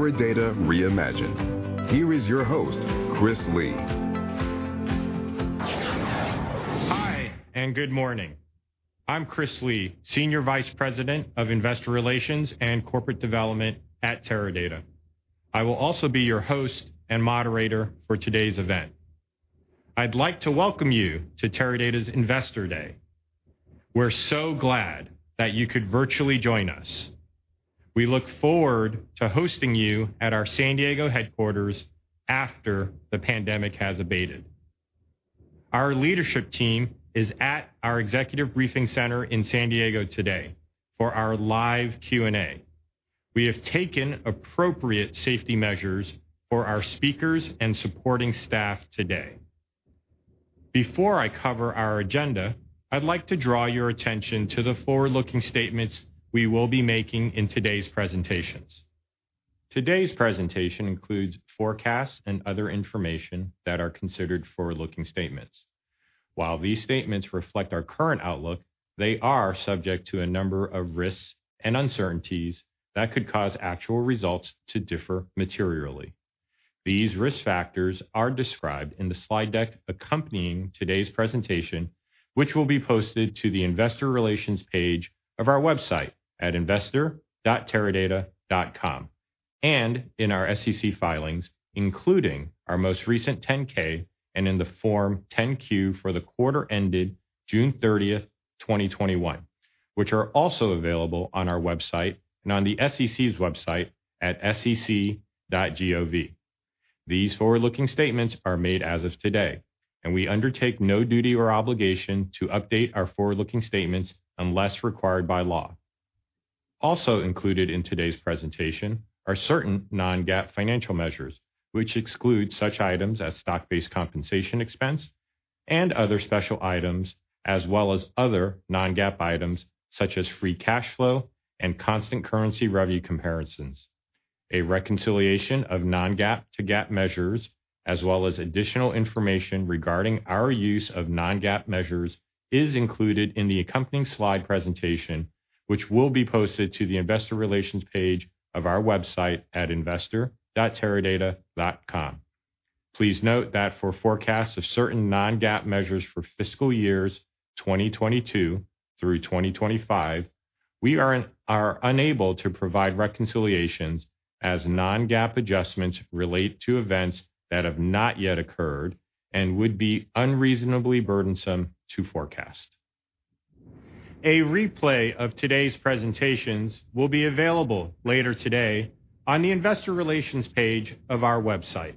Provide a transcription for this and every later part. Welcome to Investor Day, Teradata Reimagined. Here is your host, Christopher Lee. Hi, good morning. I'm Chris Lee, Senior Vice President of Investor Relations and Corporate Development at Teradata. I will also be your host and moderator for today's event. I'd like to welcome you to Teradata's Investor Day. We're so glad that you could virtually join us. We look forward to hosting you at our San Diego headquarters after the pandemic has abated. Our leadership team is at our executive briefing center in San Diego today for our live Q&A. We have taken appropriate safety measures for our speakers and supporting staff today. Before I cover our agenda, I'd like to draw your attention to the forward-looking statements we will be making in today's presentations. Today's presentation includes forecasts and other information that are considered forward-looking statements. While these statements reflect our current outlook, they are subject to a number of risks and uncertainties that could cause actual results to differ materially. These risk factors are described in the slide deck accompanying today's presentation, which will be posted to the investor relations page of our website at investor.teradata.com and in our SEC filings, including our most recent 10-K, and in the form 10-Q for the quarter ended June 30th, 2021, which are also available on our website and on the SEC's website at sec.gov. These forward-looking statements are made as of today, and we undertake no duty or obligation to update our forward-looking statements unless required by law. Also included in today's presentation are certain non-GAAP financial measures, which exclude such items as stock-based compensation expense and other special items, as well as other non-GAAP items such as free cash flow and constant currency revenue comparisons. A reconciliation of non-GAAP to GAAP measures, as well as additional information regarding our use of non-GAAP measures, is included in the accompanying slide presentation, which will be posted to the investor relations page of our website at investor.teradata.com. Please note that for forecasts of certain non-GAAP measures for fiscal years 2022 through 2025, we are unable to provide reconciliations as non-GAAP adjustments relate to events that have not yet occurred and would be unreasonably burdensome to forecast. A replay of today's presentations will be available later today on the investor relations page of our website.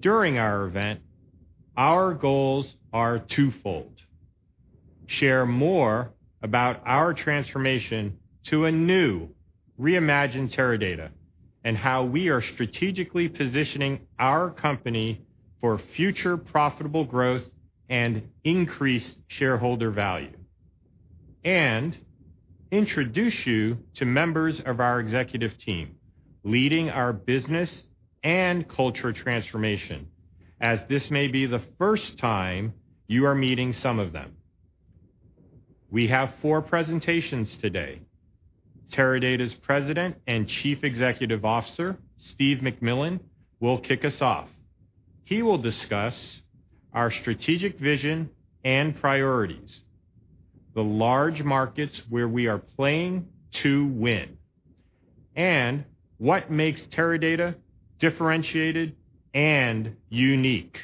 During our event, our goals are twofold: Share more about our transformation to a new reimagined Teradata, and how we are strategically positioning our company for future profitable growth and increased shareholder value, and introduce you to members of our executive team leading our business and culture transformation, as this may be the first time you are meeting some of them. We have four presentations today. Teradata's President and Chief Executive Officer, Steve McMillan, will kick us off. He will discuss our strategic vision and priorities, the large markets where we are playing to win, and what makes Teradata differentiated and unique.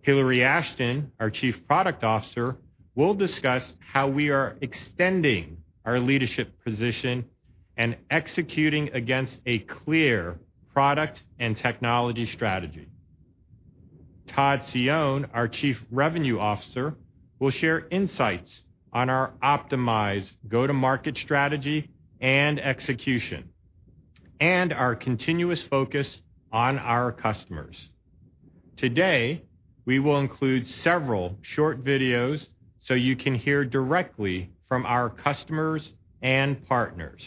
Hillary Ashton, our Chief Product Officer, will discuss how we are extending our leadership position and executing against a clear product and technology strategy. Todd Cione, our Chief Revenue Officer, will share insights on our optimized go-to-market strategy and execution and our continuous focus on our customers. Today, we will include several short videos so you can hear directly from our customers and partners.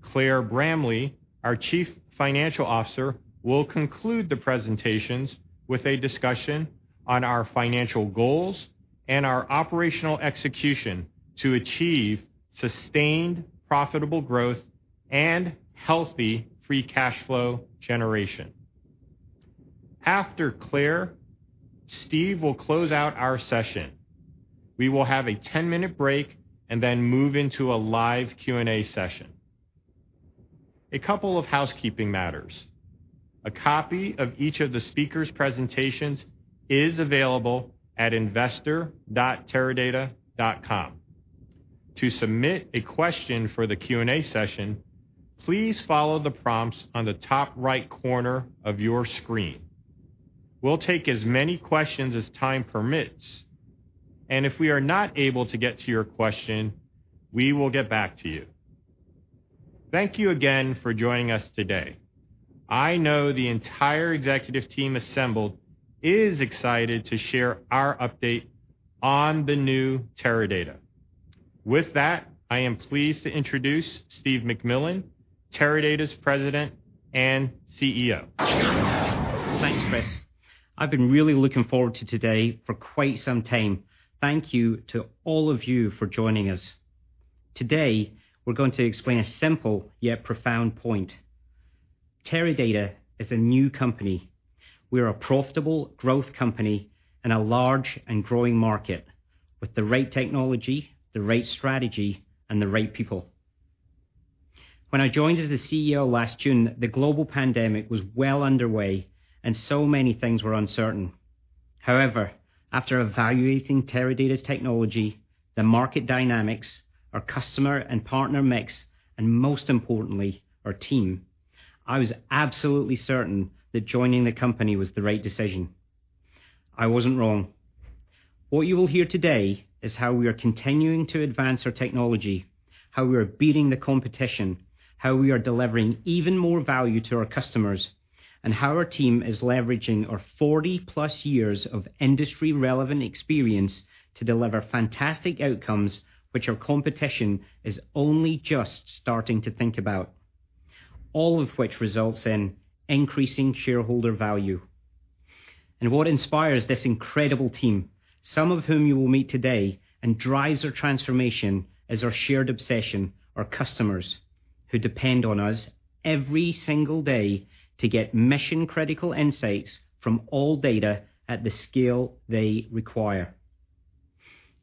Claire Bramley, our Chief Financial Officer, will conclude the presentations with a discussion on our financial goals and our operational execution to achieve sustained profitable growth and healthy free cash flow generation. After Claire, Steve will close out our session. We will have a 10-minute break and then move into a live Q&A session. A couple of housekeeping matters. A copy of each of the speakers' presentations is available at investor.teradata.com. To submit a question for the Q&A session, please follow the prompts on the top right corner of your screen. We'll take as many questions as time permits, and if we are not able to get to your question, we will get back to you. Thank you again for joining us today. I know the entire executive team assembled is excited to share our update on the new Teradata. With that, I am pleased to introduce Steve McMillan, Teradata's President and CEO. Thanks, Chris. I've been really looking forward to today for quite some time. Thank you to all of you for joining us. Today, we're going to explain a simple, yet profound point. Teradata is a new company. We're a profitable growth company in a large and growing market with the right technology, the right strategy, and the right people. When I joined as the CEO last June, the global pandemic was well underway, and so many things were uncertain. However, after evaluating Teradata's technology, the market dynamics, our customer and partner mix, and most importantly, our team, I was absolutely certain that joining the company was the right decision. I wasn't wrong. What you will hear today is how we are continuing to advance our technology, how we are beating the competition, how we are delivering even more value to our customers, and how our team is leveraging our 40+ years of industry-relevant experience to deliver fantastic outcomes, which our competition is only just starting to think about. All of which results in increasing shareholder value. What inspires this incredible team, some of whom you will meet today, and drives our transformation, is our shared obsession, our customers, who depend on us every single day to get mission-critical insights from all data at the scale they require.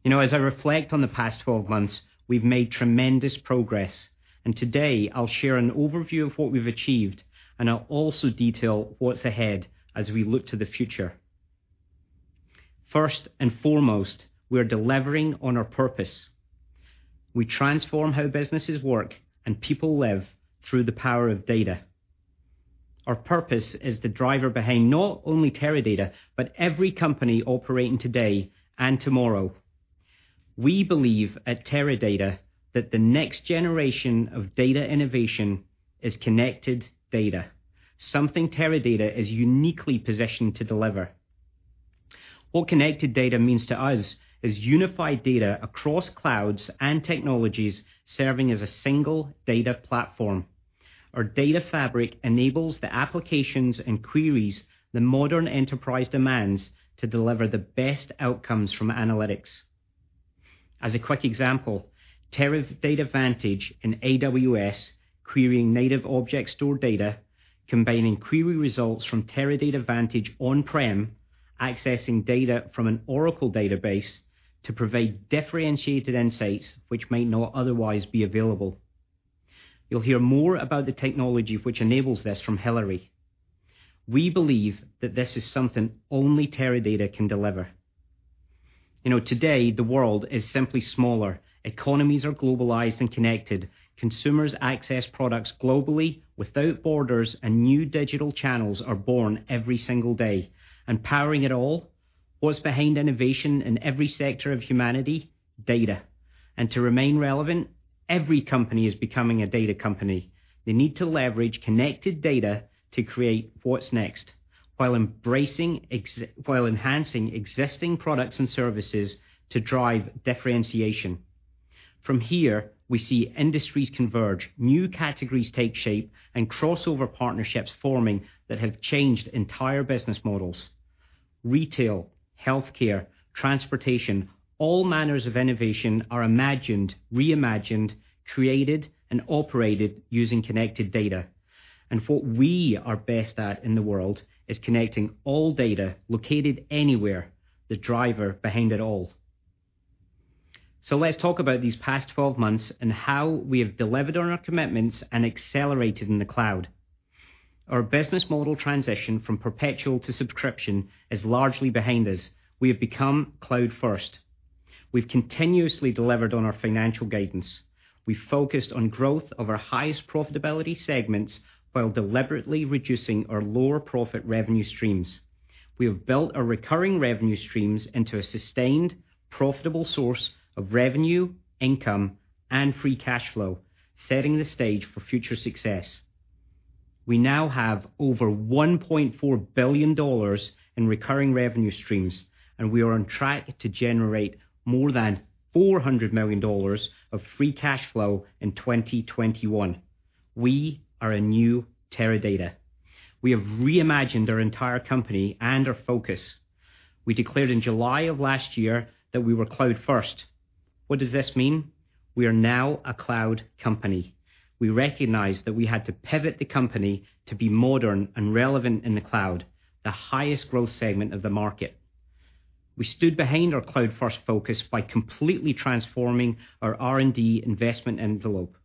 As I reflect on the past 12 months, we've made tremendous progress, and today I'll share an overview of what we've achieved, and I'll also detail what's ahead as we look to the future. First and foremost, we're delivering on our purpose. We transform how businesses work and people live through the power of data. Our purpose is the driver behind not only Teradata, but every company operating today and tomorrow. We believe at Teradata that the next generation of data innovation is connected data, something Teradata is uniquely positioned to deliver. What connected data means to us is unified data across clouds and technologies serving as a single data platform. Our data fabric enables the applications and queries the modern enterprise demands to deliver the best outcomes from analytics. As a quick example, Teradata Vantage and AWS querying native object store data, combining query results from Teradata Vantage on-prem, accessing data from an Oracle database to provide differentiated insights which might not otherwise be available. You'll hear more about the technology which enables this from Hillary. We believe that this is something only Teradata can deliver. Today, the world is simply smaller. Economies are globalized and connected. Consumers access products globally without borders, and new digital channels are born every single day. Powering it all, what's behind innovation in every sector of humanity? Data. To remain relevant, every company is becoming a data company. They need to leverage connected data to create what's next while enhancing existing products and services to drive differentiation. From here, we see industries converge, new categories take shape, and crossover partnerships forming that have changed entire business models. Retail, healthcare, transportation, all manners of innovation are imagined, reimagined, created, and operated using connected data. What we are best at in the world is connecting all data located anywhere, the driver behind it all. Let's talk about these past 12 months and how we have delivered on our commitments and accelerated in the cloud. Our business model transition from perpetual to subscription is largely behind us. We have become cloud first. We've continuously delivered on our financial guidance. We've focused on growth of our highest profitability segments while deliberately reducing our lower profit revenue streams. We have built our recurring revenue streams into a sustained, profitable source of revenue, income, and free cash flow, setting the stage for future success. We now have over $1.4 billion in recurring revenue streams, and we are on track to generate more than $400 million of free cash flow in 2021. We are a new Teradata. We have reimagined our entire company and our focus. We declared in July of last year that we were cloud first. What does this mean? We are now a cloud company. We recognized that we had to pivot the company to be modern and relevant in the cloud, the highest growth segment of the market. We stood behind our cloud-first focus by completely transforming our R&D investment envelope,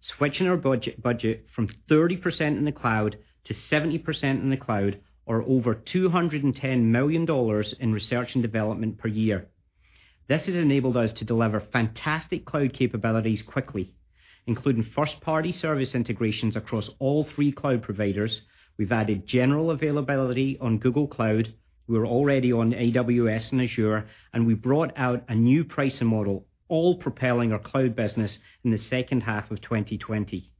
switching our budget from 30% in the cloud to 70% in the cloud, or over $210 million in research and development per year. This has enabled us to deliver fantastic cloud capabilities quickly, including first-party service integrations across all three cloud providers. We've added general availability on Google Cloud. We're already on AWS and Azure, and we brought out a new pricing model, all propelling our cloud business in the second half of 2020.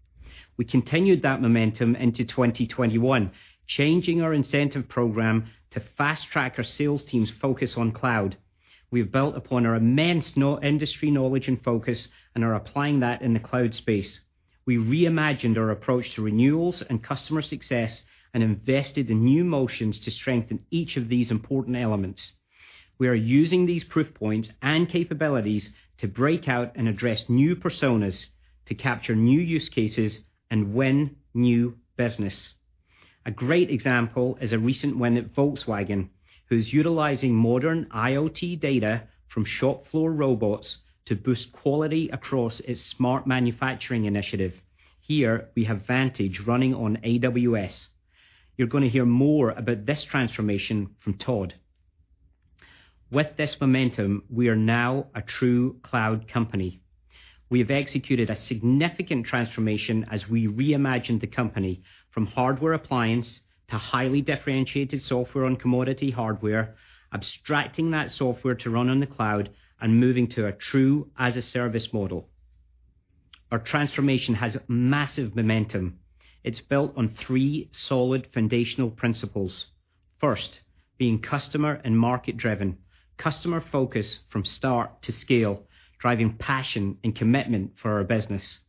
We continued that momentum into 2021, changing our incentive program to fast-track our sales team's focus on cloud. We've built upon our immense industry knowledge and focus and are applying that in the cloud space. We reimagined our approach to renewals and customer success and invested in new motions to strengthen each of these important elements. We are using these proof points and capabilities to break out and address new personas to capture new use cases and win new business. A great example is a recent win at Volkswagen, who's utilizing modern IoT data from shop floor robots to boost quality across its smart manufacturing initiative. Here, we have Vantage running on AWS. You're going to hear more about this transformation from Todd. With this momentum, we are now a true cloud company. We have executed a significant transformation as we reimagine the company from hardware appliance to highly differentiated software on commodity hardware, abstracting that software to run on the cloud, and moving to a true as-a-service model. Our transformation has massive momentum. It's built on three solid foundational principles. First, being customer and market driven. Customer focus from start to scale, driving passion and commitment for our business.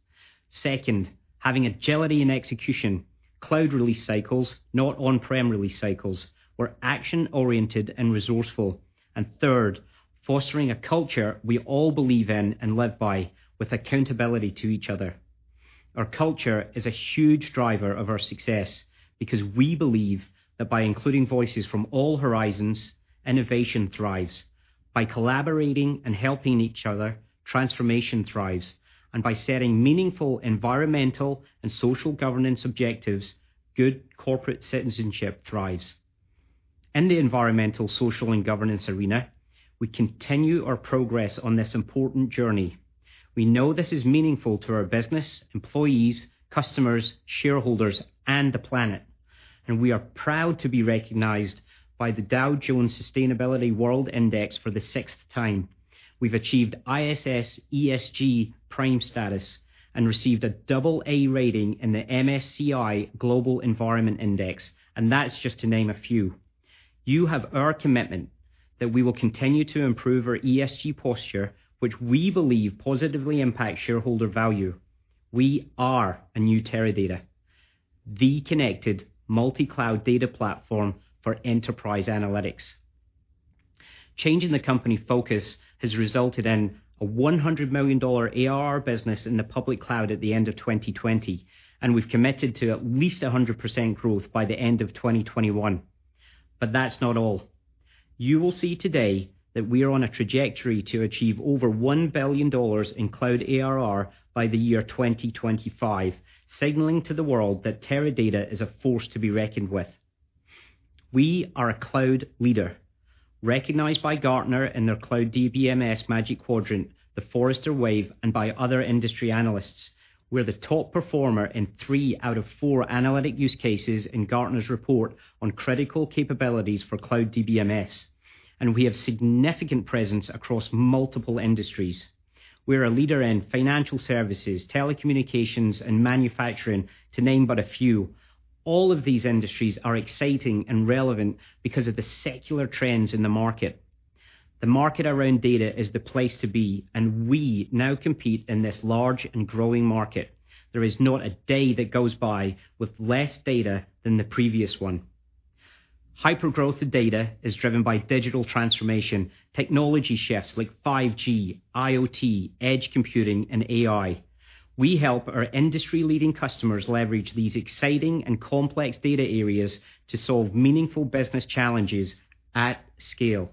Second, having agility and execution. Cloud release cycles, not on-prem release cycles. We are action-oriented and resourceful. Third, fostering a culture we all believe in and live by with accountability to each other. Our culture is a huge driver of our success because we believe that by including voices from all horizons, innovation thrives. By collaborating and helping each other, transformation thrives. By setting meaningful Environmental, Social, and Governance objectives, good corporate citizenship thrives. In the Environmental, Social, and Governance arena, we continue our progress on this important journey. We know this is meaningful to our business, employees, customers, shareholders, and the planet, and we are proud to be recognized by the Dow Jones Sustainability World Index for the sixth time. We've achieved ISS ESG Prime status and received a AA rating in the MSCI Global Environment Index. That's just to name a few. You have our commitment that we will continue to improve our ESG posture, which we believe positively impacts shareholder value. We are a new Teradata, the connected multi-cloud data platform for enterprise analytics. Changing the company focus has resulted in a $100 million ARR business in the public cloud at the end of 2020, and we've committed to at least 100% growth by the end of 2021. That's not all. You will see today that we are on a trajectory to achieve over $1 billion in cloud ARR by the year 2025, signaling to the world that Teradata is a force to be reckoned with. We are a cloud leader, recognized by Gartner in their cloud DBMS Magic Quadrant, the Forrester Wave, and by other industry analysts. We're the top performer in three out of four analytic use cases in Gartner's report on critical capabilities for cloud DBMS, and we have significant presence across multiple industries. We're a leader in financial services, telecommunications, and manufacturing to name but a few. All of these industries are exciting and relevant because of the secular trends in the market. The market around data is the place to be, and we now compete in this large and growing market. There is not a day that goes by with less data than the previous one. Hypergrowth of data is driven by digital transformation, technology shifts like 5G, IoT, edge computing, and AI. We help our industry-leading customers leverage these exciting and complex data areas to solve meaningful business challenges at scale.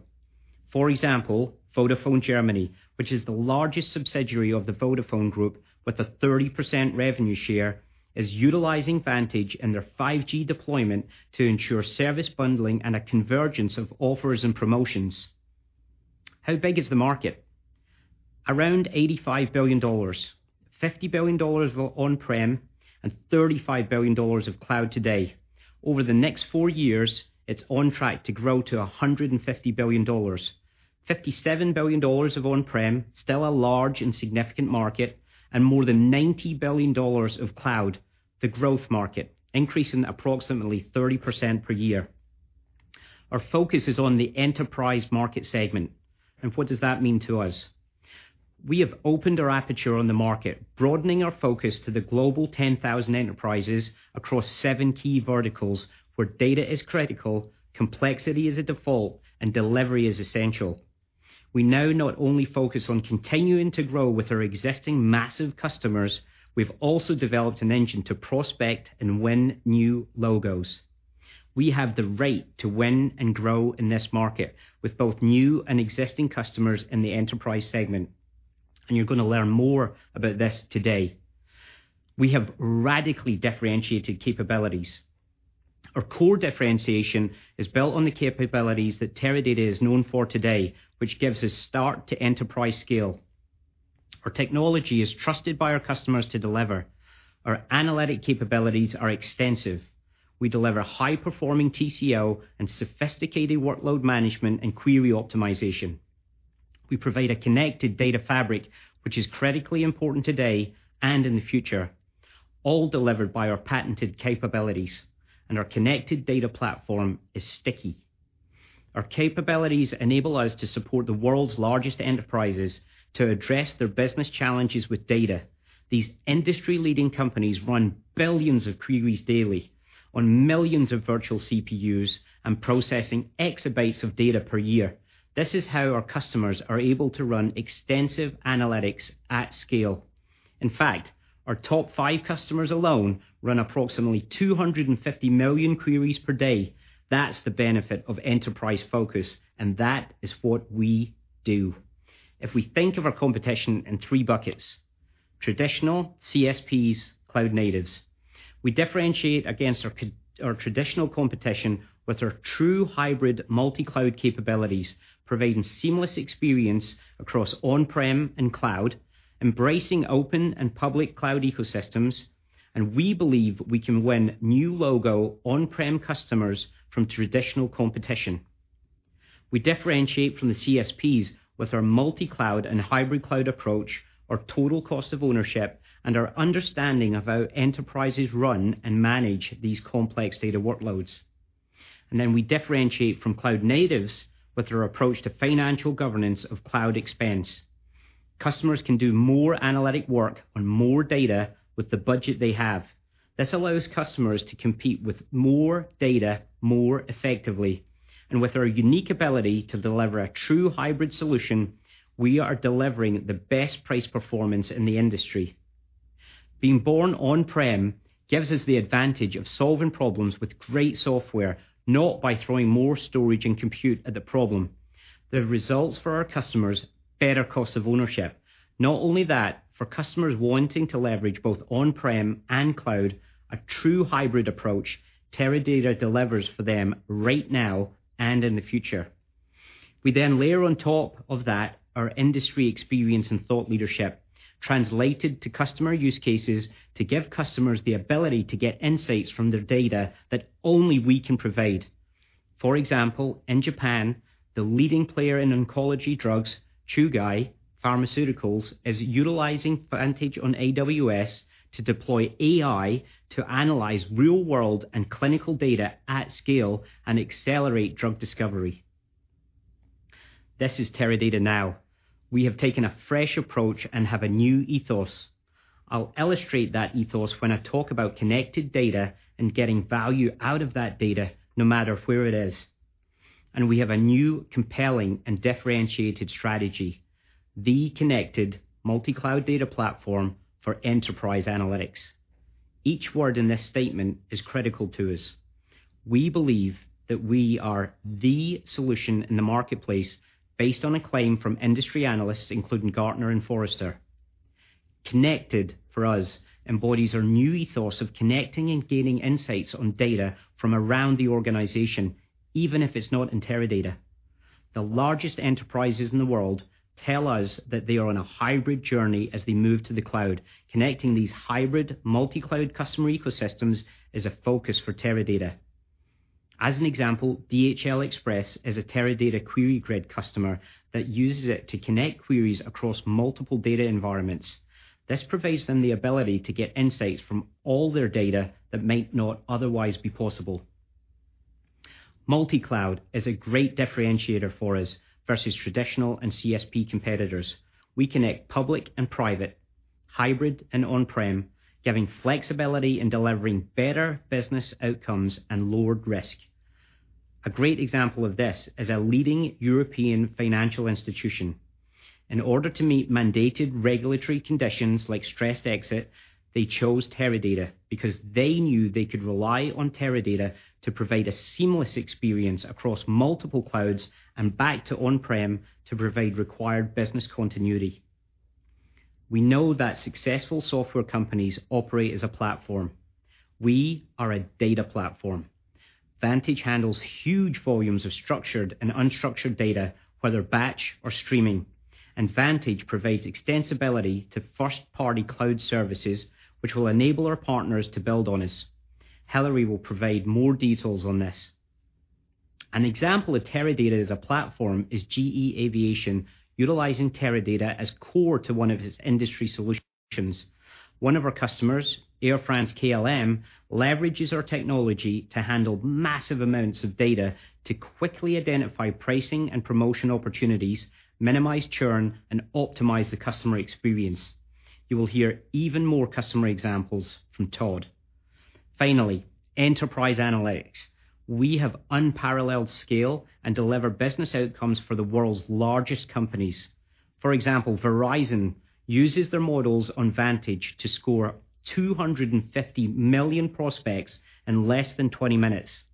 For example, Vodafone Germany, which is the largest subsidiary of the Vodafone Group with a 30% revenue share, is utilizing Vantage in their 5G deployment to ensure service bundling and a convergence of offers and promotions. How big is the market? Around $85 billion. $50 billion of on-prem, and $35 billion of cloud today. Over the next four years, it's on track to grow to $150 billion. $57 billion of on-prem, still a large and significant market, and more than $90 billion of cloud, the growth market, increasing approximately 30% per year. Our focus is on the enterprise market segment, and what does that mean to us? We have opened our aperture on the market, broadening our focus to the Global 10,000 enterprises across seven key verticals where data is critical, complexity is a default, and delivery is essential. We now not only focus on continuing to grow with our existing massive customers, we've also developed an engine to prospect and win new logos. We have the right to win and grow in this market with both new and existing customers in the enterprise segment, you're going to learn more about this today. We have radically differentiated capabilities. Our core differentiation is built on the capabilities that Teradata is known for today, which gives us start to enterprise scale. Our technology is trusted by our customers to deliver. Our analytic capabilities are extensive. We deliver high-performing TCO and sophisticated workload management and query optimization. We provide a connected data fabric, which is critically important today and in the future, all delivered by our patented capabilities. Our connected data platform is sticky. Our capabilities enable us to support the world's largest enterprises to address their business challenges with data. These industry-leading companies run billions of queries daily on millions of virtual CPUs and processing exabytes of data per year. This is how our customers are able to run extensive analytics at scale. In fact, our top five customers alone run approximately 250 million queries per day. That's the benefit of enterprise focus, and that is what we do. If we think of our competition in three buckets, traditional, CSPs, cloud natives, we differentiate against our traditional competition with our true hybrid multi-cloud capabilities, providing seamless experience across on-prem and cloud, embracing open and public cloud ecosystems. We believe we can win new logo on-prem customers from traditional competition. We differentiate from the CSPs with our multi-cloud and hybrid cloud approach, our total cost of ownership, and our understanding of how enterprises run and manage these complex data workloads. We differentiate from cloud natives with our approach to financial governance of cloud expense. Customers can do more analytic work on more data with the budget they have. This allows customers to compete with more data, more effectively. With our unique ability to deliver a true hybrid solution, we are delivering the best price performance in the industry. Being born on-prem gives us the advantage of solving problems with great software, not by throwing more storage and compute at the problem. The results for our customers, better cost of ownership. Not only that, for customers wanting to leverage both on-prem and cloud, a true hybrid approach Teradata delivers for them right now and in the future. We then layer on top of that our industry experience and thought leadership, translated to customer use cases to give customers the ability to get insights from their data that only we can provide. For example, in Japan, the leading player in oncology drugs, Chugai Pharmaceutical, is utilizing Vantage on AWS to deploy AI to analyze real-world and clinical data at scale and accelerate drug discovery. This is Teradata now. We have taken a fresh approach and have a new ethos. I'll illustrate that ethos when I talk about connected data and getting value out of that data no matter where it is. We have a new compelling and differentiated strategy, the connected multi-cloud data platform for enterprise analytics. Each word in this statement is critical to us. We believe that we are the solution in the marketplace based on a claim from industry analysts, including Gartner and Forrester. Connected, for us, embodies our new ethos of connecting and gaining insights on data from around the organization, even if it's not in Teradata. The largest enterprises in the world tell us that they are on a hybrid journey as they move to the cloud. Connecting these hybrid multi-cloud customer ecosystems is a focus for Teradata. As an example, DHL Express is a Teradata QueryGrid customer that uses it to connect queries across multiple data environments. This provides them the ability to get insights from all their data that might not otherwise be possible. Multi-cloud is a great differentiator for us versus traditional and CSP competitors. We connect public and private, hybrid and on-prem, giving flexibility in delivering better business outcomes and lowered risk. A great example of this is a leading European financial institution. In order to meet mandated regulatory conditions like stressed exit, they chose Teradata because they knew they could rely on Teradata to provide a seamless experience across multiple clouds and back to on-prem to provide required business continuity. We know that successful software companies operate as a platform. We are a data platform. Vantage handles huge volumes of structured and unstructured data, whether batch or streaming. Vantage provides extensibility to first-party cloud services, which will enable our partners to build on us. Hillary will provide more details on this. An example of Teradata as a platform is GE Aviation utilizing Teradata as core to one of its industry solutions. One of our customers, Air France-KLM, leverages our technology to handle massive amounts of data to quickly identify pricing and promotion opportunities, minimize churn, and optimize the customer experience. You will hear even more customer examples from Todd. Finally, enterprise analytics. We have unparalleled scale and deliver business outcomes for the world's largest companies. For example, Verizon uses their models on Vantage to score 250 million prospects in less than 20 minutes.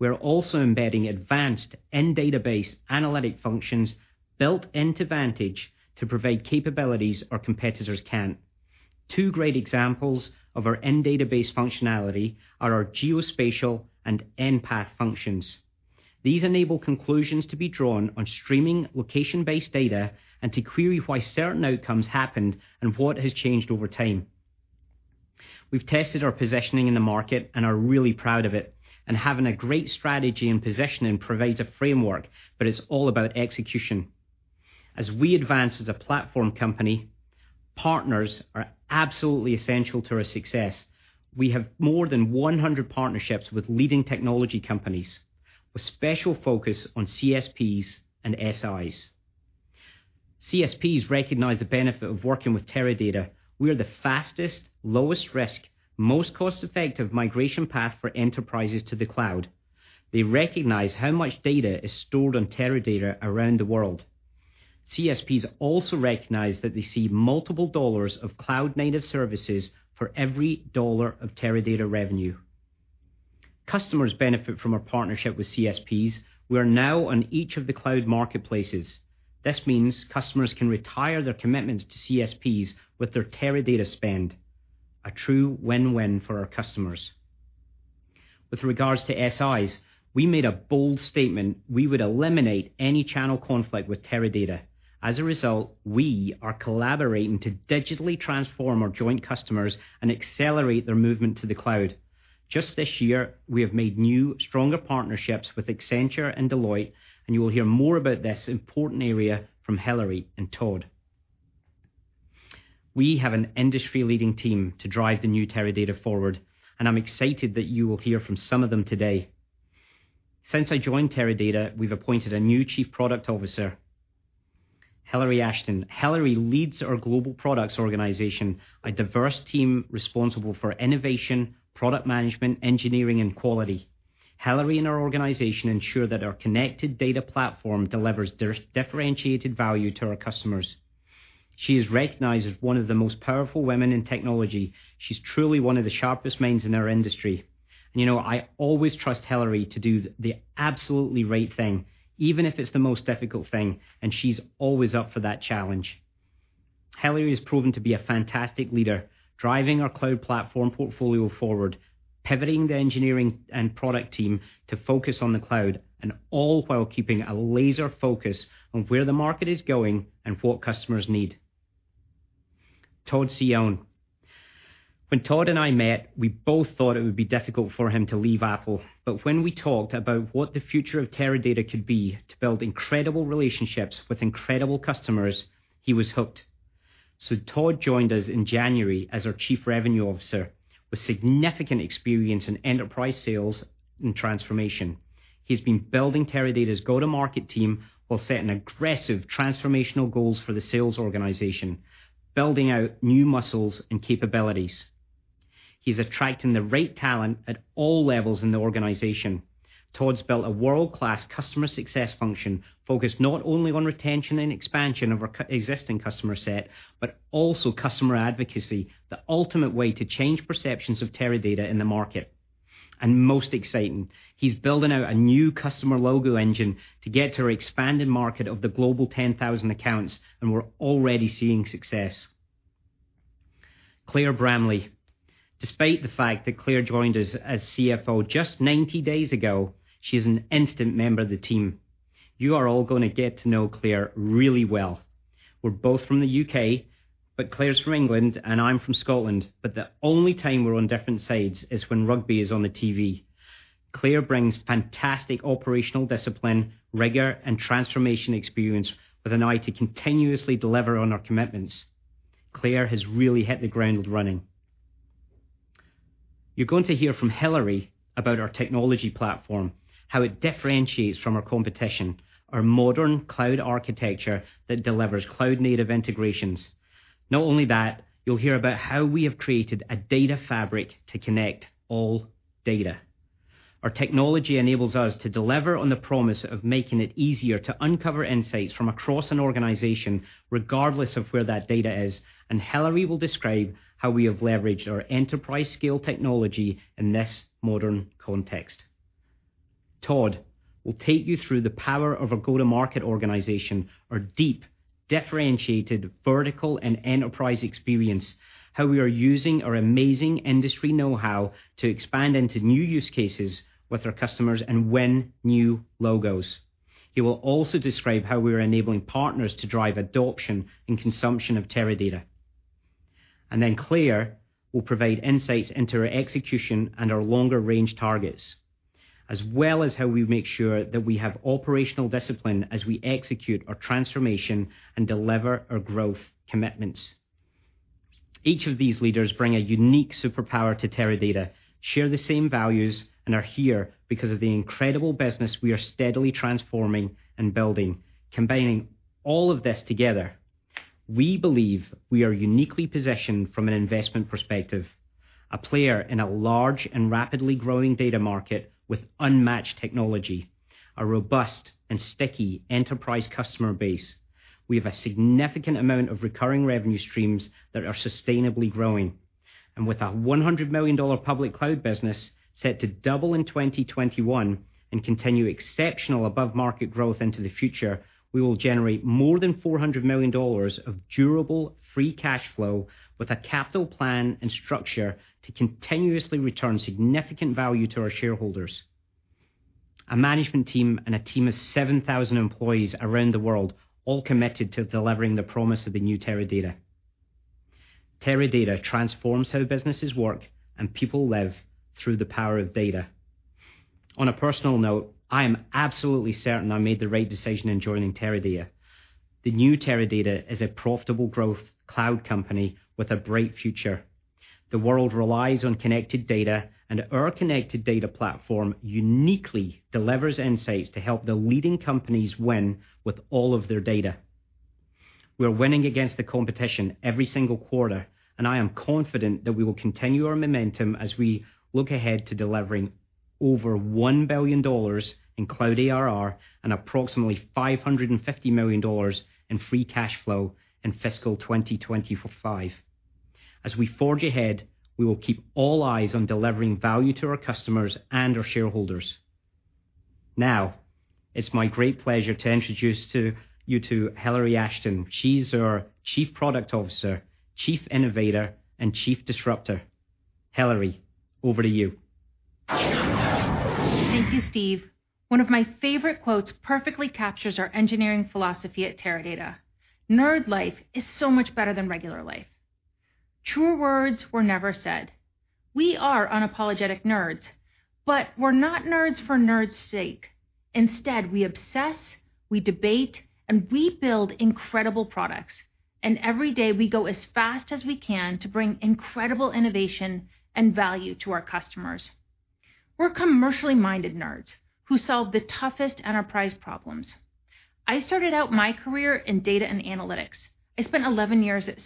We're also embedding advanced in-database analytic functions built into Vantage to provide capabilities our competitors can't. Two great examples of our in-database functionality are our geospatial and nPath functions. These enable conclusions to be drawn on streaming location-based data, and to query why certain outcomes happened and what has changed over time. We've tested our positioning in the market and are really proud of it, and having a great strategy and positioning provides a framework, but it's all about execution. As we advance as a platform company, partners are absolutely essential to our success. We have more than 100 partnerships with leading technology companies, with special focus on CSPs and SIs. CSPs recognize the benefit of working with Teradata. We are the fastest, lowest risk, most cost-effective migration path for enterprises to the cloud. They recognize how much data is stored on Teradata around the world. CSPs also recognize that they see multiple dollars of cloud-native services for every dollar of Teradata revenue. Customers benefit from our partnership with CSPs. We are now on each of the cloud marketplaces. This means customers can retire their commitments to CSPs with their Teradata spend. A true win-win for our customers. With regards to SIs, we made a bold statement we would eliminate any channel conflict with Teradata. As a result, we are collaborating to digitally transform our joint customers and accelerate their movement to the cloud. Just this year, we have made new, stronger partnerships with Accenture and Deloitte. You will hear more about this important area from Hillary and Todd. We have an industry-leading team to drive the new Teradata forward. I'm excited that you will hear from some of them today. Since I joined Teradata, we've appointed a new Chief Product Officer, Hillary Ashton. Hillary leads our Global Products Organization, a diverse team responsible for innovation, product management, engineering, and quality. Hillary and her organization ensure that our connected data platform delivers differentiated value to our customers. She is recognized as one of the most powerful women in technology. She's truly one of the sharpest minds in our industry. I always trust Hillary to do the absolutely right thing, even if it's the most difficult thing, and she's always up for that challenge. Hillary has proven to be a fantastic leader, driving our cloud platform portfolio forward, pivoting the engineering and product team to focus on the cloud, and all while keeping a laser focus on where the market is going and what customers need. Todd Cione. When Todd and I met, we both thought it would be difficult for him to leave Apple. When we talked about what the future of Teradata could be to build incredible relationships with incredible customers, he was hooked. Todd joined us in January as our Chief Revenue Officer with significant experience in enterprise sales and transformation. He's been building Teradata's go-to-market team while setting aggressive transformational goals for the sales organization, building out new muscles and capabilities. He's attracting the right talent at all levels in the organization. Todd's built a world-class customer success function focused not only on retention and expansion of our existing customer set, but also customer advocacy, the ultimate way to change perceptions of Teradata in the market. Most exciting, he's building out a new customer logo engine to get to our expanded market of the Global 10,000 accounts, and we're already seeing success. Claire Bramley. Despite the fact that Claire joined us as CFO just 90 days ago, she's an instant member of the team. You are all going to get to know Claire really well. We're both from the U.K., but Claire's from England, and I'm from Scotland. The only time we're on different sides is when rugby is on the TV. Claire brings fantastic operational discipline, rigor, and transformation experience with an eye to continuously deliver on our commitments. Claire has really hit the ground running. You're going to hear from Hillary about our technology platform, how it differentiates from our competition, our modern cloud architecture that delivers cloud-native integrations. Not only that, you'll hear about how we have created a data fabric to connect all data. Our technology enables us to deliver on the promise of making it easier to uncover insights from across an organization, regardless of where that data is, and Hillary will describe how we have leveraged our enterprise-scale technology in this modern context. Todd will take you through the power of our go-to-market organization, our deep, differentiated vertical, and enterprise experience, how we are using our amazing industry know-how to expand into new use cases with our customers and win new logos. He will also describe how we are enabling partners to drive adoption and consumption of Teradata. Claire will provide insights into our execution and our longer range targets, as well as how we make sure that we have operational discipline as we execute our transformation and deliver our growth commitments. Each of these leaders bring a unique superpower to Teradata, share the same values, and are here because of the incredible business we are steadily transforming and building. Combining all of this together, we believe we are uniquely positioned from an investment perspective. A player in a large and rapidly growing data market with unmatched technology, a robust and sticky enterprise customer base. We have a significant amount of recurring revenue streams that are sustainably growing. With a $100 million public cloud business set to double in 2021 and continue exceptional above-market growth into the future, we will generate more than $400 million of durable free cash flow with a capital plan and structure to continuously return significant value to our shareholders. A management team and a team of 7,000 employees around the world all committed to delivering the promise of the new Teradata. Teradata transforms how businesses work and people live through the power of data. On a personal note, I am absolutely certain I made the right decision in joining Teradata. The new Teradata is a profitable growth cloud company with a bright future. The world relies on connected data, and our connected data platform uniquely delivers insights to help the leading companies win with all of their data. We're winning against the competition every single quarter, and I am confident that we will continue our momentum as we look ahead to delivering over $1 billion in cloud ARR and approximately $550 million in free cash flow in fiscal 2025. As we forge ahead, we will keep all eyes on delivering value to our customers and our shareholders. Now, it's my great pleasure to introduce you to Hillary Ashton. She's our Chief Product Officer, Chief Innovator, and Chief Disruptor. Hillary, over to you. Thank you, Steve. One of my favorite quotes perfectly captures our engineering philosophy at Teradata. "Nerd life is so much better than regular life." Truer words were never said. We're not nerds for nerds' sake. Instead, we obsess, we debate, and we build incredible products. Every day we go as fast as we can to bring incredible innovation and value to our customers. We're commercially minded nerds who solve the toughest enterprise problems. I started out my career in data and analytics. I spent 11 years at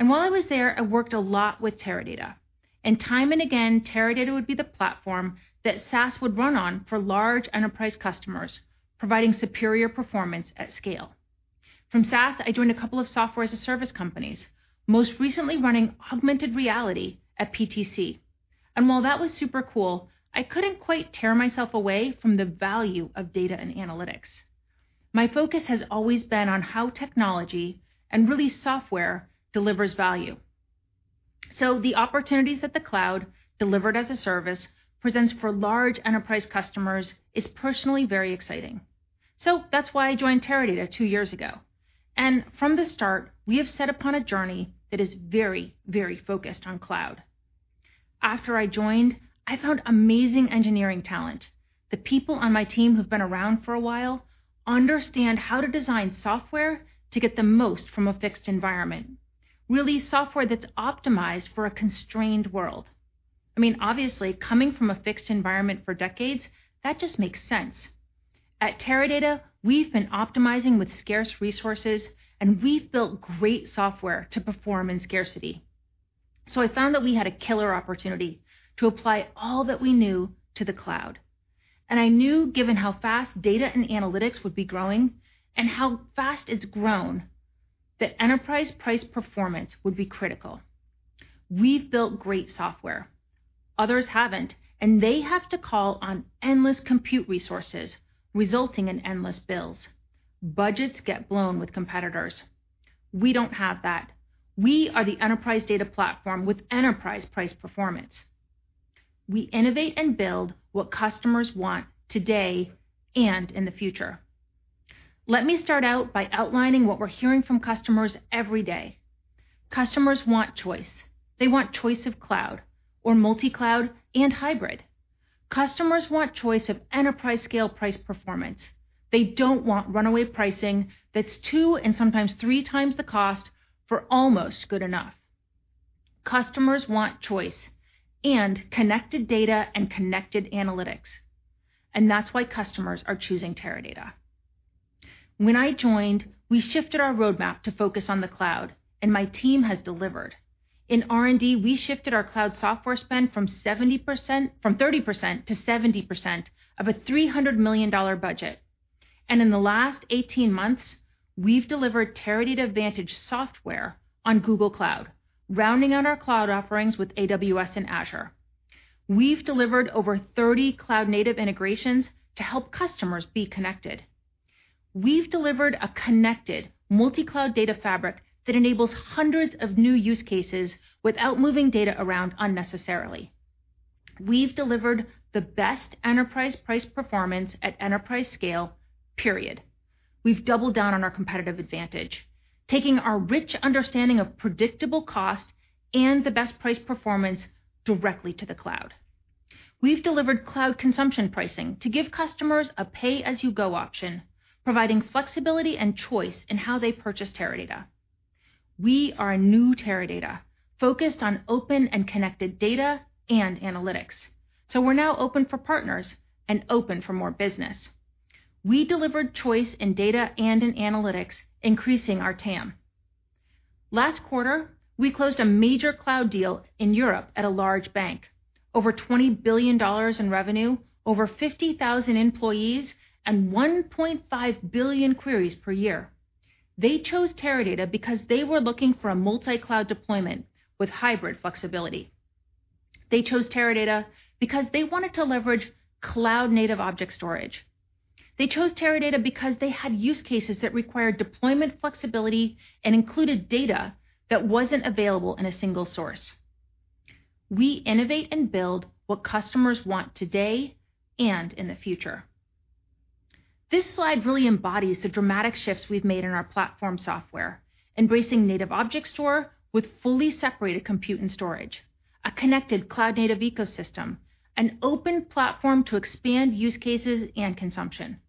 SAS. While I was there, I worked a lot with Teradata. Time and again, Teradata would be the platform that SAS would run on for large enterprise customers, providing superior performance at scale. From SAS, I joined a couple of software as a service companies, most recently running augmented reality at PTC. While that was super cool, I couldn't quite tear myself away from the value of data and analytics. My focus has always been on how technology, and really software, delivers value. The opportunities that the cloud delivered as a service presents for large enterprise customers is personally very exciting. That's why I joined Teradata two years ago. From the start, we have set upon a journey that is very focused on cloud. After I joined, I found amazing engineering talent. The people on my team who've been around for a while understand how to design software to get the most from a fixed environment. Really software that's optimized for a constrained world. Obviously coming from a fixed environment for decades, that just makes sense. At Teradata, we've been optimizing with scarce resources, and we've built great software to perform in scarcity. I found that we had a killer opportunity to apply all that we knew to the cloud. I knew given how fast data and analytics would be growing and how fast it's grown, that enterprise price performance would be critical. We've built great software. Others haven't, and they have to call on endless compute resources, resulting in endless bills. Budgets get blown with competitors. We don't have that. We are the enterprise data platform with enterprise price performance. We innovate and build what customers want today and in the future. Let me start out by outlining what we're hearing from customers every day. Customers want choice. They want choice of cloud or multi-cloud and hybrid. Customers want choice of enterprise scale price performance. They don't want runaway pricing that's two and sometimes three times the cost for almost good enough. Customers want choice and connected data and connected analytics. That's why customers are choosing Teradata. When I joined, we shifted our roadmap to focus on the cloud, and my team has delivered. In R&D, we shifted our cloud software spend from 30%-70% of a $300 million budget. In the last 18 months, we've delivered Teradata Vantage software on Google Cloud, rounding out our cloud offerings with AWS and Azure. We've delivered over 30 cloud-native integrations to help customers be connected. We've delivered a connected multi-cloud data fabric that enables hundreds of new use cases without moving data around unnecessarily. We've delivered the best enterprise price performance at enterprise scale, period. We've doubled down on our competitive advantage, taking our rich understanding of predictable cost and the best price performance directly to the cloud. We've delivered cloud consumption pricing to give customers a pay-as-you-go option, providing flexibility and choice in how they purchase Teradata. We are a new Teradata focused on open and connected data and analytics. We're now open for partners and open for more business. We delivered choice in data and in analytics, increasing our TAM. Last quarter, we closed a major cloud deal in Europe at a large bank, over $20 billion in revenue, over 50,000 employees, and 1.5 billion queries per year. They chose Teradata because they were looking for a multi-cloud deployment with hybrid flexibility. They chose Teradata because they wanted to leverage cloud-native object storage. They chose Teradata because they had use cases that required deployment flexibility and included data that wasn't available in a single source. We innovate and build what customers want today and in the future. This slide really embodies the dramatic shifts we've made in our platform software. Embracing native object store with fully separated compute and storage, a connected cloud-native ecosystem, an open platform to expand use cases and consumption.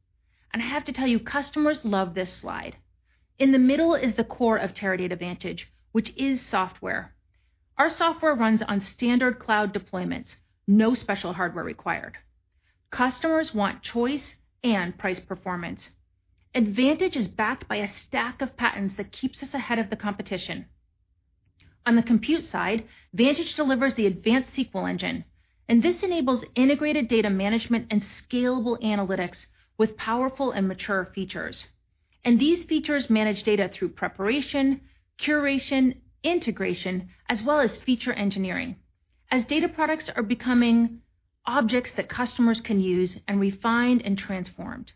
I have to tell you, customers love this slide. In the middle is the core of Teradata Vantage, which is software. Our software runs on standard cloud deployments, no special hardware required. Customers want choice and price performance. Vantage is backed by a stack of patents that keeps us ahead of the competition. On the compute side, Vantage delivers the advanced SQL engine, and this enables integrated data management and scalable analytics with powerful and mature features. These features manage data through preparation, curation, integration, as well as feature engineering, as data products are becoming objects that customers can use and refined and transformed.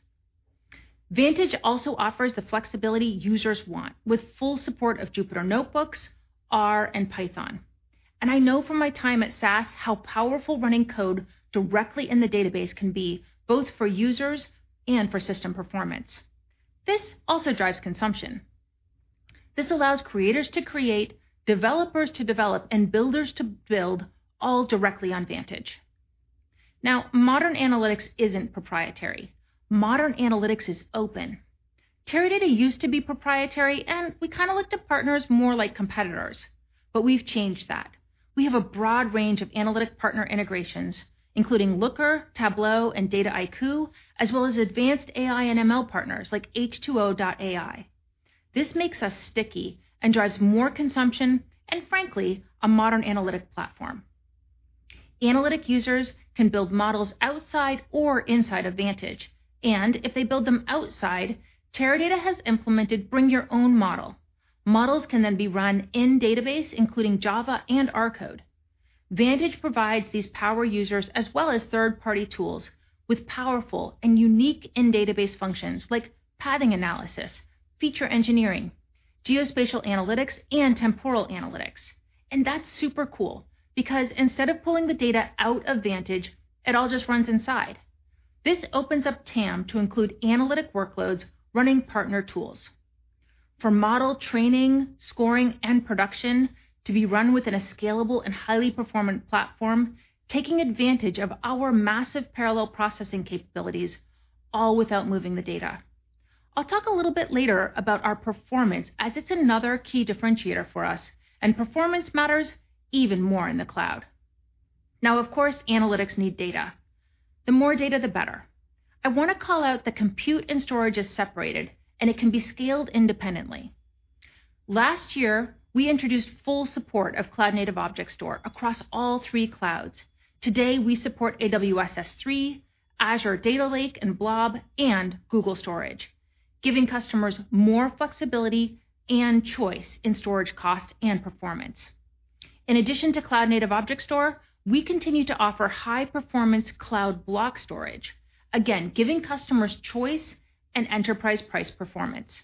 Vantage also offers the flexibility users want with full support of [Jupyter Notebooks, R, and Python]. I know from my time at SAS how powerful running code directly in the database can be, both for users and for system performance. This also drives consumption. This allows creators to create, developers to develop, and builders to build, all directly on Vantage. Modern analytics isn't proprietary. Modern analytics is open. Teradata used to be proprietary, and we kind of looked at partners more like competitors, but we've changed that. We have a broad range of analytic partner integrations, including Looker, Tableau, and Dataiku, as well as advanced AI and ML partners like H2O.ai. This makes us sticky and drives more consumption, and frankly, a modern analytic platform. Analytic users can build models outside or inside of Vantage. If they build them outside, Teradata has implemented Bring Your Own Model. Models can then be run in database, including Java and R code. Vantage provides these power users as well as third-party tools with powerful and unique in-database functions like pathing analysis, feature engineering, geospatial analytics, and temporal analytics. That's super cool because instead of pulling the data out of Vantage, it all just runs inside. This opens up TAM to include analytic workloads running partner tools. For model training, scoring, and production to be run within a scalable and highly performant platform, taking advantage of our massive parallel processing capabilities, all without moving the data. I'll talk a little bit later about our performance, as it's another key differentiator for us, and performance matters even more in the cloud. Of course, analytics need data. The more data, the better. I want to call out that compute and storage is separated, and it can be scaled independently. Last year, we introduced full support of cloud-native object store across all three clouds. Today, we support AWS S3, Azure Data Lake and Blob, and Google Storage, giving customers more flexibility and choice in storage cost and performance. In addition to cloud-native object store, we continue to offer high performance cloud block storage, again, giving customers choice and enterprise price performance.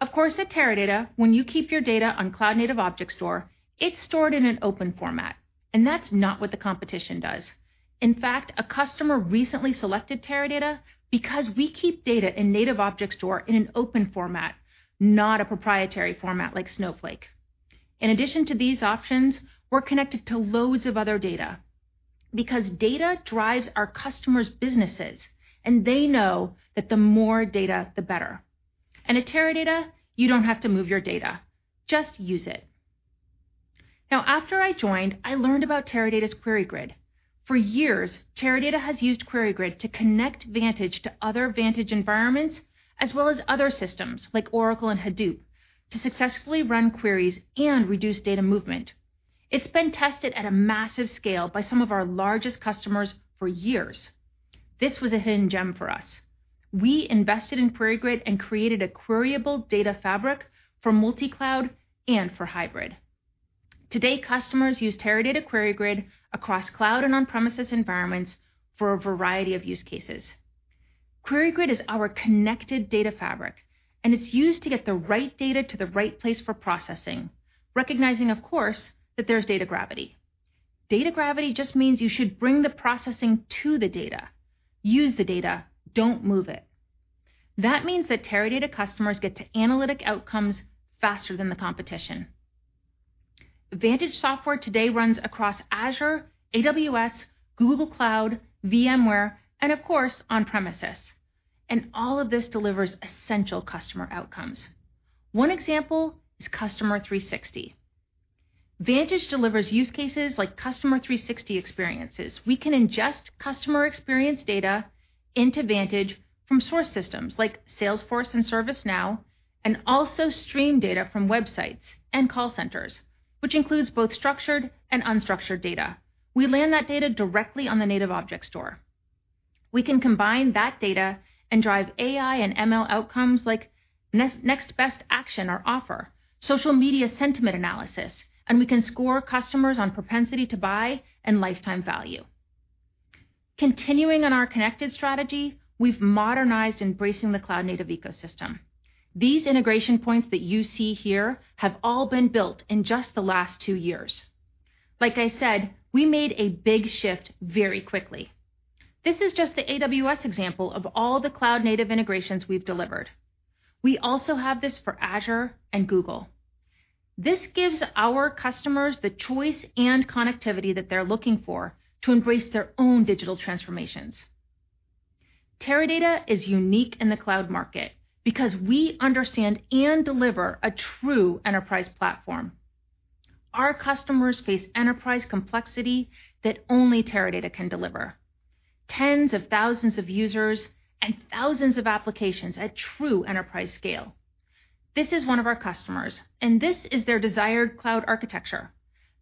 Of course, at Teradata, when you keep your data on cloud-native object store, it's stored in an open format. That's not what the competition does. In fact, a customer recently selected Teradata because we keep data in native object store in an open format, not a proprietary format like Snowflake. In addition to these options, we're connected to loads of other data because data drives our customers' businesses, and they know that the more data, the better. At Teradata, you don't have to move your data, just use it. Now, after I joined, I learned about Teradata's QueryGrid. For years, Teradata has used QueryGrid to connect Vantage to other Vantage environments, as well as other systems like Oracle and Hadoop to successfully run queries and reduce data movement. It's been tested at a massive scale by some of our largest customers for years. This was a hidden gem for us. We invested in QueryGrid and created a queryable data fabric for multi-cloud and for hybrid. Today, customers use Teradata QueryGrid across cloud and on-premises environments for a variety of use cases. QueryGrid is our connected data fabric, and it's used to get the right data to the right place for processing, recognizing, of course, that there's data gravity. Data gravity just means you should bring the processing to the data. Use the data, don't move it. That means that Teradata customers get to analytic outcomes faster than the competition. Vantage software today runs across Azure, AWS, Google Cloud, VMware, and of course, on-premises. All of this delivers essential customer outcomes. One example is Customer 360. Vantage delivers use cases like Customer 360 experiences. We can ingest customer experience data into Vantage from source systems like Salesforce and ServiceNow, and also stream data from websites and call centers, which includes both structured and unstructured data. We land that data directly on the native object store. We can combine that data and drive AI and ML outcomes like next best action or offer, social media sentiment analysis, and we can score customers on propensity to buy and lifetime value. Continuing on our connected strategy, we've modernized embracing the cloud-native ecosystem. These integration points that you see here have all been built in just the last two years. Like I said, we made a big shift very quickly. This is just the AWS example of all the cloud-native integrations we've delivered. We also have this for Azure and Google. This gives our customers the choice and connectivity that they're looking for to embrace their own digital transformations. Teradata is unique in the cloud market because we understand and deliver a true enterprise platform. Our customers face enterprise complexity that only Teradata can deliver. Tens of thousands of users and thousands of applications at true enterprise scale. This is one of our customers, and this is their desired cloud architecture.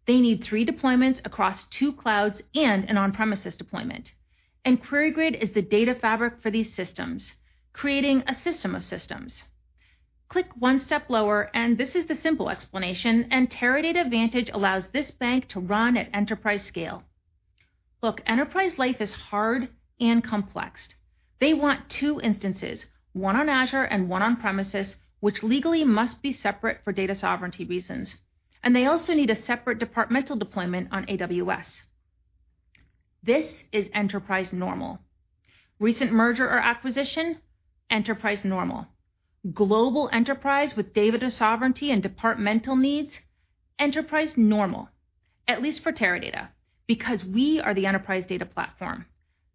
They need three deployments across two clouds and an on-premises deployment. QueryGrid is the data fabric for these systems, creating a system of systems. Click one step lower, and this is the simple explanation, and Teradata Vantage allows this bank to run at enterprise scale. Look, enterprise life is hard and complex. They want two instances, one on Azure and one on-premises, which legally must be separate for data sovereignty reasons, and they also need a separate departmental deployment on AWS. This is enterprise normal. Recent merger or acquisition? Enterprise normal. Global enterprise with data sovereignty and departmental needs? Enterprise normal, at least for Teradata, because we are the enterprise data platform.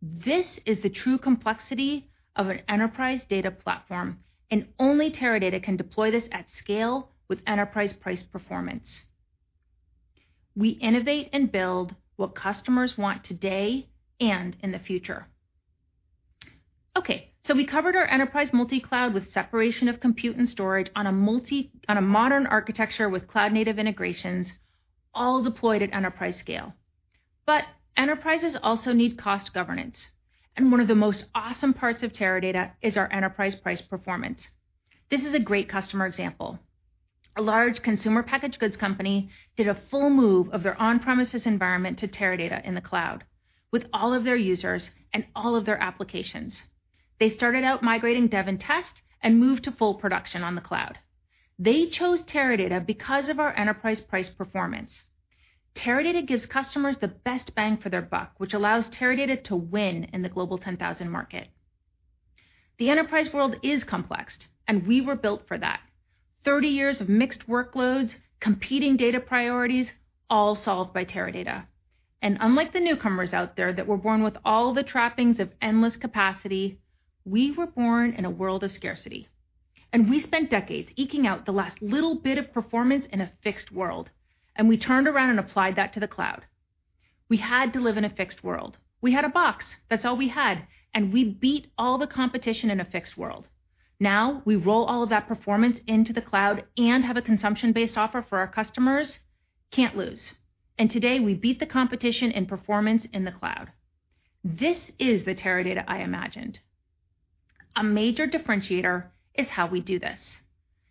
This is the true complexity of an enterprise data platform, and only Teradata can deploy this at scale with enterprise price performance. We innovate and build what customers want today and in the future. We covered our enterprise multi-cloud with separation of compute and storage on a modern architecture with cloud-native integrations, all deployed at enterprise scale. Enterprises also need cost governance, and one of the most awesome parts of Teradata is our enterprise price performance. This is a great customer example. A large consumer packaged goods company did a full move of their on-premises environment to Teradata in the cloud with all of their users and all of their applications. They started out migrating dev and test and moved to full production on the cloud. They chose Teradata because of our enterprise price performance. Teradata gives customers the best bang for their buck, which allows Teradata to win in the Global 10,000 market. The enterprise world is complex, and we were built for that. 30 years of mixed workloads, competing data priorities, all solved by Teradata. Unlike the newcomers out there that were born with all the trappings of endless capacity, we were born in a world of scarcity, and we spent decades eking out the last little bit of performance in a fixed world, and we turned around and applied that to the cloud. We had to live in a fixed world. We had a box. That's all we had, and we beat all the competition in a fixed world. Now we roll all of that performance into the cloud and have a consumption-based offer for our customers. Can't lose. Today, we beat the competition in performance in the cloud. This is the Teradata I imagined. A major differentiator is how we do this.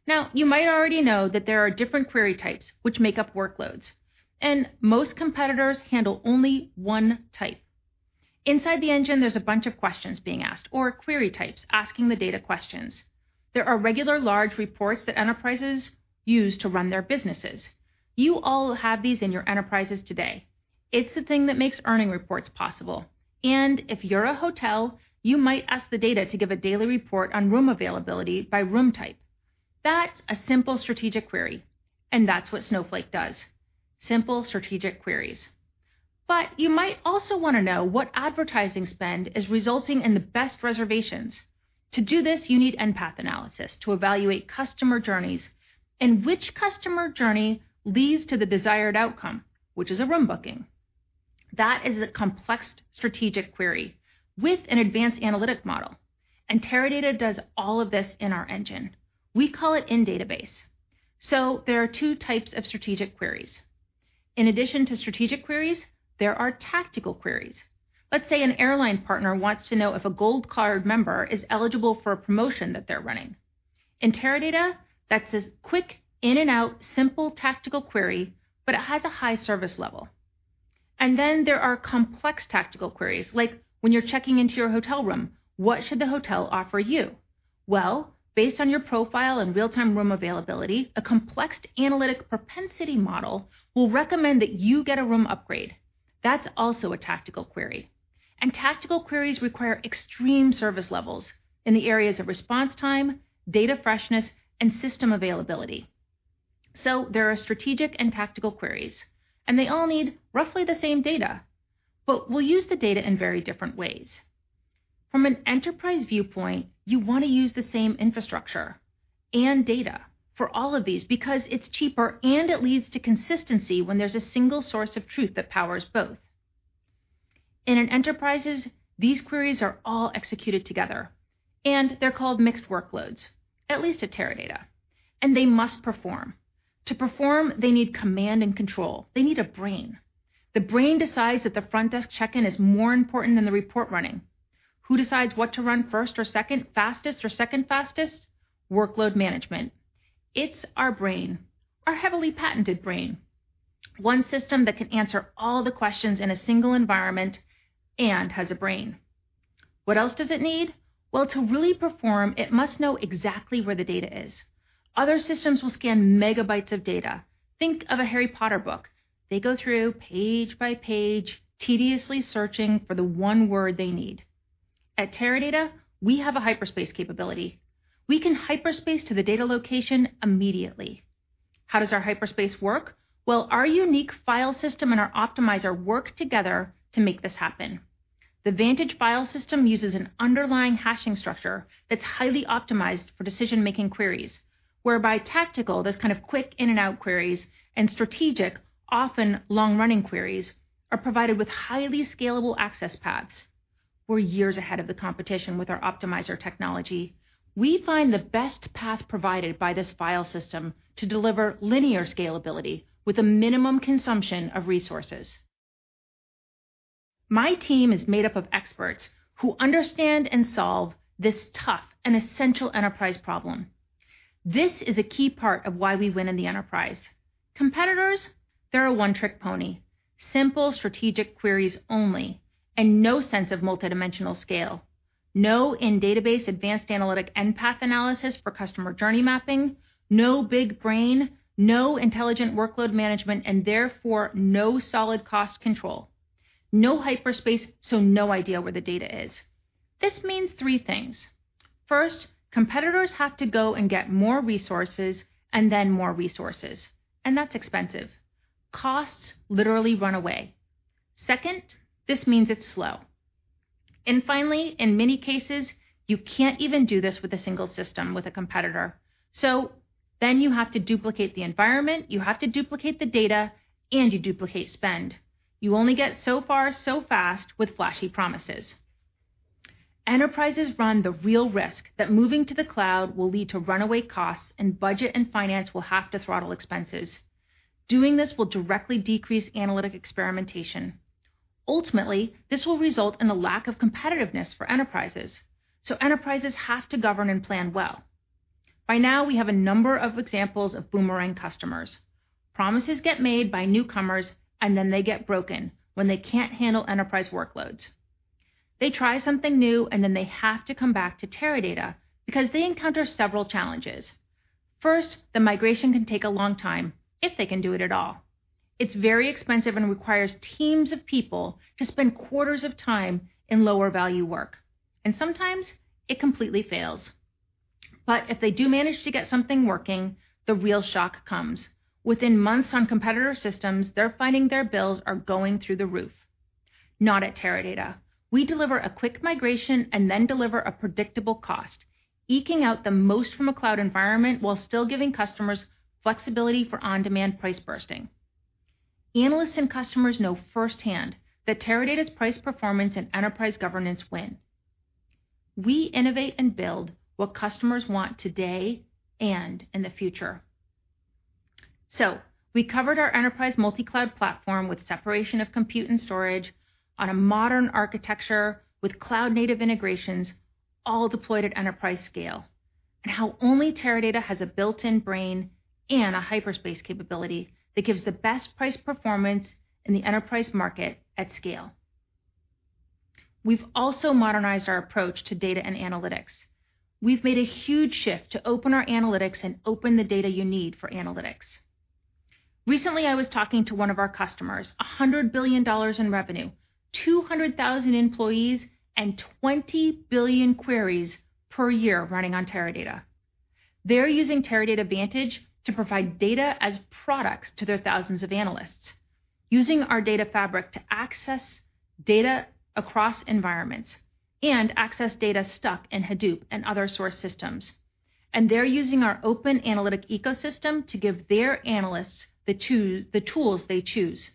Now, you might already know that there are different query types which make up workloads, and most competitors handle only one type. Inside the engine, there's a bunch of questions being asked, or query types asking the data questions. There are regular, large reports that enterprises use to run their businesses. You all have these in your enterprises today. It's the thing that makes earning reports possible. If you're a hotel, you might ask the data to give a daily report on room availability by room type. That's a simple strategic query, and that's what Snowflake does, simple strategic queries. You might also want to know what advertising spend is resulting in the best reservations. To do this, you need nPath analysis to evaluate customer journeys and which customer journey leads to the desired outcome, which is a room booking. That is a complex strategic query with an advanced analytic model. Teradata does all of this in our engine. We call it in-database. There are two types of strategic queries. In addition to strategic queries, there are tactical queries. Let's say an airline partner wants to know if a gold card member is eligible for a promotion that they're running. In Teradata, that's a quick in and out, simple tactical query, but it has a high service level. There are complex tactical queries, like when you're checking into your hotel room, what should the hotel offer you? Well, based on your profile and real-time room availability, a complex analytic propensity model will recommend that you get a room upgrade. That's also a tactical query. Tactical queries require extreme service levels in the areas of response time, data freshness, and system availability. There are strategic and tactical queries, and they all need roughly the same data. Will use the data in very different ways. From an enterprise viewpoint, you want to use the same infrastructure and data for all of these because it's cheaper and it leads to consistency when there's a single source of truth that powers both. In an enterprise, these queries are all executed together, and they're called mixed workloads, at least at Teradata, and they must perform. To perform, they need command and control. They need a brain. The brain decides that the front desk check-in is more important than the report running. Who decides what to run first or second fastest? Workload management. It's our brain, our heavily patented brain. One system that can answer all the questions in a single environment and has a brain. What else does it need? Well, to really perform, it must know exactly where the data is. Other systems will scan megabytes of data. Think of a Harry Potter book. They go through page by page, tediously searching for the one word they need. At Teradata, we have a Hyperspace capability. We can Hyperspace to the data location immediately. How does our Hyperspace work? Well, our unique file system and our optimizer work together to make this happen. The Vantage file system uses an underlying hashing structure that's highly optimized for decision-making queries, whereby tactical, those kind of quick in-and-out queries, and strategic, often long-running queries, are provided with highly scalable access paths. We're years ahead of the competition with our optimizer technology. We find the best path provided by this file system to deliver linear scalability with a minimum consumption of resources. My team is made up of experts who understand and solve this tough and essential enterprise problem. This is a key part of why we win in the enterprise. Competitors, they're a one-trick pony. Simple strategic queries only and no sense of multidimensional scale. No in-database advanced analytic nPath analysis for customer journey mapping. No big brain. No intelligent workload management and therefore, no solid cost control. No Hyperspace, so no idea where the data is. This means three things. First, competitors have to go and get more resources and then more resources, and that's expensive. Costs literally run away. Second, this means it's slow. Finally, in many cases, you can't even do this with a single system with a competitor. Then you have to duplicate the environment, you have to duplicate the data, and you duplicate spend. You only get so far so fast with flashy promises. Enterprises run the real risk that moving to the cloud will lead to runaway costs, and budget and finance will have to throttle expenses. Doing this will directly decrease analytic experimentation. Ultimately, this will result in a lack of competitiveness for enterprises. Enterprises have to govern and plan well. By now, we have a number of examples of boomerang customers. Promises get made by newcomers, and then they get broken when they can't handle enterprise workloads. They try something new, and then they have to come back to Teradata because they encounter several challenges. First, the migration can take a long time, if they can do it at all. It's very expensive and requires teams of people to spend quarters of time in lower-value work, and sometimes it completely fails. If they do manage to get something working, the real shock comes. Within months on competitor systems, they're finding their bills are going through the roof. Not at Teradata. We deliver a quick migration and then deliver a predictable cost, eking out the most from a cloud environment while still giving customers flexibility for on-demand price bursting. Analysts and customers know firsthand that Teradata's price performance and enterprise governance win. We innovate and build what customers want today and in the future. We covered our enterprise multi-cloud platform with separation of compute and storage on a modern architecture with cloud-native integrations all deployed at enterprise scale, and how only Teradata has a built-in brain and a Hyperscale capability that gives the best price performance in the enterprise market at scale. We've also modernized our approach to data and analytics. We've made a huge shift to open our analytics and open the data you need for analytics. Recently, I was talking to one of our customers, $100 billion in revenue, 200,000 employees, and 20 billion queries per year running on Teradata. They're using Teradata Vantage to provide data as products to their thousands of analysts, using our data fabric to access data across environments and access data stuck in Hadoop and other source systems. They're using our open analytic ecosystem to give their analysts the tools they choose.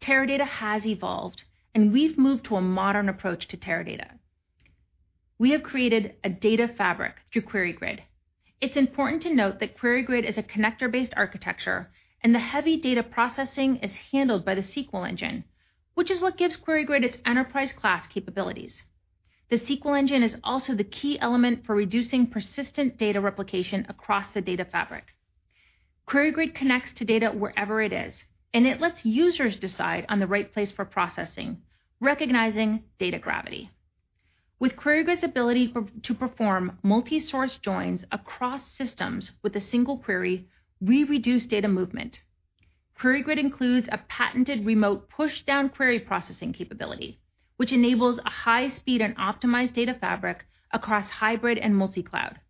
Teradata has evolved, and we've moved to a modern approach to Teradata. We have created a data fabric through QueryGrid. It's important to note that QueryGrid is a connector-based architecture, and the heavy data processing is handled by the SQL engine, which is what gives QueryGrid its enterprise-class capabilities. The SQL engine is also the key element for reducing persistent data replication across the data fabric. QueryGrid connects to data wherever it is, and it lets users decide on the right place for processing, recognizing data gravity. With QueryGrid's ability to perform multi-source joins across systems with a single query, we reduce data movement. QueryGrid includes a patented remote pushdown query processing capability, which enables a high-speed and optimized data fabric across hybrid and multi-cloud.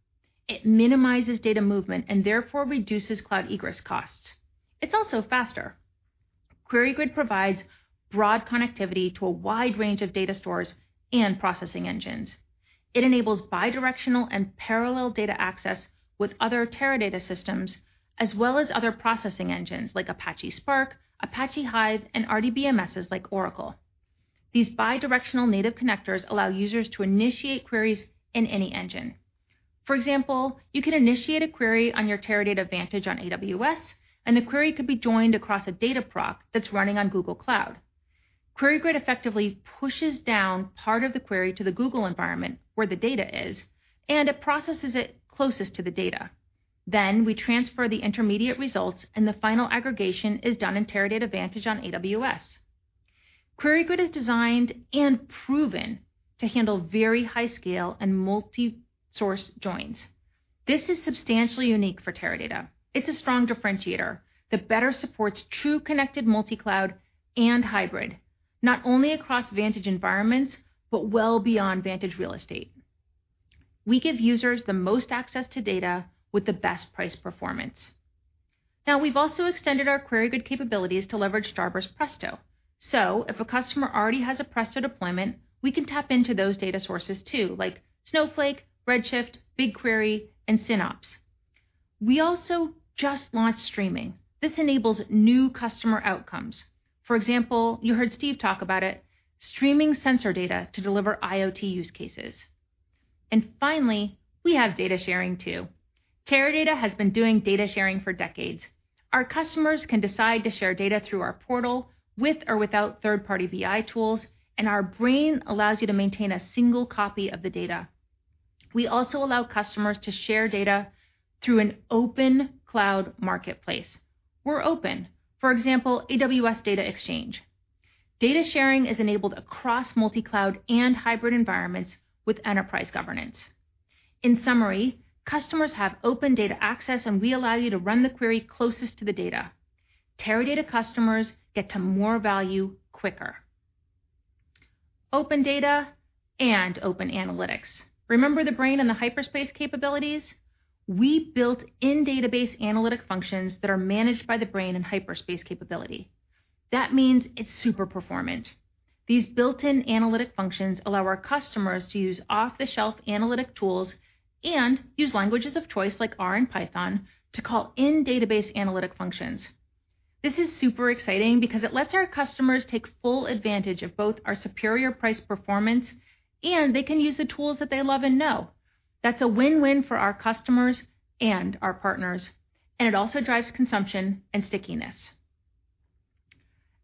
It minimizes data movement and therefore reduces cloud egress costs. It's also faster. QueryGrid provides broad connectivity to a wide range of data stores and processing engines. It enables bi-directional and parallel data access with other Teradata systems, as well as other processing engines like Apache Spark, Apache Hive, and RDBMSs like Oracle. These bi-directional native connectors allow users to initiate queries in any engine. For example, you can initiate a query on your Teradata Vantage on AWS. The query could be joined across a Dataproc that's running on Google Cloud. QueryGrid effectively pushes down part of the query to the Google environment where the data is. It processes it closest to the data. We transfer the intermediate results. The final aggregation is done in Teradata Vantage on AWS. QueryGrid is designed and proven to handle very high scale and multi-source joins. This is substantially unique for Teradata. It's a strong differentiator that better supports true connected multi-cloud and hybrid, not only across Vantage environments, but well beyond Vantage real estate. We give users the most access to data with the best price performance. We've also extended our QueryGrid capabilities to leverage Starburst Presto. If a customer already has a Presto deployment, we can tap into those data sources too, like Snowflake, Redshift, BigQuery, and Synapse. We also just launched streaming. This enables new customer outcomes. For example, you heard Steve talk about it, streaming sensor data to deliver IoT use cases. Finally, we have data sharing too. Teradata has been doing data sharing for decades. Our customers can decide to share data through our portal with or without third-party BI tools, and our Vantage allows you to maintain a single copy of the data. We also allow customers to share data through an open cloud marketplace. We're open. For example, AWS Data Exchange. Data sharing is enabled across multi-cloud and hybrid environments with enterprise governance. In summary, customers have open data access, and we allow you to run the query closest to the data. Teradata customers get to more value quicker. Open data and open analytics. Remember the Brain and the Hyperspace capabilities? We built in-database analytic functions that are managed by the Brain and Hyperspace capability. That means it's super performant. These built-in analytic functions allow our customers to use off-the-shelf analytic tools and use languages of choice like R and Python to call in-database analytic functions. This is super exciting because it lets our customers take full advantage of both our superior price performance, and they can use the tools that they love and know. That's a win-win for our customers and our partners, and it also drives consumption and stickiness.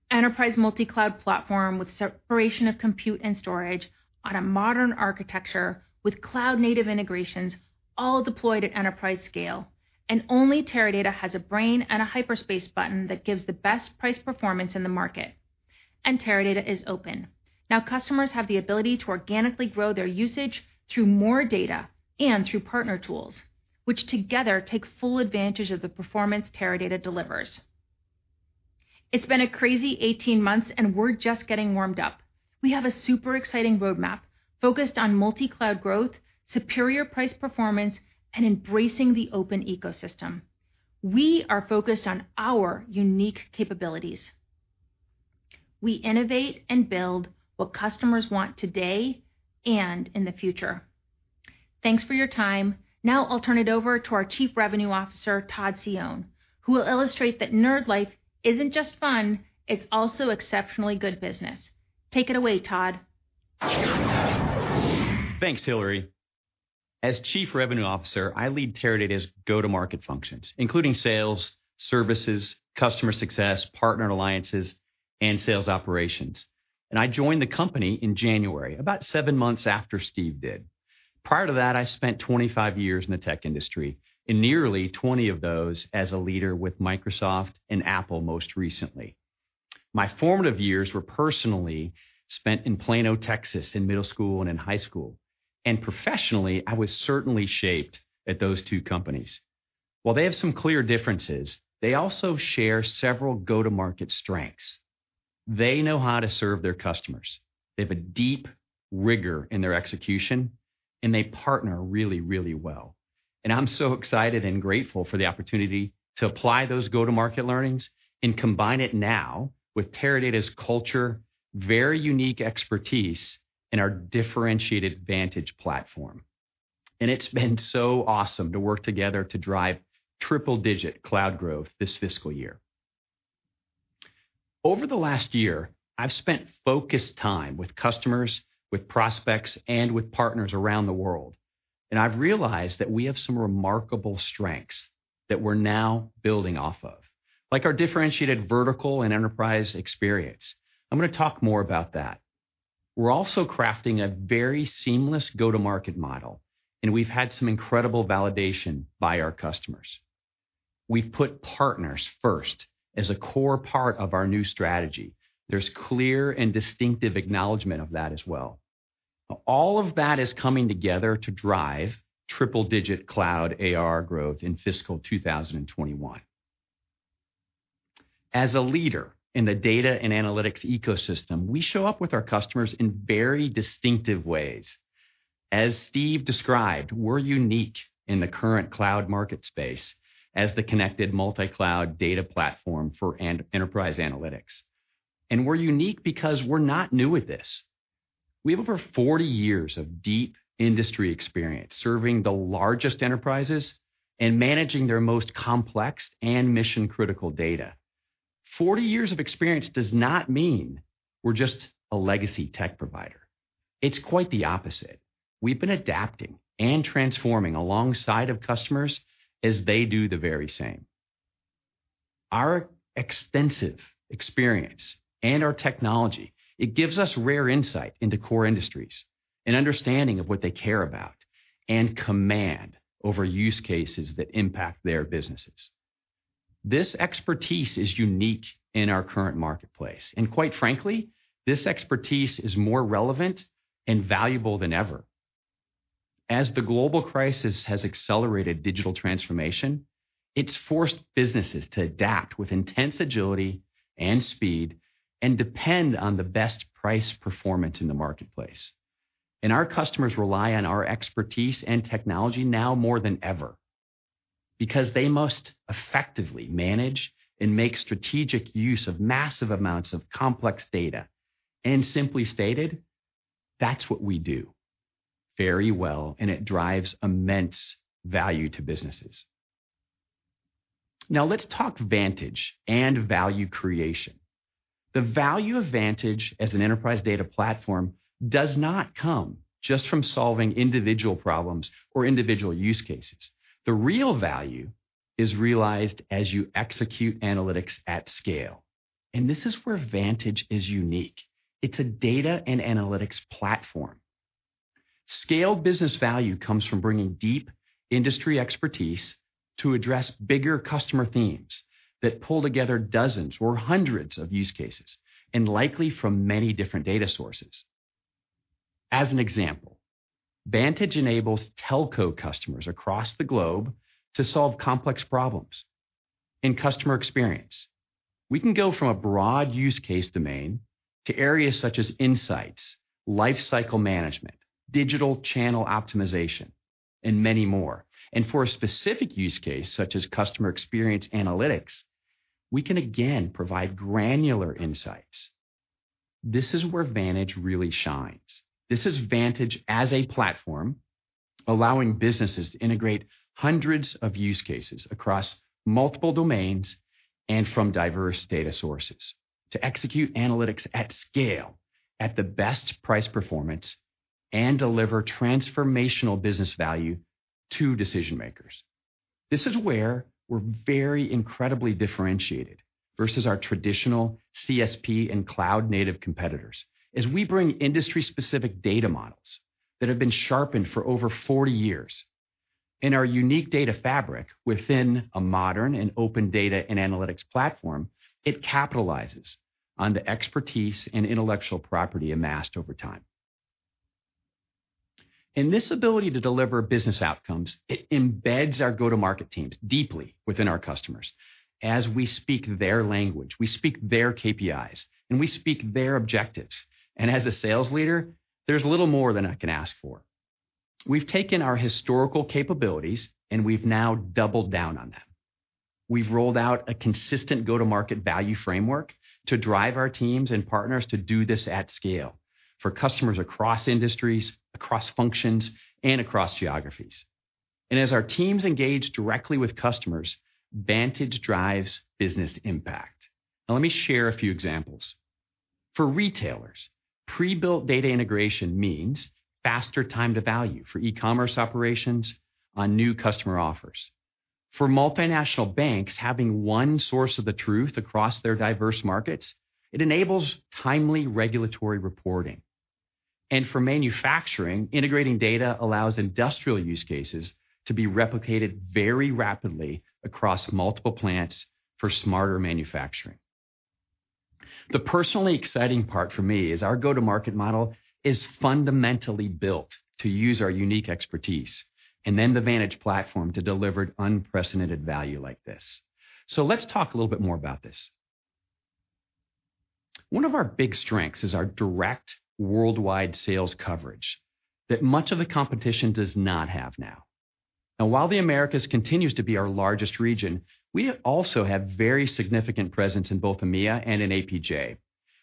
Enterprise multi-cloud platform with separation of compute and storage on a modern architecture with cloud native integrations all deployed at enterprise scale, and only Teradata has a Brain and a Hyperspace button that gives the best price performance in the market. Teradata is open. Customers have the ability to organically grow their usage through more data and through partner tools, which together take full advantage of the performance Teradata delivers. It's been a crazy 18 months. We're just getting warmed up. We have a super exciting roadmap focused on multi-cloud growth, superior price performance, and embracing the open ecosystem. We are focused on our unique capabilities. We innovate and build what customers want today and in the future. Thanks for your time. I'll turn it over to our Chief Revenue Officer, Todd Cione, who will illustrate that nerd life isn't just fun, it's also exceptionally good business. Take it away, Todd. Thanks, Hillary. As Chief Revenue Officer, I lead Teradata's go-to-market functions, including sales, services, customer success, partner alliances, and sales operations. I joined the company in January, about seven months after Steve did. Prior to that, I spent 25 years in the tech industry, and nearly 20 of those as a leader with Microsoft and Apple most recently. My formative years were personally spent in Plano, Texas, in middle school and in high school. Professionally, I was certainly shaped at those two companies. While they have some clear differences, they also share several go-to-market strengths. They know how to serve their customers. They have a deep rigor in their execution, and they partner really, really well. I'm so excited and grateful for the opportunity to apply those go-to-market learnings and combine it now with Teradata's culture, very unique expertise, and our differentiated Vantage platform. It's been so awesome to work together to drive triple-digit cloud growth this fiscal year. Over the last year, I've spent focused time with customers, with prospects, and with partners around the world, and I've realized that we have some remarkable strengths that we're now building off of, like our differentiated vertical and enterprise experience. I'm going to talk more about that. We're also crafting a very seamless go-to-market model, and we've had some incredible validation by our customers. We've put partners first as a core part of our new strategy. There's clear and distinctive acknowledgment of that as well. All of that is coming together to drive triple-digit cloud [ARR] growth in fiscal 2021. As a leader in the data and analytics ecosystem, we show up with our customers in very distinctive ways. As Steve described, we're unique in the current cloud market space as the connected multi-cloud data platform for enterprise analytics. We're unique because we're not new at this. We have over 40 years of deep industry experience serving the largest enterprises and managing their most complex and mission-critical data. 40 years of experience does not mean we're just a legacy tech provider. It's quite the opposite. We've been adapting and transforming alongside of customers as they do the very same. Our extensive experience and our technology, it gives us rare insight into core industries and understanding of what they care about, and command over use cases that impact their businesses. This expertise is unique in our current marketplace, and quite frankly, this expertise is more relevant and valuable than ever. As the global crisis has accelerated digital transformation, it's forced businesses to adapt with intense agility and speed, and depend on the best price performance in the marketplace. Our customers rely on our expertise and technology now more than ever, because they must effectively manage and make strategic use of massive amounts of complex data. Simply stated, that's what we do very well, and it drives immense value to businesses. Now let's talk Vantage and value creation. The value of Vantage as an enterprise data platform does not come just from solving individual problems or individual use cases. The real value is realized as you execute analytics at scale. This is where Vantage is unique. It's a data and analytics platform. Scaled business value comes from bringing deep industry expertise to address bigger customer themes that pull together dozens or hundreds of use cases, and likely from many different data sources. As an example, Vantage enables telco customers across the globe to solve complex problems. In customer experience, we can go from a broad use case domain to areas such as insights, life cycle management, digital channel optimization, and many more. For a specific use case, such as customer experience analytics, we can again provide granular insights. This is where Vantage really shines. This is Vantage as a platform allowing businesses to integrate hundreds of use cases across multiple domains and from diverse data sources to execute analytics at scale at the best price performance and deliver transformational business value to decision-makers. This is where we're very incredibly differentiated versus our traditional CSP and cloud-native competitors, as we bring industry-specific data models that have been sharpened for over 40 years. Our unique data fabric within a modern and open data and analytics platform, it capitalizes on the expertise and intellectual property amassed over time. This ability to deliver business outcomes, it embeds our go-to-market teams deeply within our customers as we speak their language, we speak their KPIs, and we speak their objectives. As a sales leader, there's little more than I can ask for. We've taken our historical capabilities, and we've now doubled down on them. We've rolled out a consistent go-to-market value framework to drive our teams and partners to do this at scale for customers across industries, across functions, and across geographies. As our teams engage directly with customers, Vantage drives business impact. Let me share a few examples. For retailers, pre-built data integration means faster time to value for e-commerce operations on new customer offers. For multinational banks having 1 source of the truth across their diverse markets, it enables timely regulatory reporting. For manufacturing, integrating data allows industrial use cases to be replicated very rapidly across multiple plants for smarter manufacturing. The personally exciting part for me is our go-to-market model is fundamentally built to use our unique expertise and then the Vantage platform to deliver unprecedented value like this. Let's talk a little bit more about this. One of our big strengths is our direct worldwide sales coverage that much of the competition does not have now. While the Americas continues to be our largest region, we also have very significant presence in both EMEA and in APJ.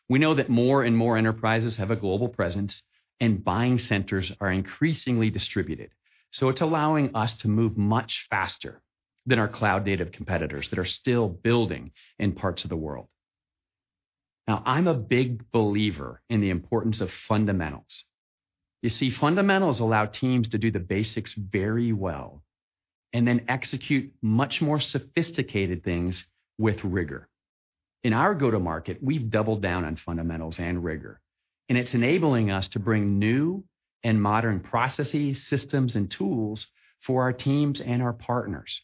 We know that more and more enterprises have a global presence, and buying centers are increasingly distributed. It's allowing us to move much faster than our cloud-native competitors that are still building in parts of the world. I'm a big believer in the importance of fundamentals. You see, fundamentals allow teams to do the basics very well and then execute much more sophisticated things with rigor. In our go-to-market, we've doubled down on fundamentals and rigor. It's enabling us to bring new and modern processes, systems, and tools for our teams and our partners.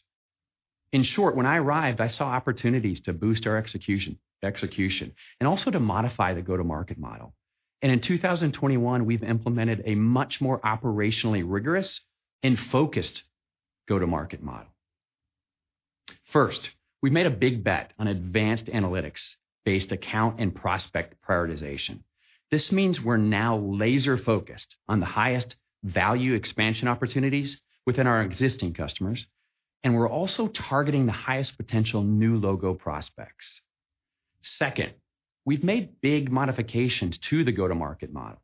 In short, when I arrived, I saw opportunities to boost our execution, and also to modify the go-to-market model. In 2021, we've implemented a much more operationally rigorous and focused go-to-market model. First, we've made a big bet on advanced analytics-based account and prospect prioritization. This means we're now laser-focused on the highest value expansion opportunities within our existing customers, and we're also targeting the highest potential new logo prospects. Second, we've made big modifications to the go-to-market model.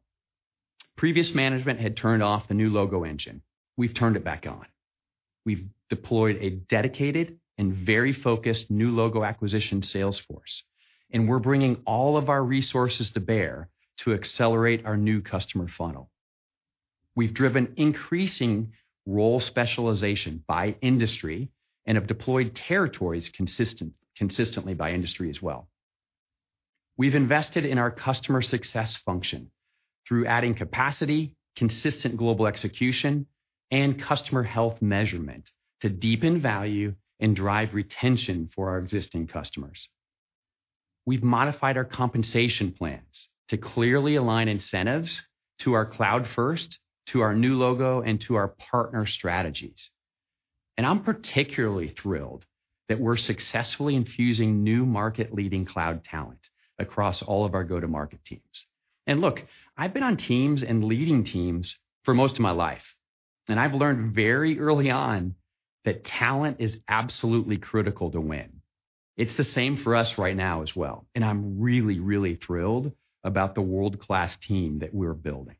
Previous management had turned off the new logo engine. We've turned it back on. We've deployed a dedicated and very focused new logo acquisition sales force, and we're bringing all of our resources to bear to accelerate our new customer funnel. We've driven increasing role specialization by industry and have deployed territories consistently by industry as well. We've invested in our customer success function through adding capacity, consistent global execution, and customer health measurement to deepen value and drive retention for our existing customers. We've modified our compensation plans to clearly align incentives to our cloud first, to our new logo, and to our partner strategies. I'm particularly thrilled that we're successfully infusing new market-leading cloud talent across all of our go-to-market teams. Look, I've been on teams and leading teams for most of my life, and I've learned very early on that talent is absolutely critical to win. It's the same for us right now as well, and I'm really thrilled about the world-class team that we're building.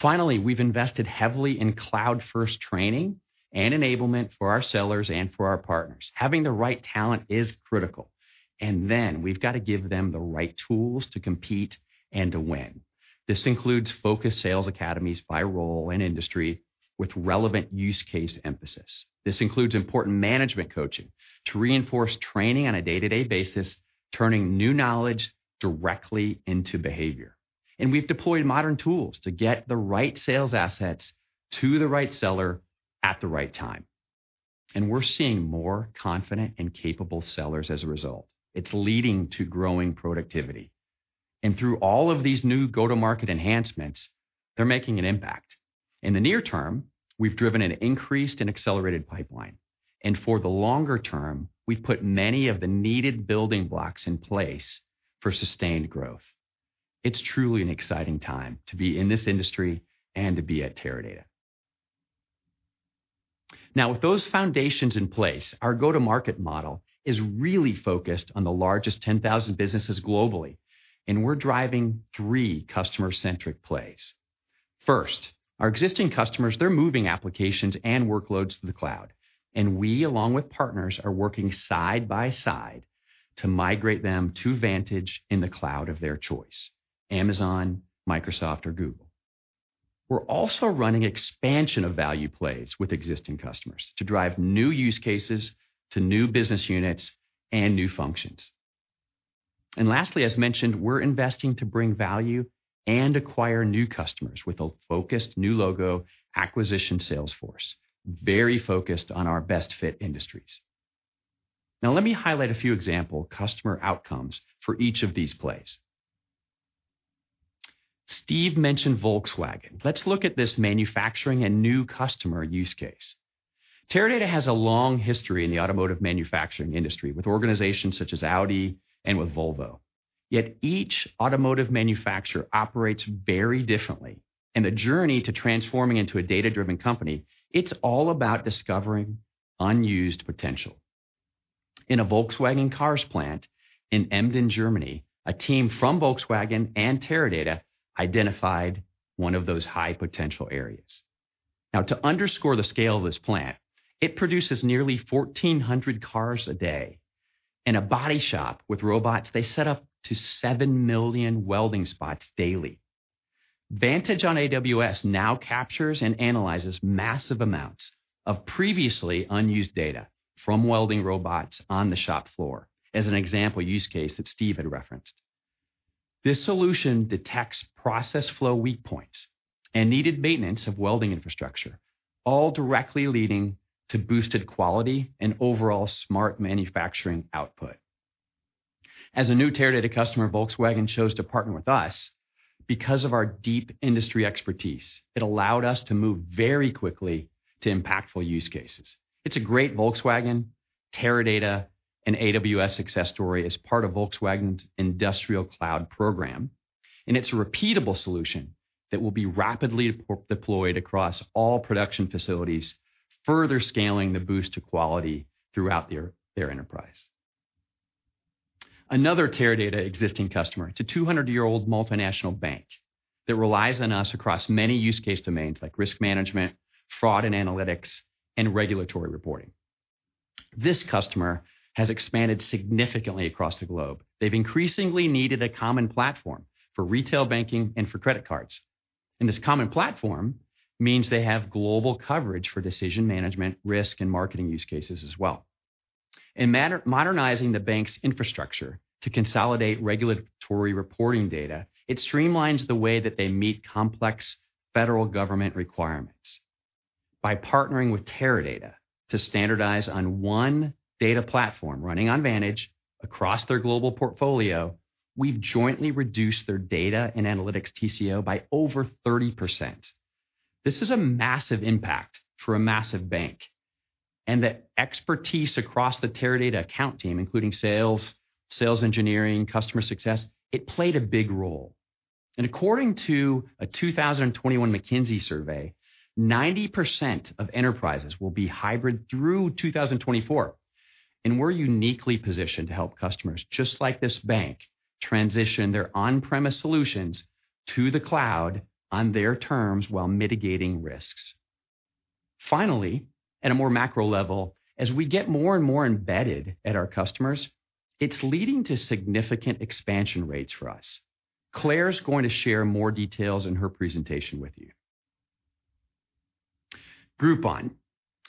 Finally, we've invested heavily in cloud-first training and enablement for our sellers and for our partners. Having the right talent is critical, and then we've got to give them the right tools to compete and to win. This includes focused sales academies by role and industry with relevant use case emphasis. This includes important management coaching to reinforce training on a day-to-day basis, turning new knowledge directly into behavior. We've deployed modern tools to get the right sales assets to the right seller at the right time, and we're seeing more confident and capable sellers as a result. It's leading to growing productivity. Through all of these new go-to-market enhancements, they're making an impact. In the near term, we've driven an increased and accelerated pipeline, and for the longer term, we've put many of the needed building blocks in place for sustained growth. It's truly an exciting time to be in this industry and to be at Teradata. Now, with those foundations in place, our go-to-market model is really focused on the largest 10,000 businesses globally, and we're driving three customer-centric plays. First, our existing customers, they're moving applications and workloads to the cloud, and we, along with partners, are working side by side to migrate them to Vantage in the cloud of their choice, Amazon, Microsoft, or Google. We're also running expansion of value plays with existing customers to drive new use cases to new business units and new functions. Lastly, as mentioned, we're investing to bring value and acquire new customers with a focused new logo acquisition sales force, very focused on our best-fit industries. Now, let me highlight a few example customer outcomes for each of these plays. Steve mentioned Volkswagen. Let's look at this manufacturing and new customer use case. Teradata has a long history in the automotive manufacturing industry with organizations such as Audi and with Volvo. Yet each automotive manufacturer operates very differently. In the journey to transforming into a data-driven company, it's all about discovering unused potential. In a Volkswagen cars plant in Emden, Germany, a team from Volkswagen and Teradata identified one of those high-potential areas. To underscore the scale of this plant, it produces nearly 1,400 cars a day. In a body shop with robots, they set up to 7 million welding spots daily. Vantage on AWS now captures and analyzes massive amounts of previously unused data from welding robots on the shop floor as an example use case that Steve had referenced. This solution detects process flow weak points and needed maintenance of welding infrastructure, all directly leading to boosted quality and overall smart manufacturing output. As a new Teradata customer, Volkswagen chose to partner with us because of our deep industry expertise. It allowed us to move very quickly to impactful use cases. It's a great Volkswagen, Teradata, and AWS success story as part of Volkswagen's industrial cloud program. It's a repeatable solution that will be rapidly deployed across all production facilities, further scaling the boost to quality throughout their enterprise. Another Teradata existing customer. It's a 200-year-old multinational bank that relies on us across many use case domains like risk management, fraud and analytics, and regulatory reporting. This customer has expanded significantly across the globe. They've increasingly needed a common platform for retail banking and for credit cards. This common platform means they have global coverage for decision management, risk, and marketing use cases as well. In modernizing the bank's infrastructure to consolidate regulatory reporting data, it streamlines the way that they meet complex federal government requirements. By partnering with Teradata to standardize on one data platform running on Vantage across their global portfolio, we've jointly reduced their data and analytics TCO by over 30%. This is a massive impact for a massive bank, and the expertise across the Teradata account team, including sales engineering, customer success, it played a big role. According to a 2021 McKinsey survey, 90% of enterprises will be hybrid through 2024, and we're uniquely positioned to help customers, just like this bank, transition their on-premise solutions to the cloud on their terms while mitigating risks. Finally, at a more macro level, as we get more and more embedded at our customers, it's leading to significant expansion rates for us. Claire's going to share more details in her presentation with you. Groupon.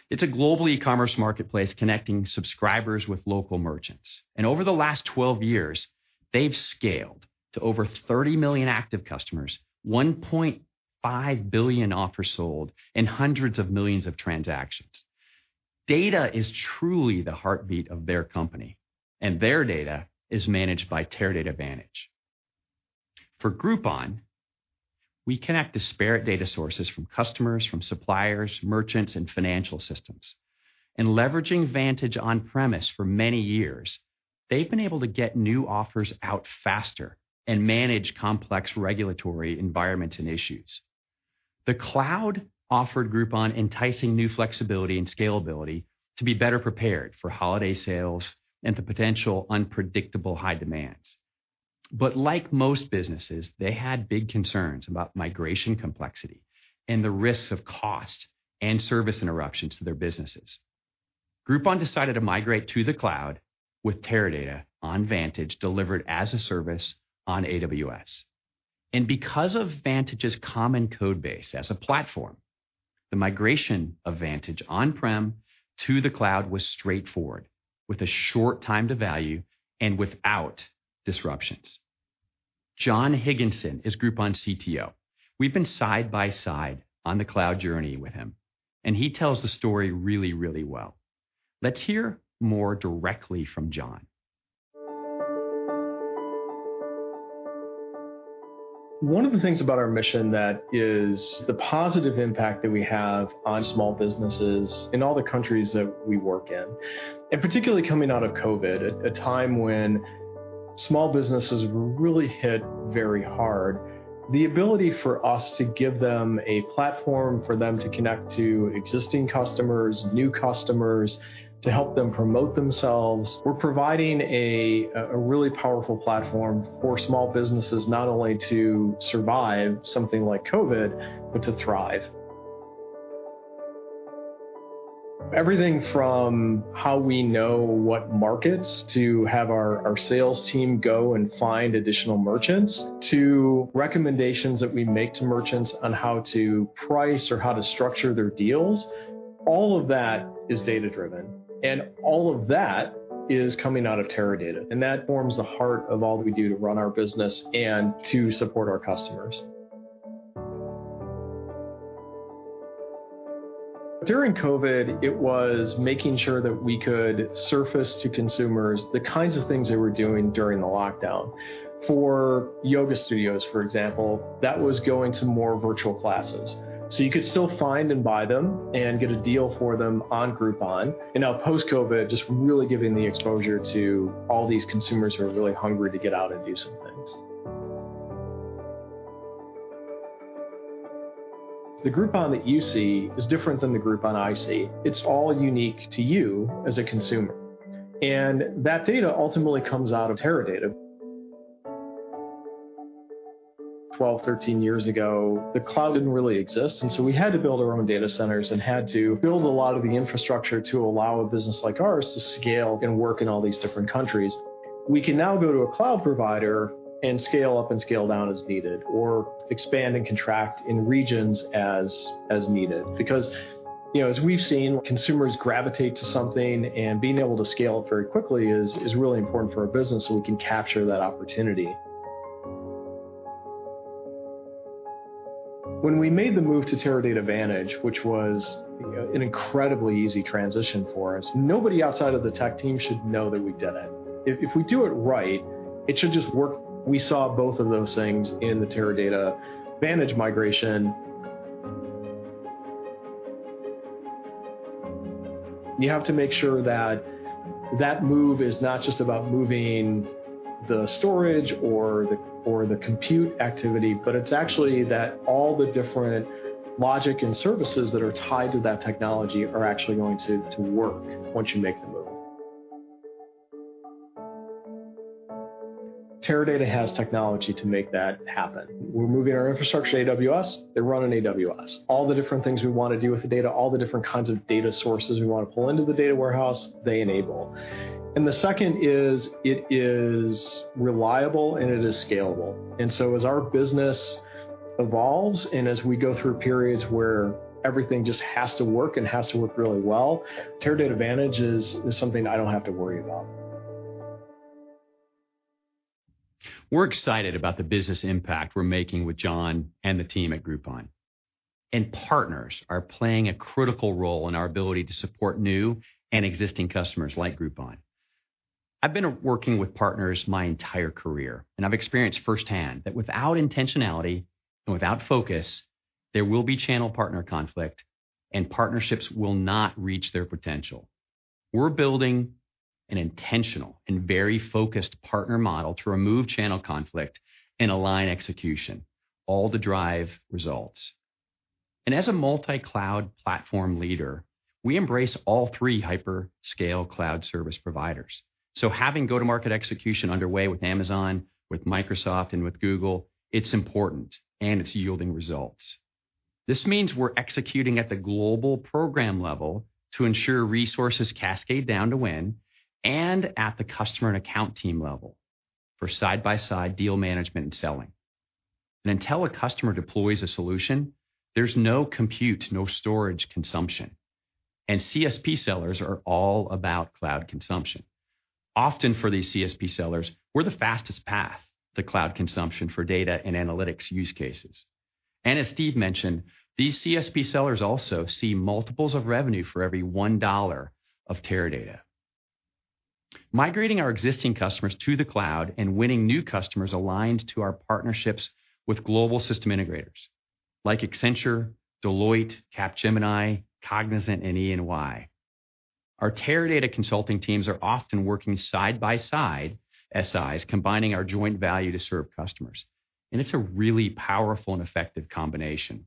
It's a global e-commerce marketplace connecting subscribers with local merchants. Over the last 12 years, they've scaled to over 30 million active customers, 1.5 billion offers sold, and hundreds of millions of transactions. Data is truly the heartbeat of their company, and their data is managed by Teradata Vantage. For Groupon, we connect disparate data sources from customers, from suppliers, merchants, and financial systems. Leveraging Vantage on-premise for many years, they've been able to get new offers out faster and manage complex regulatory environments and issues. The cloud offered Groupon enticing new flexibility and scalability to be better prepared for holiday sales and for potential unpredictable high demands. Like most businesses, they had big concerns about migration complexity and the risks of cost and service interruptions to their businesses. Groupon decided to migrate to the cloud with Teradata on Vantage delivered as a service on AWS. Because of Vantage's common code base as a platform, the migration of Vantage on-prem to the cloud was straightforward, with a short time to value and without disruptions. John Higginson is Groupon's CTO. We've been side by side on the cloud journey with him, and he tells the story really, really well. Let's hear more directly from John. One of the things about our mission that is the positive impact that we have on small businesses in all the countries that we work in, and particularly coming out of COVID, at a time when small businesses were really hit very hard, the ability for us to give them a platform for them to connect to existing customers, new customers, to help them promote themselves. We're providing a really powerful platform for small businesses, not only to survive something like COVID, but to thrive. Everything from how we know what markets to have our sales team go and find additional merchants, to recommendations that we make to merchants on how to price or how to structure their deals, all of that is data-driven, and all of that is coming out of Teradata. That forms the heart of all that we do to run our business and to support our customers. During COVID, it was making sure that we could surface to consumers the kinds of things they were doing during the lockdown. For yoga studios, for example, that was going to more virtual classes. You could still find and buy them and get a deal for them on Groupon. Now post-COVID, just really giving the exposure to all these consumers who are really hungry to get out and do some things. The Groupon that you see is different than the Groupon I see. It's all unique to you as a consumer, and that data ultimately comes out of Teradata. 12, 13 years ago, the cloud didn't really exist, and so we had to build our own data centers and had to build a lot of the infrastructure to allow a business like ours to scale and work in all these different countries. We can now go to a cloud provider and scale up and scale down as needed, or expand and contract in regions as needed. As we've seen, consumers gravitate to something, and being able to scale it very quickly is really important for our business so we can capture that opportunity. When we made the move to Teradata Vantage, which was an incredibly easy transition for us, nobody outside of the tech team should know that we did it. If we do it right, it should just work. We saw both of those things in the Teradata Vantage migration. You have to make sure that that move is not just about moving the storage or the compute activity, but it's actually that all the different logic and services that are tied to that technology are actually going to work once you make the move. Teradata has technology to make that happen. We're moving our infrastructure to AWS. They run on AWS. All the different things we want to do with the data, all the different kinds of data sources we want to pull into the data warehouse, they enable. The second is, it is reliable and it is scalable. As our business evolves and as we go through periods where everything just has to work and has to work really well, Teradata Vantage is something I don't have to worry about. We're excited about the business impact we're making with John and the team at Groupon. Partners are playing a critical role in our ability to support new and existing customers like Groupon. I've been working with partners my entire career, and I've experienced firsthand that without intentionality and without focus, there will be channel partner conflict and partnerships will not reach their potential. We're building an intentional and very focused partner model to remove channel conflict and align execution, all to drive results. As a multi-cloud platform leader, we embrace all three Hyperscale cloud service providers. Having go-to-market execution underway with Amazon, with Microsoft, and with Google, it's important, and it's yielding results. This means we're executing at the global program level to ensure resources cascade down to win and at the customer and account team level for side-by-side deal management and selling. Until a customer deploys a solution, there's no compute, no storage consumption, CSP sellers are all about cloud consumption. Often for these CSP sellers, we're the fastest path to cloud consumption for data and analytics use cases. As Steve mentioned, these CSP sellers also see multiples of revenue for every $1 of Teradata. Migrating our existing customers to the cloud and winning new customers aligns to our partnerships with global system integrators like Accenture, Deloitte, Capgemini, Cognizant, and EY. Our Teradata consulting teams are often working side by side, SIs combining our joint value to serve customers. It's a really powerful and effective combination.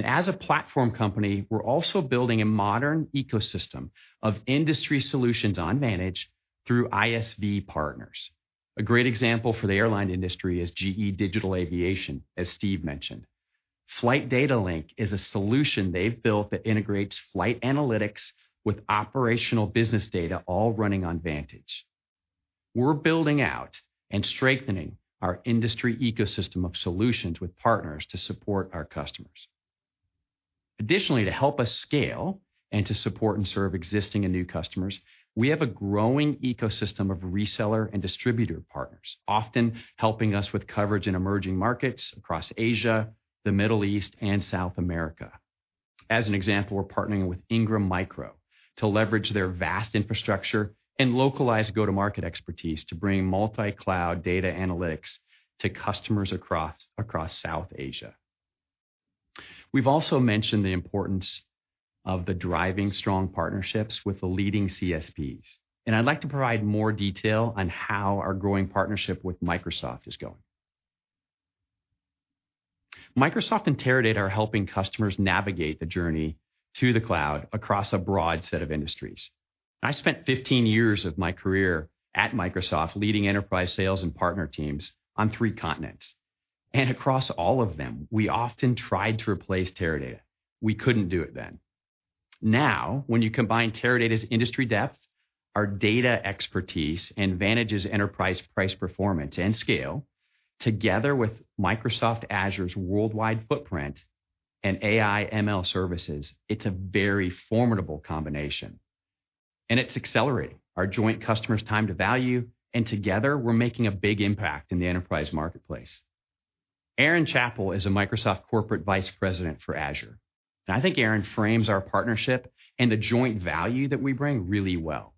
As a platform company, we're also building a modern ecosystem of industry solutions on Vantage through ISV partners. A great example for the airline industry is GE digital aviation, as Steve mentioned. Flight Data Link is a solution they've built that integrates flight analytics with operational business data all running on Vantage. We're building out and strengthening our industry ecosystem of solutions with partners to support our customers. Additionally, to help us scale and to support and serve existing and new customers, we have a growing ecosystem of reseller and distributor partners, often helping us with coverage in emerging markets across Asia, the Middle East, and South America. As an example, we're partnering with Ingram Micro to leverage their vast infrastructure and localized go-to-market expertise to bring multi-cloud data analytics to customers across South Asia. We've also mentioned the importance of the driving strong partnerships with the leading CSPs, and I'd like to provide more detail on how our growing partnership with Microsoft is going. Microsoft and Teradata are helping customers navigate the journey to the cloud across a broad set of industries. I spent 15 years of my career at Microsoft leading enterprise sales and partner teams on three continents. Across all of them, we often tried to replace Teradata. We couldn't do it then. When you combine Teradata's industry depth, our data expertise, and Vantage's enterprise price performance and scale, together with Microsoft Azure's worldwide footprint and AI ML services, it's a very formidable combination. It's accelerating our joint customers' time to value, and together, we're making a big impact in the enterprise marketplace. Erin Chapple is a Microsoft Corporate Vice President for Azure. I think Erin frames our partnership and the joint value that we bring really well.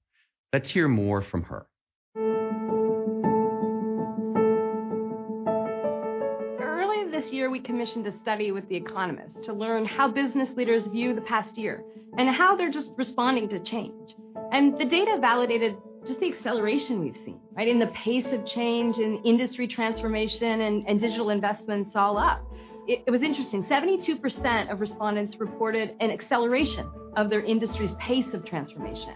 Let's hear more from her. Early this year, we commissioned a study with The Economist to learn how business leaders view the past year and how they're just responding to change. The data validated just the acceleration we've seen, right, in the pace of change in industry transformation, and digital investments all up. It was interesting. 72% of respondents reported an acceleration of their industry's pace of transformation.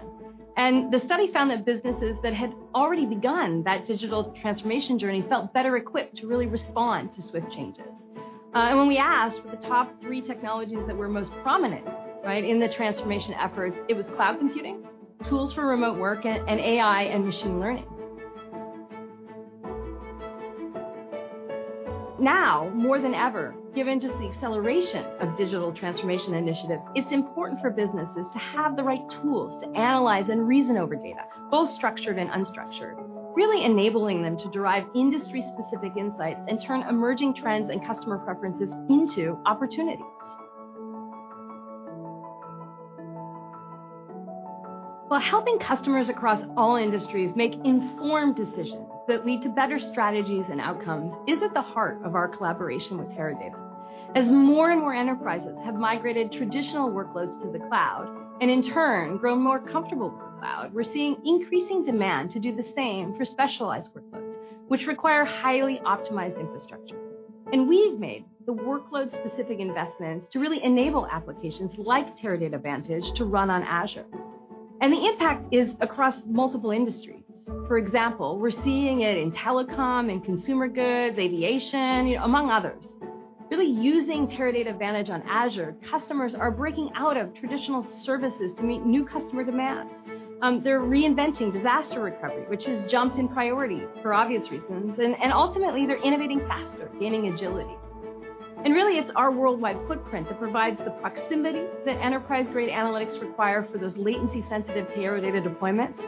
The study found that businesses that had already begun that digital transformation journey felt better equipped to really respond to swift changes. When we asked for the top three technologies that were most prominent, right, in the transformation efforts, it was cloud computing, tools for remote work, and AI and machine learning. Now more than ever, given just the acceleration of digital transformation initiatives, it's important for businesses to have the right tools to analyze and reason over data, both structured and unstructured, really enabling them to derive industry-specific insights and turn emerging trends and customer preferences into opportunities. Helping customers across all industries make informed decisions that lead to better strategies and outcomes is at the heart of our collaboration with Teradata. More and more enterprises have migrated traditional workloads to the cloud, and in turn grown more comfortable with the cloud, we're seeing increasing demand to do the same for specialized workloads, which require highly optimized infrastructure. We've made the workload-specific investments to really enable applications like Teradata Vantage to run on Azure. The impact is across multiple industries. For example, we're seeing it in telecom and consumer goods, aviation, among others. Really using Teradata Vantage on Azure, customers are breaking out of traditional services to meet new customer demands. They're reinventing disaster recovery, which has jumped in priority for obvious reasons, ultimately they're innovating faster, gaining agility. Really, it's our worldwide footprint that provides the proximity that enterprise-grade analytics require for those latency-sensitive Teradata deployments,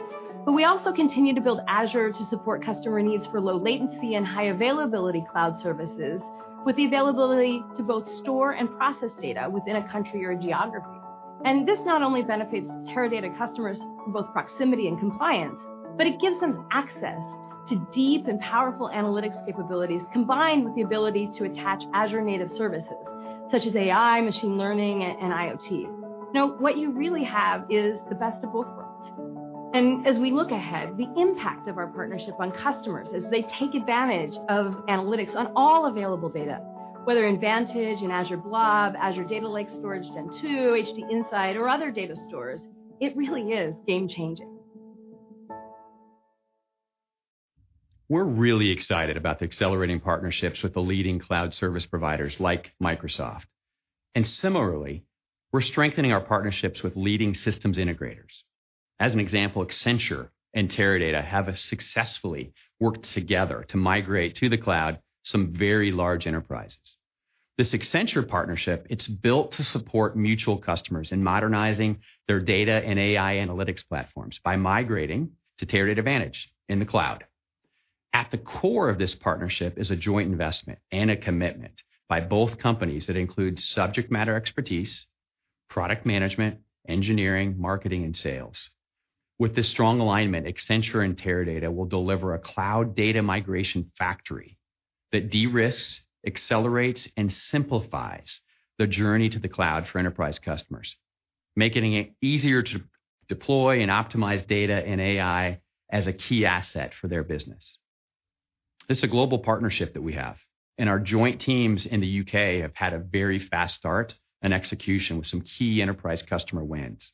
but we also continue to build Azure to support customer needs for low latency and high availability cloud services with the availability to both store and process data within a country or a geography. This not only benefits Teradata customers for both proximity and compliance, but it gives them access to deep and powerful analytics capabilities, combined with the ability to attach Azure native services such as AI, machine learning, and IoT. Now, what you really have is the best of both worlds. As we look ahead, the impact of our partnership on customers as they take advantage of analytics on all available data, whether in Vantage, in Azure Blob, Azure Data Lake Storage Gen2, HDInsight, or other data stores, it really is game changing. We're really excited about the accelerating partnerships with the leading cloud service providers like Microsoft. Similarly, we're strengthening our partnerships with leading systems integrators. As an example, Accenture and Teradata have successfully worked together to migrate to the cloud some very large enterprises. This Accenture partnership, it's built to support mutual customers in modernizing their data and AI analytics platforms by migrating to Teradata Vantage in the cloud. At the core of this partnership is a joint investment and a commitment by both companies that includes subject matter expertise, product management, engineering, marketing, and sales. With this strong alignment, Accenture and Teradata will deliver a cloud data migration factory that de-risks, accelerates, and simplifies the journey to the cloud for enterprise customers, making it easier to deploy and optimize data and AI as a key asset for their business. This is a global partnership that we have, and our joint teams in the U.K. have had a very fast start and execution with some key enterprise customer wins.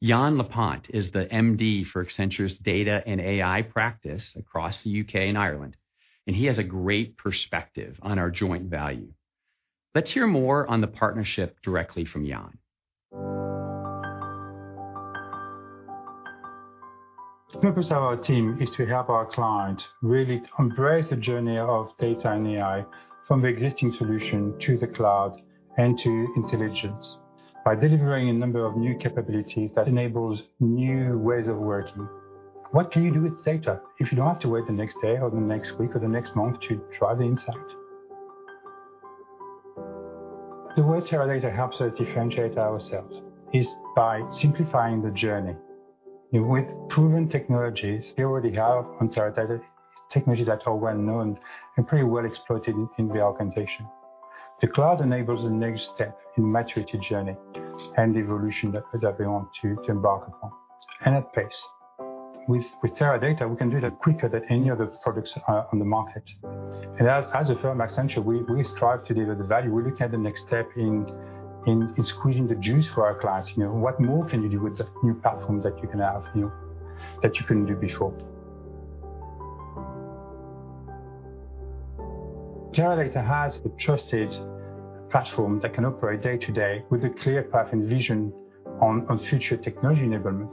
Yann Lepant is the MD for Accenture's Data & AI practice across the U.K. and Ireland, and he has a great perspective on our joint value. Let's hear more on the partnership directly from Yann. The purpose of our team is to help our client really embrace the journey of data and AI from the existing solution to the cloud and to intelligence by delivering a number of new capabilities that enables new ways of working. What can you do with data if you don't have to wait the next day or the next week or the next month to drive insight? The way Teradata helps us differentiate ourselves is by simplifying the journey. With proven technologies, we already have on Teradata, technologies that are well-known and pretty well exploited in the organization. The cloud enables the next step in maturity journey and evolution that we want to embark upon, and at pace. With Teradata, we can do that quicker than any other products on the market. As a firm, Accenture, we strive to deliver the value. We look at the next step in squeezing the juice for our clients. What more can you do with the new platforms that you can have, that you couldn't do before? Teradata has a trusted platform that can operate day to day with a clear path and vision on future technology enablement.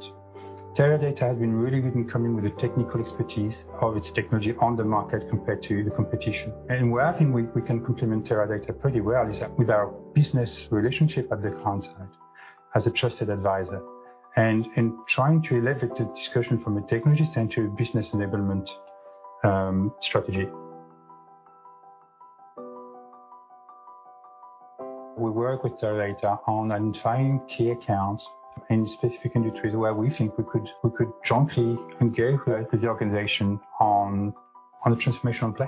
Teradata has been really good in coming with the technical expertise of its technology on the market compared to the competition. Where I think we can complement Teradata pretty well is with our business relationship at the client side as a trusted advisor, and in trying to elevate the discussion from a technology center business enablement strategy. We work with Teradata on identifying key accounts in specific industries where we think we could jointly engage with the organization on a transformational play.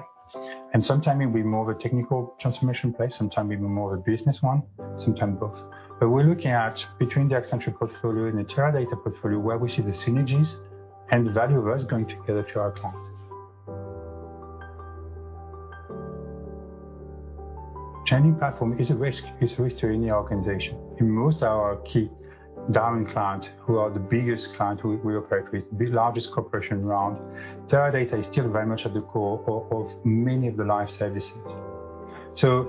Sometime it'll be more of a technical transformation play, sometime even more of a business one, sometime both. We're looking at between the Accenture portfolio and the Teradata portfolio, where we see the synergies and the value of us going together to our clients. Changing platform is a risk. It's a risk to any organization. In most of our key darling clients, who are the biggest clients we operate with, the largest corporation around, Teradata is still very much at the core of many of the live services.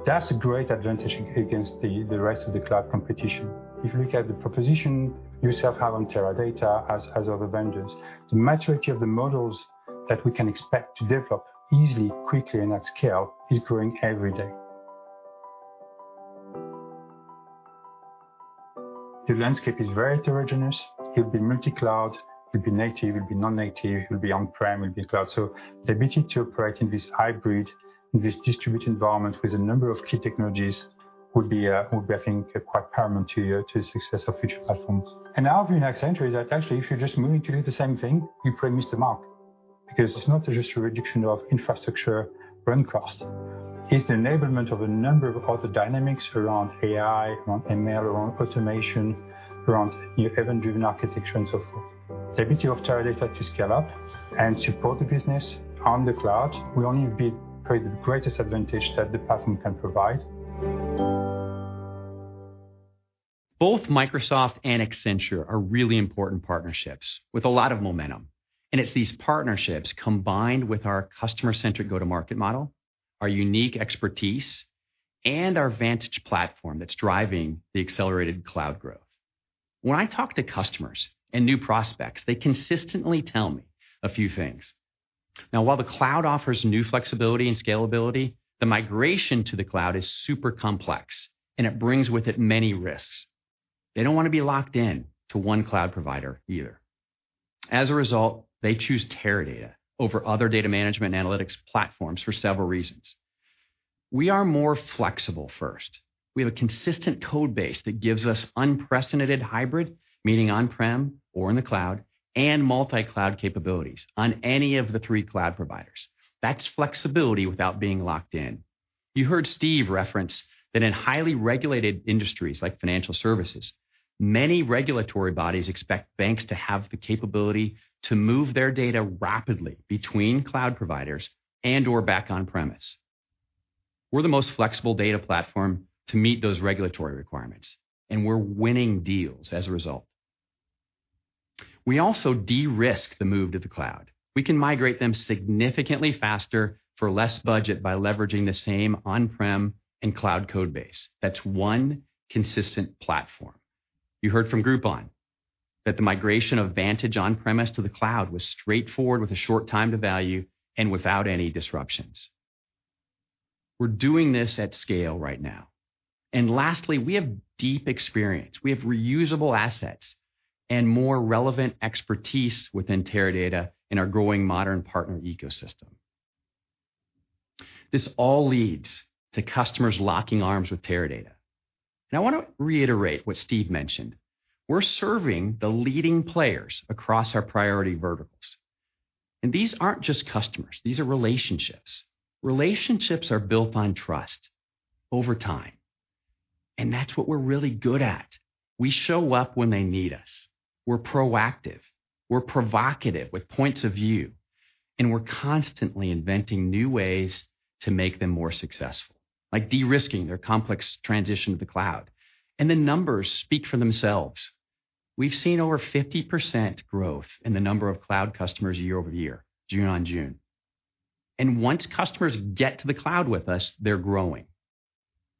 That's a great advantage against the rest of the cloud competition. If you look at the proposition yourself have on Teradata as other vendors, the maturity of the models that we can expect to develop easily, quickly, and at scale is growing every day. The landscape is very heterogeneous. It'll be multi-cloud. It'll be native. It'll be non-native. It'll be on-prem, it'll be cloud. The ability to operate in this hybrid, in this distributed environment with a number of key technologies would be, I think, quite paramount to the success of future platforms. Our view in Accenture is that actually, if you're just merely to do the same thing, you probably miss the mark, because it's not just a reduction of infrastructure run cost. It's the enablement of a number of other dynamics around AI, around ML, around automation, around new event-driven architecture and so forth. The ability of Teradata to scale up and support the business on the cloud will only be probably the greatest advantage that the platform can provide. Both Microsoft and Accenture are really important partnerships with a lot of momentum, and it's these partnerships combined with our customer-centric go-to-market model, our unique expertise, and our Vantage platform that's driving the accelerated cloud growth. When I talk to customers and new prospects, they consistently tell me a few things. While the cloud offers new flexibility and scalability, the migration to the cloud is super complex, and it brings with it many risks. They don't want to be locked in to one cloud provider either. They choose Teradata over other data management analytics platforms for several reasons. We are more flexible, first. We have a consistent code base that gives us unprecedented hybrid, meaning on-prem or in the cloud, and multi-cloud capabilities on any of the three cloud providers. That's flexibility without being locked in. You heard Steve reference that in highly regulated industries like financial services, many regulatory bodies expect banks to have the capability to move their data rapidly between cloud providers and/or back on-premise. We're the most flexible data platform to meet those regulatory requirements, and we're winning deals as a result. We also de-risk the move to the cloud. We can migrate them significantly faster for less budget by leveraging the same on-prem and cloud code base. That's one consistent platform. You heard from Groupon that the migration of Vantage on-premise to the cloud was straightforward with a short time to value and without any disruptions. We're doing this at scale right now. Lastly, we have deep experience. We have reusable assets and more relevant expertise within Teradata in our growing modern partner ecosystem. This all leads to customers locking arms with Teradata. Now, I want to reiterate what Steve mentioned. We're serving the leading players across our priority verticals. These aren't just customers. These are relationships. Relationships are built on trust over time, and that's what we're really good at. We show up when they need us. We're proactive, we're provocative with points of view, and we're constantly inventing new ways to make them more successful, like de-risking their complex transition to the cloud. The numbers speak for themselves. We've seen over 50% growth in the number of cloud customers year-over-year, June on June. Once customers get to the cloud with us, they're growing.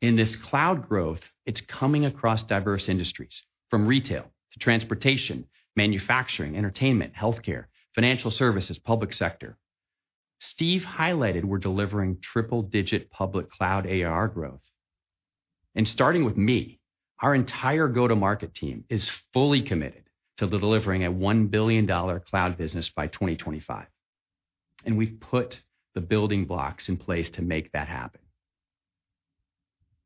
This cloud growth, it's coming across diverse industries, from retail to transportation, manufacturing, entertainment, healthcare, financial services, public sector. Steve highlighted we're delivering triple-digit public cloud ARR growth. Starting with me, our entire go-to-market team is fully committed to delivering a $1 billion cloud business by 2025, and we've put the building blocks in place to make that happen.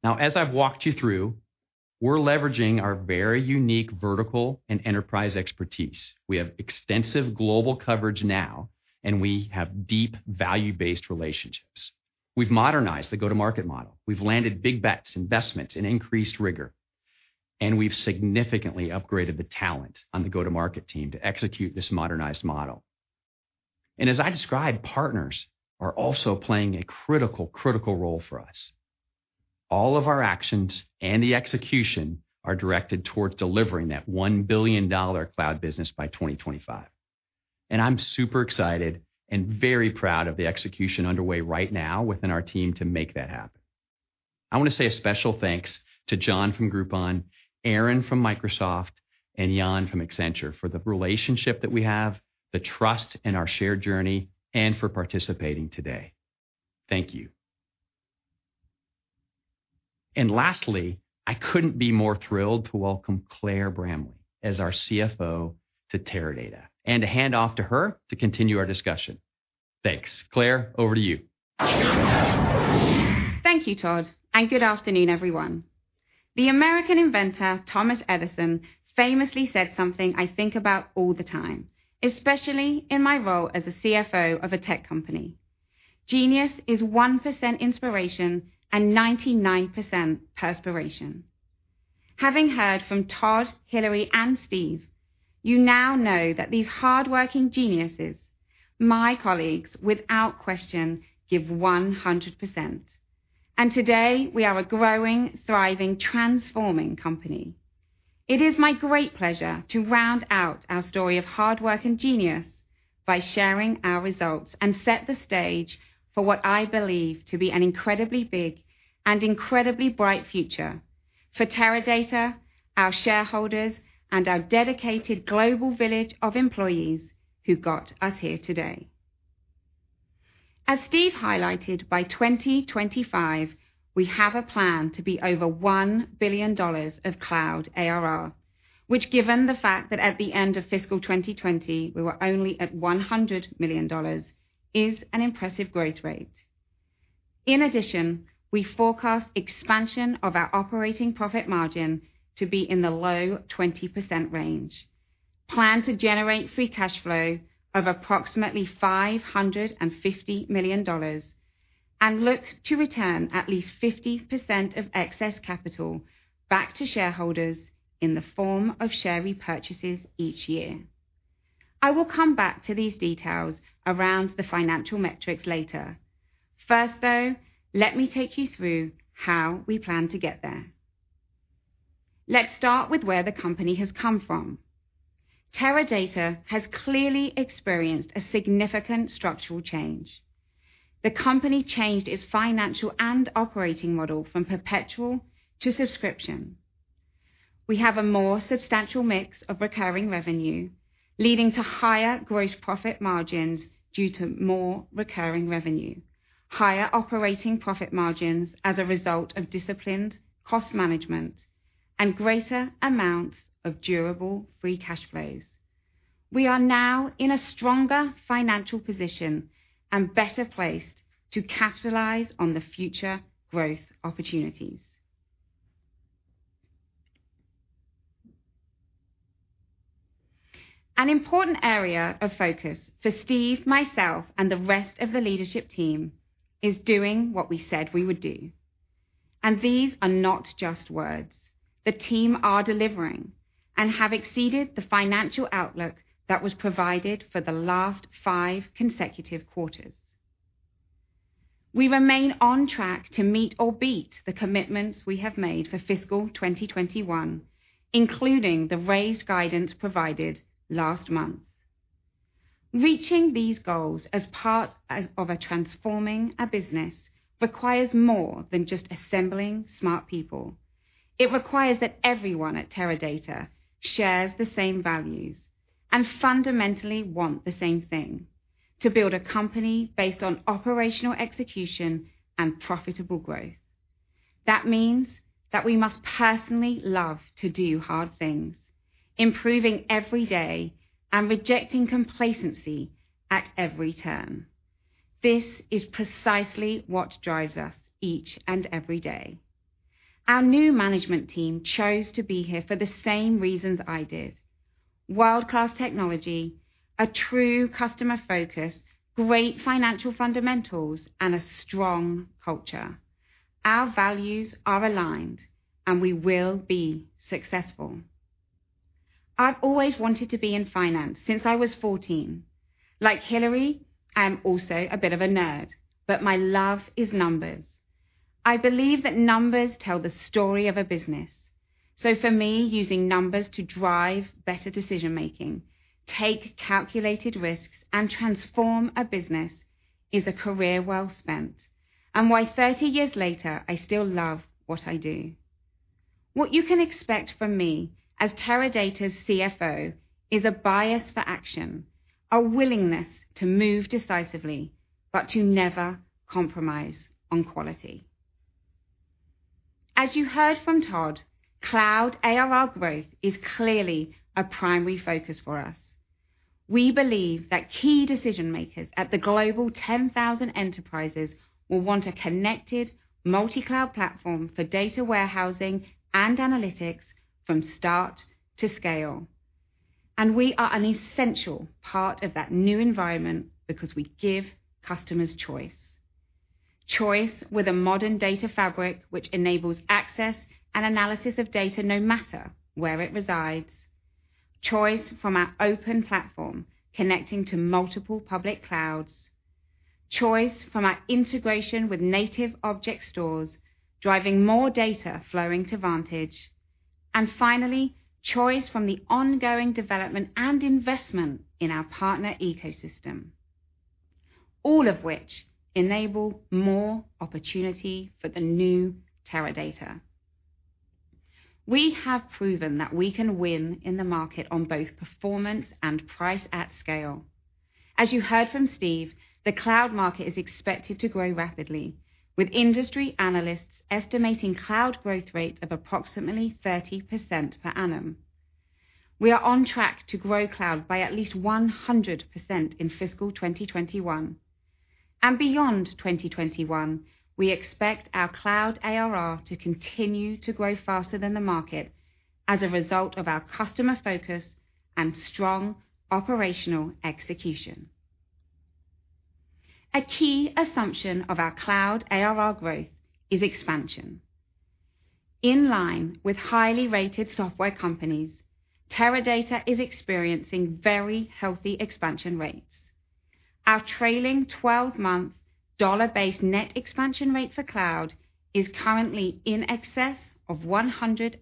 As I've walked you through, we're leveraging our very unique vertical and enterprise expertise. We have extensive global coverage now, and we have deep value-based relationships. We've modernized the go-to-market model. We've landed big bets, investments, and increased rigor, and we've significantly upgraded the talent on the go-to-market team to execute this modernized model. As I described, partners are also playing a critical role for us. All of our actions and the execution are directed towards delivering that $1 billion cloud business by 2025, and I'm super excited and very proud of the execution underway right now within our team to make that happen. I want to say a special thanks to John from Groupon, Aaron from Microsoft, and Yann from Accenture for the relationship that we have, the trust in our shared journey, and for participating today. Thank you. Lastly, I couldn't be more thrilled to welcome Claire Bramley as our CFO to Teradata and to hand off to her to continue our discussion. Thanks. Claire, over to you. Thank you, Todd, and good afternoon, everyone. The American inventor, Thomas Edison, famously said something I think about all the time, especially in my role as a CFO of a tech company. "Genius is 1% inspiration and 99% perspiration." Having heard from Todd, Hillary, and Steve, you now know that these hardworking geniuses, my colleagues, without question, give 100%, and today we are a growing, thriving, transforming company. It is my great pleasure to round out our story of hard work and genius by sharing our results and set the stage for what I believe to be an incredibly big and incredibly bright future for Teradata, our shareholders, and our dedicated global village of employees who got us here today. As Steve highlighted, by 2025, we have a plan to be over $1 billion of cloud ARR, which given the fact that at the end of fiscal 2020, we were only at $100 million, is an impressive growth rate. In addition, we forecast expansion of our operating profit margin to be in the low 20% range, plan to generate free cash flow of approximately $550 million, and look to return at least 50% of excess capital back to shareholders in the form of share repurchases each year. I will come back to these details around the financial metrics later. First, though, let me take you through how we plan to get there. Let's start with where the company has come from. Teradata has clearly experienced a significant structural change. The company changed its financial and operating model from perpetual to subscription. We have a more substantial mix of recurring revenue, leading to higher gross profit margins due to more recurring revenue, higher operating profit margins as a result of disciplined cost management, and greater amounts of durable free cash flows. We are now in a stronger financial position and better placed to capitalize on the future growth opportunities. An important area of focus for Steve, myself, and the rest of the leadership team is doing what we said we would do. These are not just words. The team are delivering and have exceeded the financial outlook that was provided for the last five consecutive quarters. We remain on track to meet or beat the commitments we have made for fiscal 2021, including the raised guidance provided last month. Reaching these goals as part of transforming a business requires more than just assembling smart people. It requires that everyone at Teradata shares the same values and fundamentally want the same thing, to build a company based on operational execution and profitable growth. That means that we must personally love to do hard things, improving every day and rejecting complacency at every turn. This is precisely what drives us each and every day. Our new management team chose to be here for the same reasons I did, world-class technology, a true customer focus, great financial fundamentals, and a strong culture. Our values are aligned, and we will be successful. I've always wanted to be in finance since I was 14. Like Hillary, I'm also a bit of a nerd, but my love is numbers. I believe that numbers tell the story of a business. For me, using numbers to drive better decision-making, take calculated risks, and transform a business is a career well spent, and why 30 years later, I still love what I do. What you can expect from me as Teradata's CFO is a bias for action, a willingness to move decisively, but to never compromise on quality. As you heard from Todd, cloud ARR growth is clearly a primary focus for us. We believe that key decision-makers at the Global 10,000 enterprises will want a connected multi-cloud platform for data warehousing and analytics from start to scale. We are an essential part of that new environment because we give customers choice. Choice with a modern data fabric which enables access and analysis of data no matter where it resides. Choice from our open platform, connecting to multiple public clouds. Choice from our integration with native object stores, driving more data flowing to Vantage. Finally, choice from the ongoing development and investment in our partner ecosystem, all of which enable more opportunity for the new Teradata. We have proven that we can win in the market on both performance and price at scale. As you heard from Steve, the cloud market is expected to grow rapidly, with industry analysts estimating cloud growth rate of approximately 30% per annum. We are on track to grow cloud by at least 100% in fiscal 2021. Beyond 2021, we expect our cloud ARR to continue to grow faster than the market as a result of our customer focus and strong operational execution. A key assumption of our cloud ARR growth is expansion. In line with highly rated software companies, Teradata is experiencing very healthy expansion rates. Our trailing 12-month dollar-based net expansion rate for cloud is currently in excess of 130%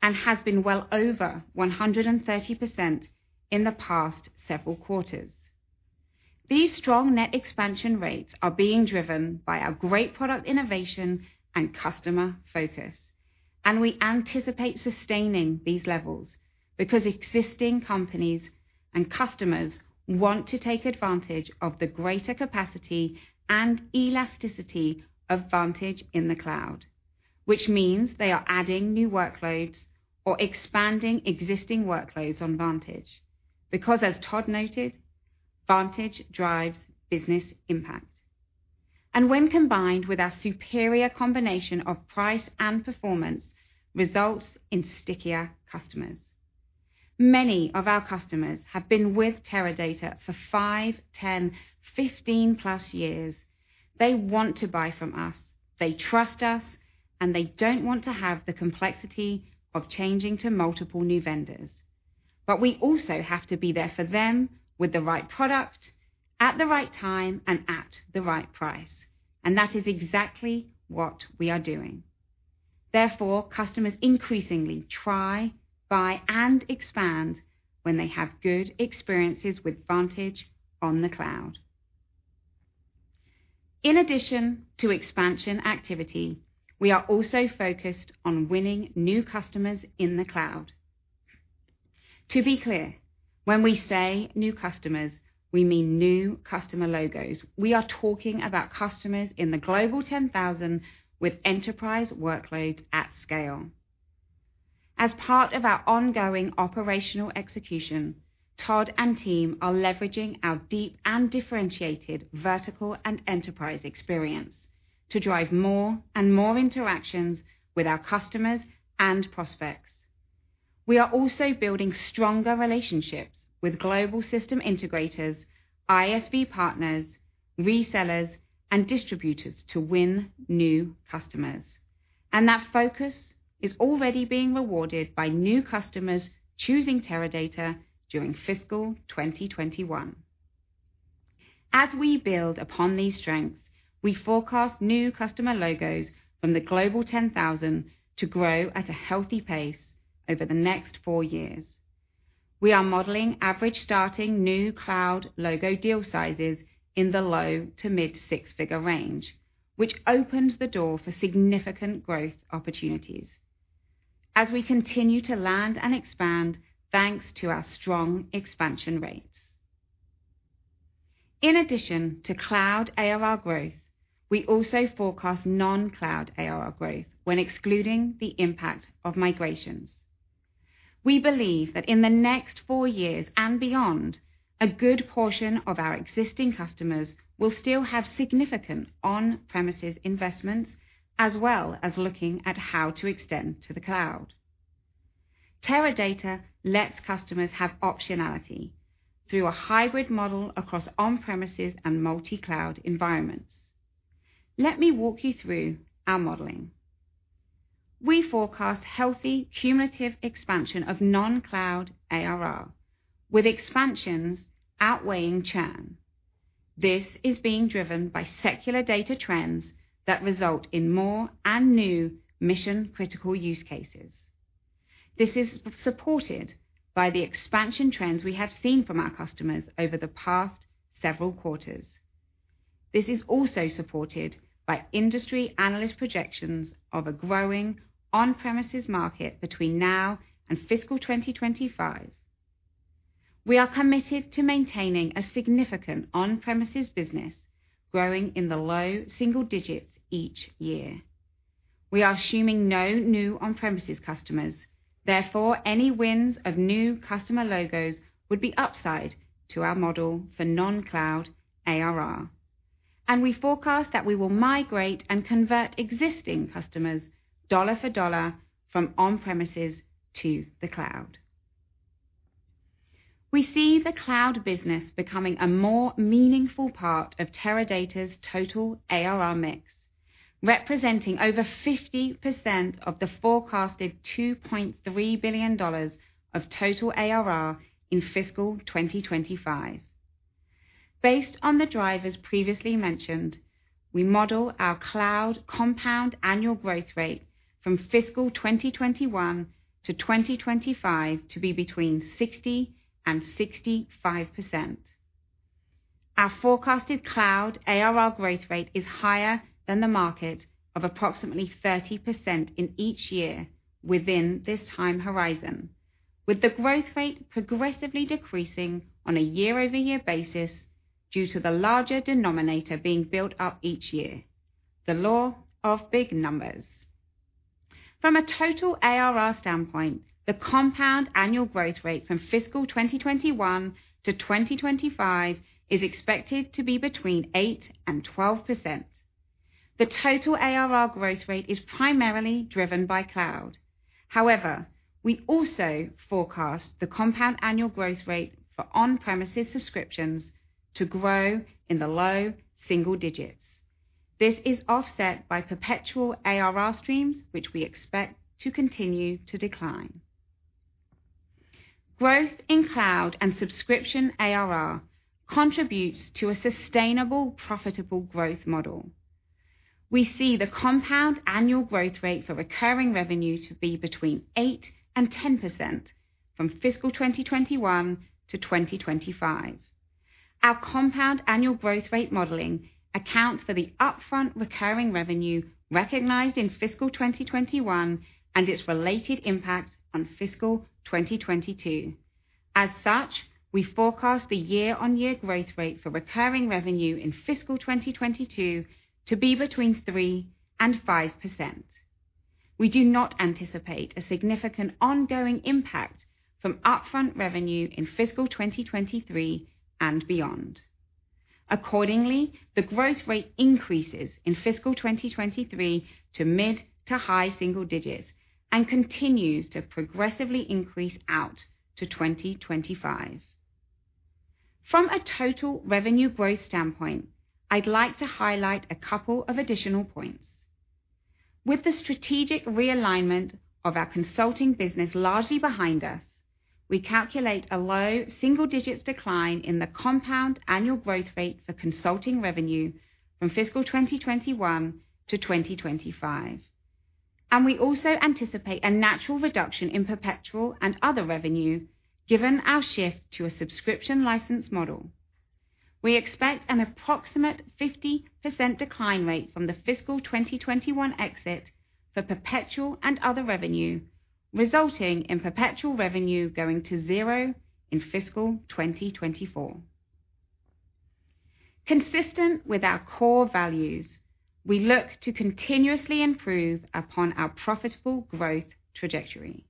and has been well over 130% in the past several quarters. These strong net expansion rates are being driven by our great product innovation and customer focus, and we anticipate sustaining these levels because existing companies and customers want to take advantage of the greater capacity and elasticity of Vantage in the cloud. Which means they are adding new workloads or expanding existing workloads on Vantage. Because as Todd noted, Vantage drives business impact. When combined with our superior combination of price and performance, results in stickier customers. Many of our customers have been with Teradata for five, 10, 15+ years. They want to buy from us. They trust us. They don't want to have the complexity of changing to multiple new vendors. We also have to be there for them with the right product, at the right time, and at the right price. That is exactly what we are doing. Therefore, customers increasingly try, buy, and expand when they have good experiences with Vantage on the cloud. In addition to expansion activity, we are also focused on winning new customers in the cloud. To be clear, when we say new customers, we mean new customer logos. We are talking about customers in the Global 10,000 with enterprise workloads at scale. As part of our ongoing operational execution, Todd and team are leveraging our deep and differentiated vertical and enterprise experience to drive more and more interactions with our customers and prospects. We are also building stronger relationships with global Systems Integrators, ISV partners, resellers, and distributors to win new customers. That focus is already being rewarded by new customers choosing Teradata during fiscal 2021. As we build upon these strengths, we forecast new customer logos from the Global 10,000 to grow at a healthy pace over the next four years. We are modeling average starting new cloud logo deal sizes in the low to mid six-figure range, which opens the door for significant growth opportunities as we continue to land and expand thanks to our strong expansion rates. In addition to cloud ARR growth, we also forecast non-cloud ARR growth when excluding the impact of migrations. We believe that in the next four years and beyond, a good portion of our existing customers will still have significant on-premises investments, as well as looking at how to extend to the cloud. Teradata lets customers have optionality through a hybrid model across on-premises and multi-cloud environments. Let me walk you through our modeling. We forecast healthy cumulative expansion of non-cloud ARR, with expansions outweighing churn. This is being driven by secular data trends that result in more and new mission-critical use cases. This is supported by the expansion trends we have seen from our customers over the past several quarters. This is also supported by industry analyst projections of a growing on-premises market between now and fiscal 2025. We are committed to maintaining a significant on-premises business growing in the low single digits each year. We are assuming no new on-premises customers, therefore, any wins of new customer logos would be upside to our model for non-cloud ARR. We forecast that we will migrate and convert existing customers dollar for dollar from on-premises to the cloud. We see the cloud business becoming a more meaningful part of Teradata's total ARR mix, representing over 50% of the forecasted $2.3 billion of total ARR in fiscal 2025. Based on the drivers previously mentioned, we model our cloud compound annual growth rate from fiscal 2021 to 2025 to be between 60% and 65%. Our forecasted cloud ARR growth rate is higher than the market of approximately 30% in each year within this time horizon, with the growth rate progressively decreasing on a year-over-year basis due to the larger denominator being built up each year, the law of big numbers. From a total ARR standpoint, the compound annual growth rate from fiscal 2021 to 2025 is expected to be between 8% and 12%. The total ARR growth rate is primarily driven by cloud. However, we also forecast the compound annual growth rate for on-premises subscriptions to grow in the low single digits. This is offset by perpetual ARR streams, which we expect to continue to decline. Growth in cloud and subscription ARR contributes to a sustainable, profitable growth model. We see the compound annual growth rate for recurring revenue to be between 8% and 10% from fiscal 2021 to 2025. Our compound annual growth rate modeling accounts for the upfront recurring revenue recognized in fiscal 2021 and its related impacts on fiscal 2022. As such, we forecast the year-on-year growth rate for recurring revenue in fiscal 2022 to be between 3% and 5%. We do not anticipate a significant ongoing impact from upfront revenue in fiscal 2023 and beyond. Accordingly, the growth rate increases in fiscal 2023 to mid to high single digits and continues to progressively increase out to 2025. From a total revenue growth standpoint, I'd like to highlight a couple of additional points. With the strategic realignment of our consulting business largely behind us, we calculate a low single digits decline in the compound annual growth rate for consulting revenue from fiscal 2021 to 2025. We also anticipate a natural reduction in perpetual and other revenue given our shift to a subscription license model. We expect an approximate 50% decline rate from the fiscal 2021 exit for perpetual and other revenue, resulting in perpetual revenue going to zero in fiscal 2024. Consistent with our core values, we look to continuously improve upon our profitable growth trajectory.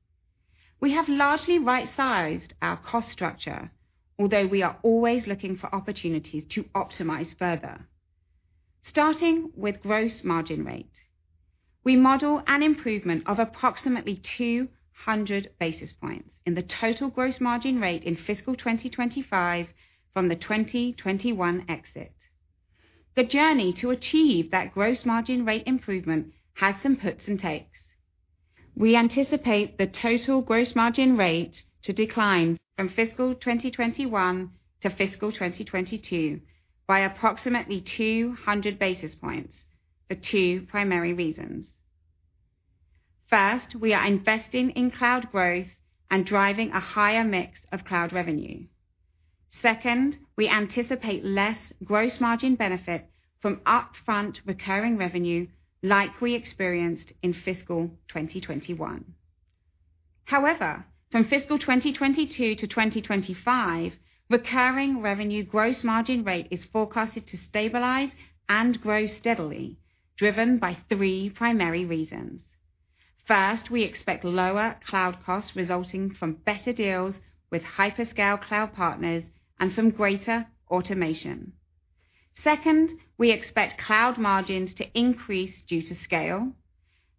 We have largely right-sized our cost structure, although we are always looking for opportunities to optimize further. Starting with gross margin rate, we model an improvement of approximately 200 basis points in the total gross margin rate in fiscal 2025 from the 2021 exit. The journey to achieve that gross margin rate improvement has some puts and takes. We anticipate the total gross margin rate to decline from fiscal 2021 to fiscal 2022 by approximately 200 basis points for two primary reasons. First, we are investing in cloud growth and driving a higher mix of cloud revenue. Second, we anticipate less gross margin benefit from upfront recurring revenue like we experienced in fiscal 2021. From fiscal 2022 to 2025, recurring revenue gross margin rate is forecasted to stabilize and grow steadily, driven by three primary reasons. First, we expect lower cloud costs resulting from better deals with hyperscale cloud partners and from greater automation. Second, we expect cloud margins to increase due to scale.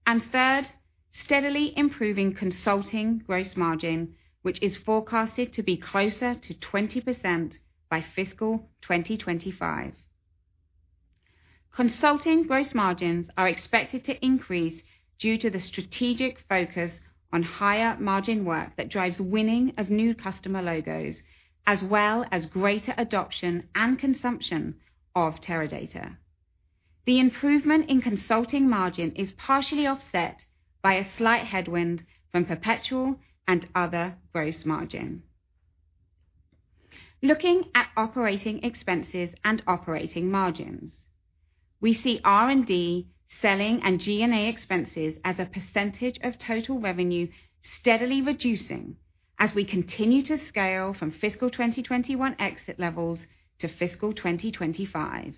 Third, steadily improving consulting gross margin, which is forecasted to be closer to 20% by fiscal 2025. Consulting gross margins are expected to increase due to the strategic focus on higher-margin work that drives winning of new customer logos, as well as greater adoption and consumption of Teradata. The improvement in consulting margin is partially offset by a slight headwind from perpetual and other gross margin. Looking at operating expenses and operating margins, we see R&D, selling, and G&A expenses as a percentage of total revenue steadily reducing as we continue to scale from fiscal 2021 exit levels to fiscal 2025.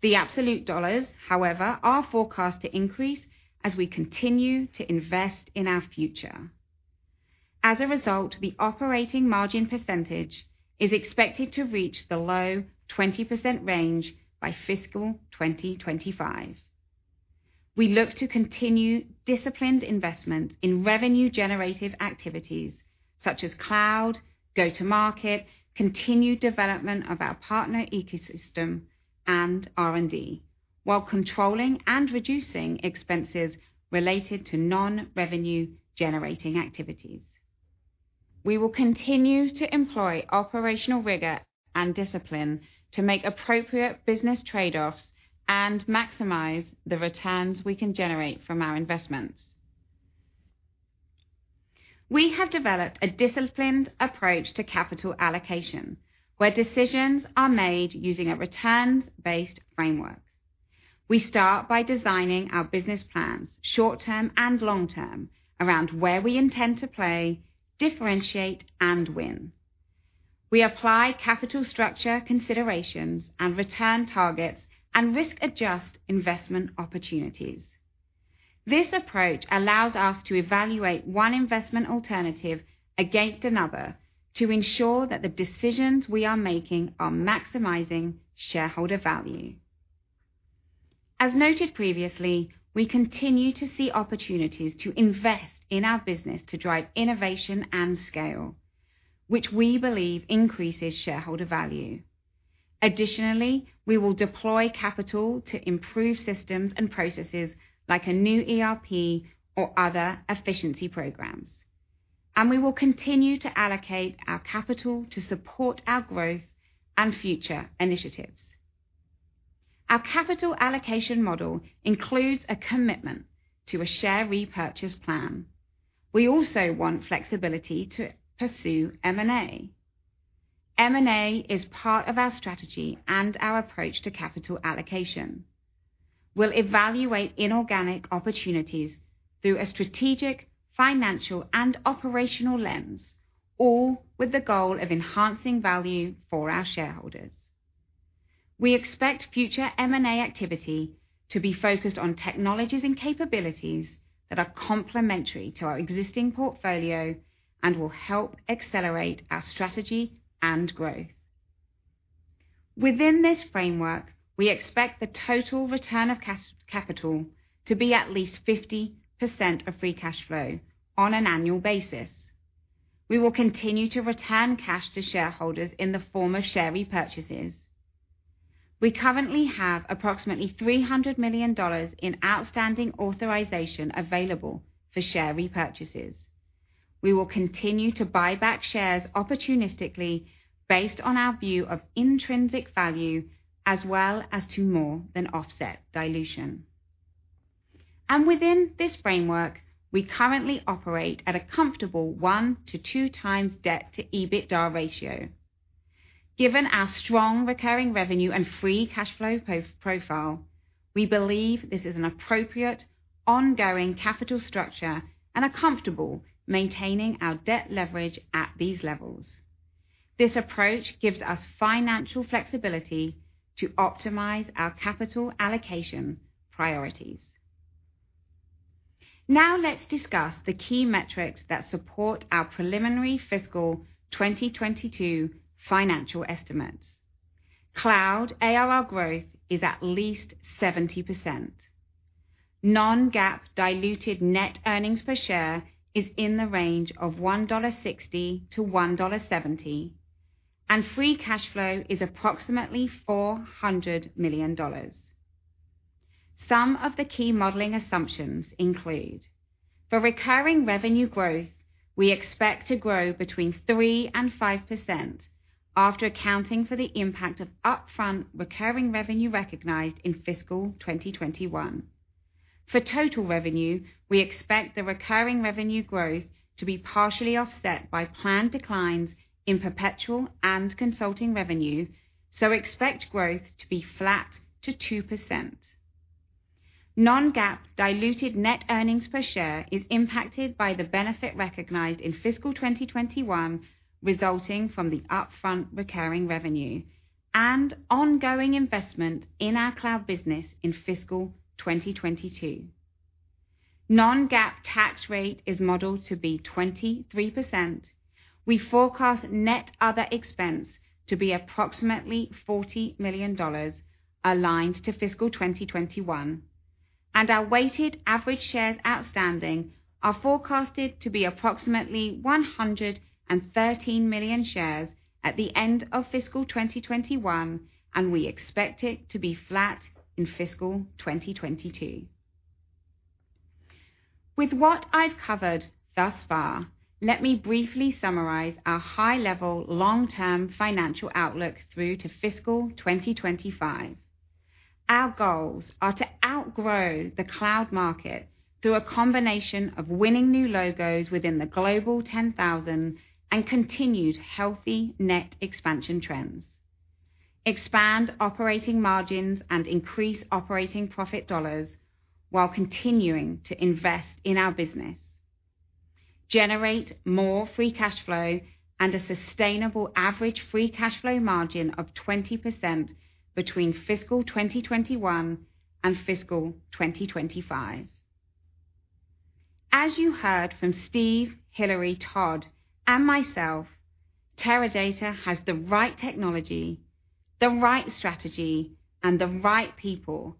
The absolute dollars, however, are forecast to increase as we continue to invest in our future. As a result, the operating margin percentage is expected to reach the low 20% range by fiscal 2025. We look to continue disciplined investment in revenue-generative activities such as cloud, go-to-market, continued development of our partner ecosystem, and R&D, while controlling and reducing expenses related to non-revenue-generating activities. We will continue to employ operational rigor and discipline to make appropriate business trade-offs and maximize the returns we can generate from our investments. We have developed a disciplined approach to capital allocation where decisions are made using a returns-based framework. We start by designing our business plans, short-term and long-term, around where we intend to play, differentiate, and win. We apply capital structure considerations and return targets and risk-adjust investment opportunities. This approach allows us to evaluate one investment alternative against another to ensure that the decisions we are making are maximizing shareholder value. As noted previously, we continue to see opportunities to invest in our business to drive innovation and scale, which we believe increases shareholder value. We will deploy capital to improve systems and processes like a new ERP or other efficiency programs, and we will continue to allocate our capital to support our growth and future initiatives. Our capital allocation model includes a commitment to a share repurchase plan. We also want flexibility to pursue M&A. M&A is part of our strategy and our approach to capital allocation. We will evaluate inorganic opportunities through a strategic, financial, and operational lens, all with the goal of enhancing value for our shareholders. We expect future M&A activity to be focused on technologies and capabilities that are complementary to our existing portfolio and will help accelerate our strategy and growth. Within this framework, we expect the total return of capital to be at least 50% of free cash flow on an annual basis. We will continue to return cash to shareholders in the form of share repurchases. We currently have approximately $300 million in outstanding authorization available for share repurchases. We will continue to buy back shares opportunistically based on our view of intrinsic value, as well as to more than offset dilution. Within this framework, we currently operate at a comfortable 1x-2x debt-to-EBITDA ratio. Given our strong recurring revenue and free cash flow profile, we believe this is an appropriate ongoing capital structure and are comfortable maintaining our debt leverage at these levels. This approach gives us financial flexibility to optimize our capital allocation priorities. Now let's discuss the key metrics that support our preliminary fiscal 2022 financial estimates. Cloud ARR growth is at least 70%. Non-GAAP diluted net earnings per share is in the range of $1.60-$1.70, and free cash flow is approximately $400 million. Some of the key modeling assumptions include, for recurring revenue growth, we expect to grow between 3% and 5% after accounting for the impact of upfront recurring revenue recognized in fiscal 2021. For total revenue, we expect the recurring revenue growth to be partially offset by planned declines in perpetual and consulting revenue. Expect growth to be flat to 2%. Non-GAAP diluted net earnings per share is impacted by the benefit recognized in fiscal 2021 resulting from the upfront recurring revenue and ongoing investment in our cloud business in fiscal 2022. Non-GAAP tax rate is modeled to be 23%. We forecast net other expense to be approximately $40 million, aligned to fiscal 2021, and our weighted average shares outstanding are forecasted to be approximately 113 million shares at the end of fiscal 2021, and we expect it to be flat in fiscal 2022. With what I've covered thus far, let me briefly summarize our high-level long-term financial outlook through to fiscal 2025. Our goals are to outgrow the cloud market through a combination of winning new logos within the Global 10,000 and continued healthy net expansion trends, expand operating margins and increase operating profit dollars while continuing to invest in our business, generate more free cash flow and a sustainable average free cash flow margin of 20% between fiscal 2021 and fiscal 2025. As you heard from Steve, Hillary, Todd, and myself, Teradata has the right technology, the right strategy, and the right people.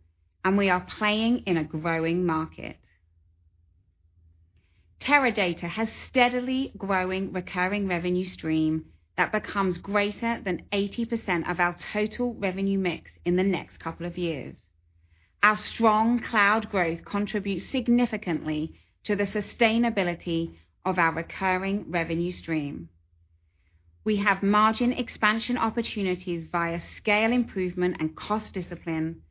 We are playing in a growing market. Teradata has steadily growing recurring revenue stream that becomes greater than 80% of our total revenue mix in the next couple of years. Our strong cloud growth contributes significantly to the sustainability of our recurring revenue stream. We have margin expansion opportunities via scale improvement and cost discipline,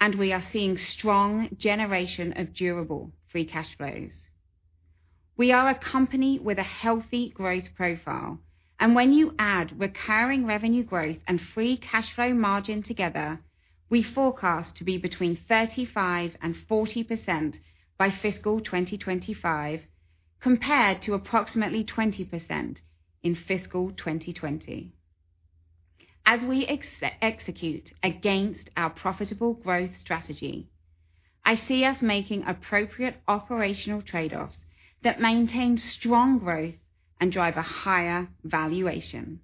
and we are seeing strong generation of durable free cash flows. We are a company with a healthy growth profile, and when you add recurring revenue growth and free cash flow margin together, we forecast to be between 35% and 40% by fiscal 2025, compared to approximately 20% in fiscal 2020. As we execute against our profitable growth strategy, I see us making appropriate operational trade-offs that maintain strong growth and drive a higher valuation.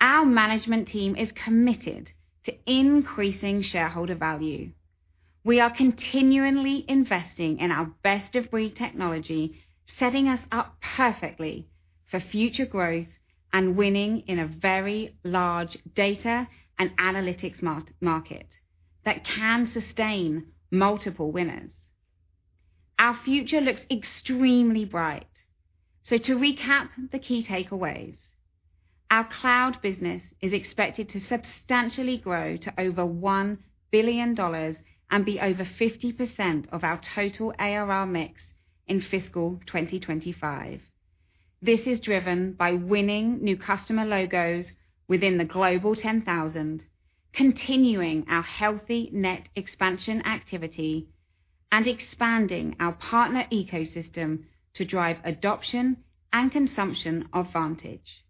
Our management team is committed to increasing shareholder value. We are continually investing in our best-of-breed technology, setting us up perfectly for future growth and winning in a very large data and analytics market that can sustain multiple winners. Our future looks extremely bright. To recap the key takeaways, our cloud business is expected to substantially grow to over $1 billion and be over 50% of our total ARR mix in FY 2025. This is driven by winning new customer logos within the Global 10,000, continuing our healthy net expansion activity, and expanding our partner ecosystem to drive adoption and consumption of Vantage.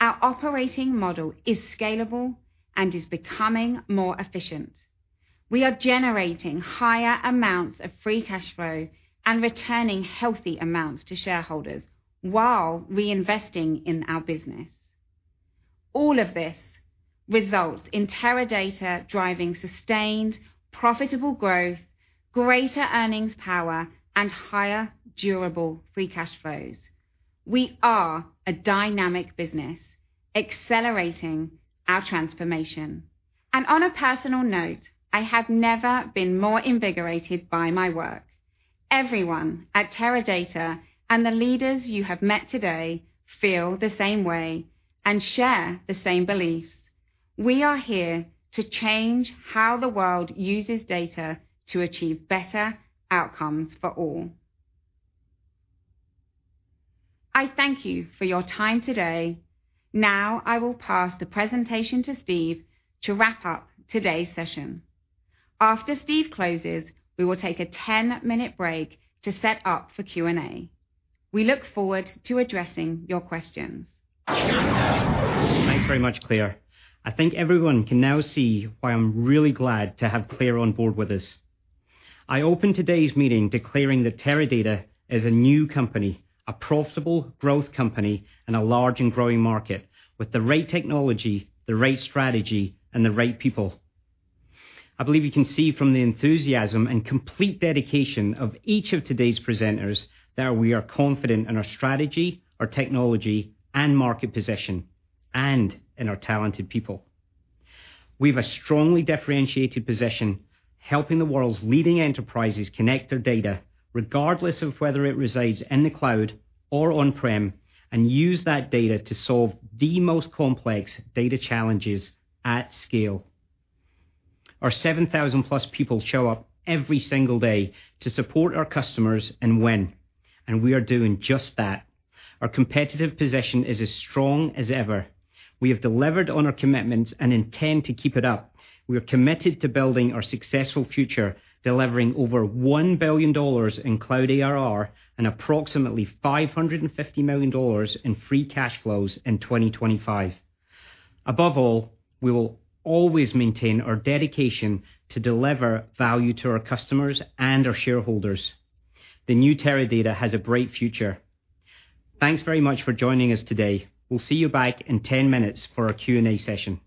Our operating model is scalable and is becoming more efficient. We are generating higher amounts of free cash flow and returning healthy amounts to shareholders while reinvesting in our business. All of this results in Teradata driving sustained profitable growth, greater earnings power, and higher durable free cash flows. We are a dynamic business accelerating our transformation. On a personal note, I have never been more invigorated by my work. Everyone at Teradata and the leaders you have met today feel the same way and share the same beliefs. We are here to change how the world uses data to achieve better outcomes for all. I thank you for your time today. Now I will pass the presentation to Steve to wrap up today's session. After Steve closes, we will take a 10-minute break to set up for Q&A. We look forward to addressing your questions. Thanks very much, Claire. I think everyone can now see why I'm really glad to have Claire on board with us. I opened today's meeting declaring that Teradata is a new company, a profitable growth company in a large and growing market with the right technology, the right strategy, and the right people. I believe you can see from the enthusiasm and complete dedication of each of today's presenters that we are confident in our strategy, our technology, and market position, and in our talented people. We've a strongly differentiated position helping the world's leading enterprises connect their data regardless of whether it resides in the cloud or on-prem, and use that data to solve the most complex data challenges at scale. Our 7,000+ people show up every single day to support our customers and win. We are doing just that. Our competitive position is as strong as ever. We have delivered on our commitments and intend to keep it up. We are committed to building our successful future, delivering over $1 billion in cloud ARR and approximately $550 million in free cash flows in 2025. Above all, we will always maintain our dedication to deliver value to our customers and our shareholders. The new Teradata has a bright future. Thanks very much for joining us today. We will see you back in 10 minutes for our Q&A session.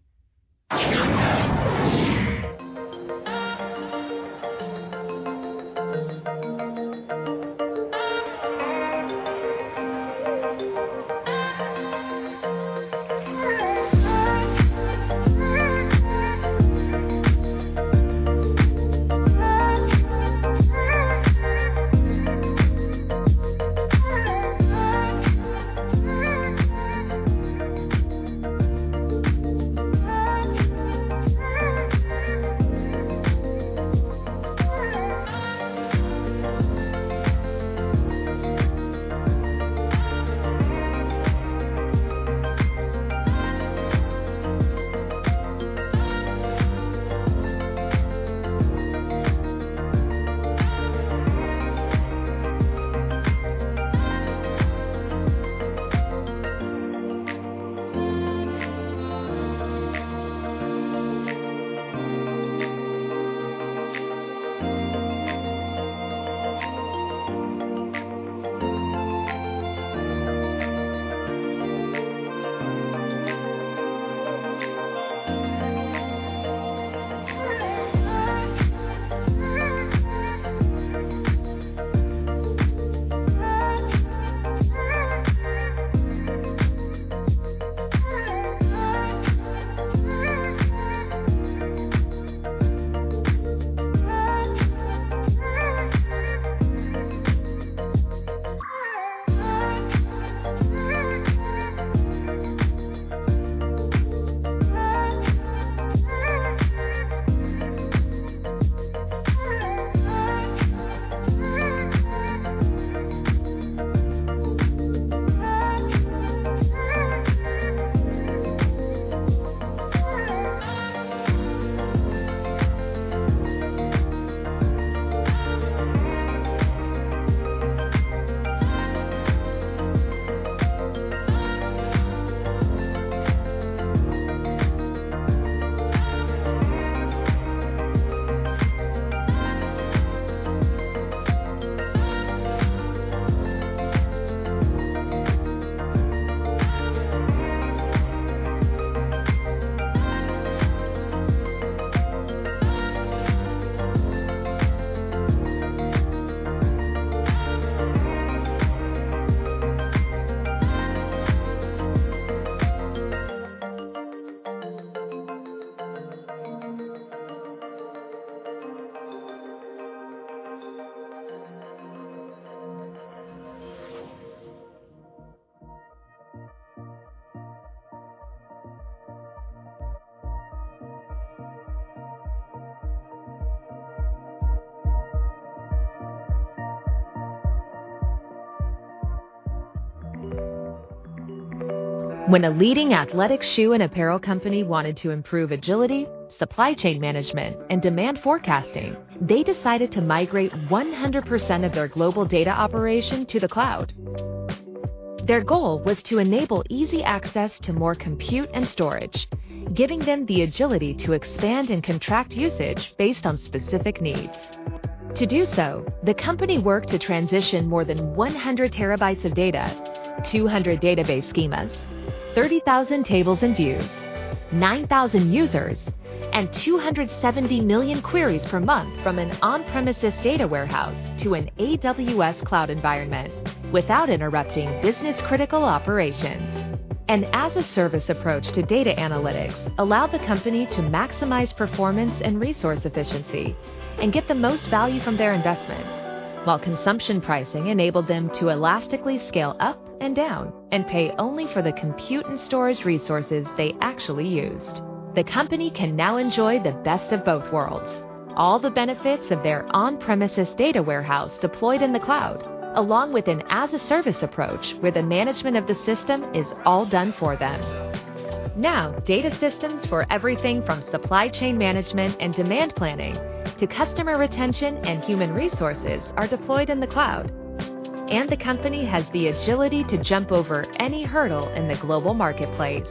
When a leading athletic shoe and apparel company wanted to improve agility, supply chain management, and demand forecasting, they decided to migrate 100% of their global data operation to the cloud. Their goal was to enable easy access to more compute and storage, giving them the agility to expand and contract usage based on specific needs. To do so, the company worked to transition more than 100 TB of data, 200 database schemas, 30,000 tables and views, 9,000 users, and 270 million queries per month from an on-premises data warehouse to an AWS cloud environment without interrupting business-critical operations. An as-a-service approach to data analytics allowed the company to maximize performance and resource efficiency and get the most value from their investment, while consumption pricing enabled them to elastically scale up and down and pay only for the compute and storage resources they actually used. The company can now enjoy the best of both worlds. All the benefits of their on-premises data warehouse deployed in the cloud, along with an as-a-service approach where the management of the system is all done for them. Now, data systems for everything from supply chain management and demand planning to customer retention and human resources are deployed in the cloud, and the company has the agility to jump over any hurdle in the global marketplace.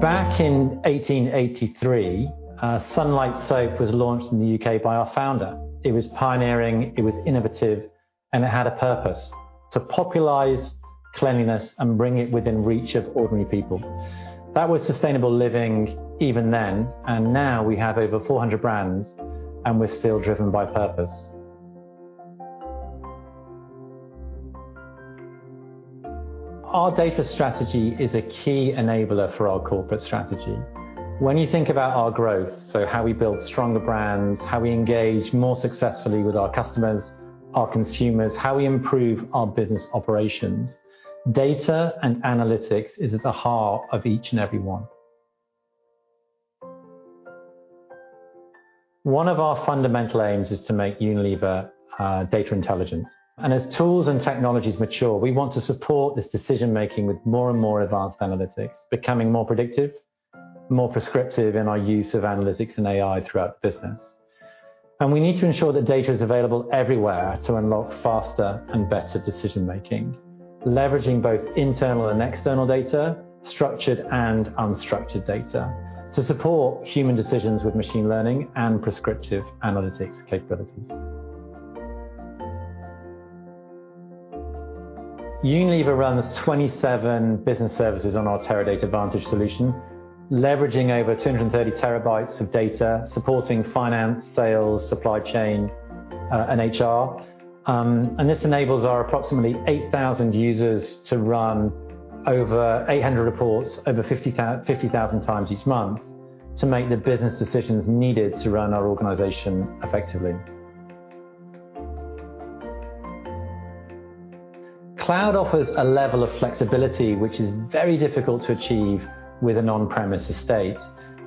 Back in 1883, Sunlight Soap was launched in the U.K. by our founder. It was pioneering, it was innovative, and it had a purpose: to popularize cleanliness and bring it within reach of ordinary people. That was sustainable living even then. Now we have over 400 brands and we're still driven by purpose. Our data strategy is a key enabler for our corporate strategy. When you think about our growth, so how we build stronger brands, how we engage more successfully with our customers, our consumers, how we improve our business operations, data and analytics is at the heart of each and every one. One of our fundamental aims is to make Unilever data intelligent. As tools and technologies mature, we want to support this decision-making with more and more advanced analytics, becoming more predictive, more prescriptive in our use of analytics and AI throughout the business. We need to ensure that data is available everywhere to unlock faster and better decision-making, leveraging both internal and external data, structured and unstructured data, to support human decisions with machine learning and prescriptive analytics capabilities. Unilever runs 27 business services on our Teradata Vantage solution, leveraging over 230 TB of data, supporting finance, sales, supply chain, and HR. This enables our approximately 8,000 users to run over 800 reports over 50,000 times each month to make the business decisions needed to run our organization effectively. Cloud offers a level of flexibility which is very difficult to achieve with an on-premises state.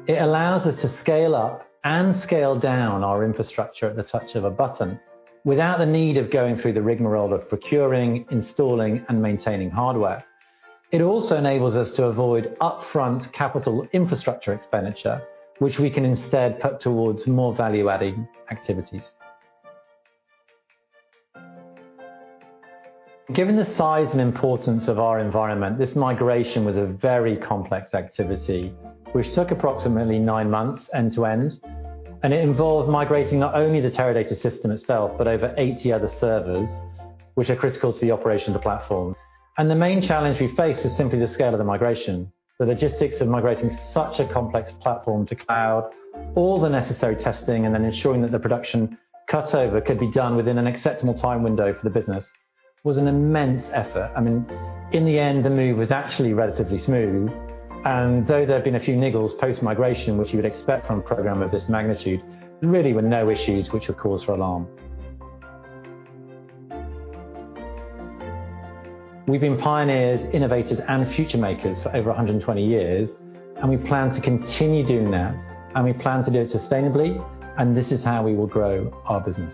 It allows us to scale up and scale down our infrastructure at the touch of a button without the need of going through the rigmarole of procuring, installing, and maintaining hardware. It also enables us to avoid upfront capital infrastructure expenditure, which we can instead put towards more value-adding activities. Given the size and importance of our environment, this migration was a very complex activity which took approximately nine months end to end. It involved migrating not only the Teradata system itself, but over 80 other servers, which are critical to the operation of the platform. The main challenge we faced was simply the scale of the migration. The logistics of migrating such a complex platform to cloud, all the necessary testing, and then ensuring that the production cutover could be done within an acceptable time window for the business was an immense effort. In the end, the move was actually relatively smooth, and though there have been a few niggles post-migration, which you would expect from a program of this magnitude, there really were no issues which were cause for alarm. We've been pioneers, innovators, and future makers for over 120 years, and we plan to continue doing that, and we plan to do it sustainably, and this is how we will grow our business.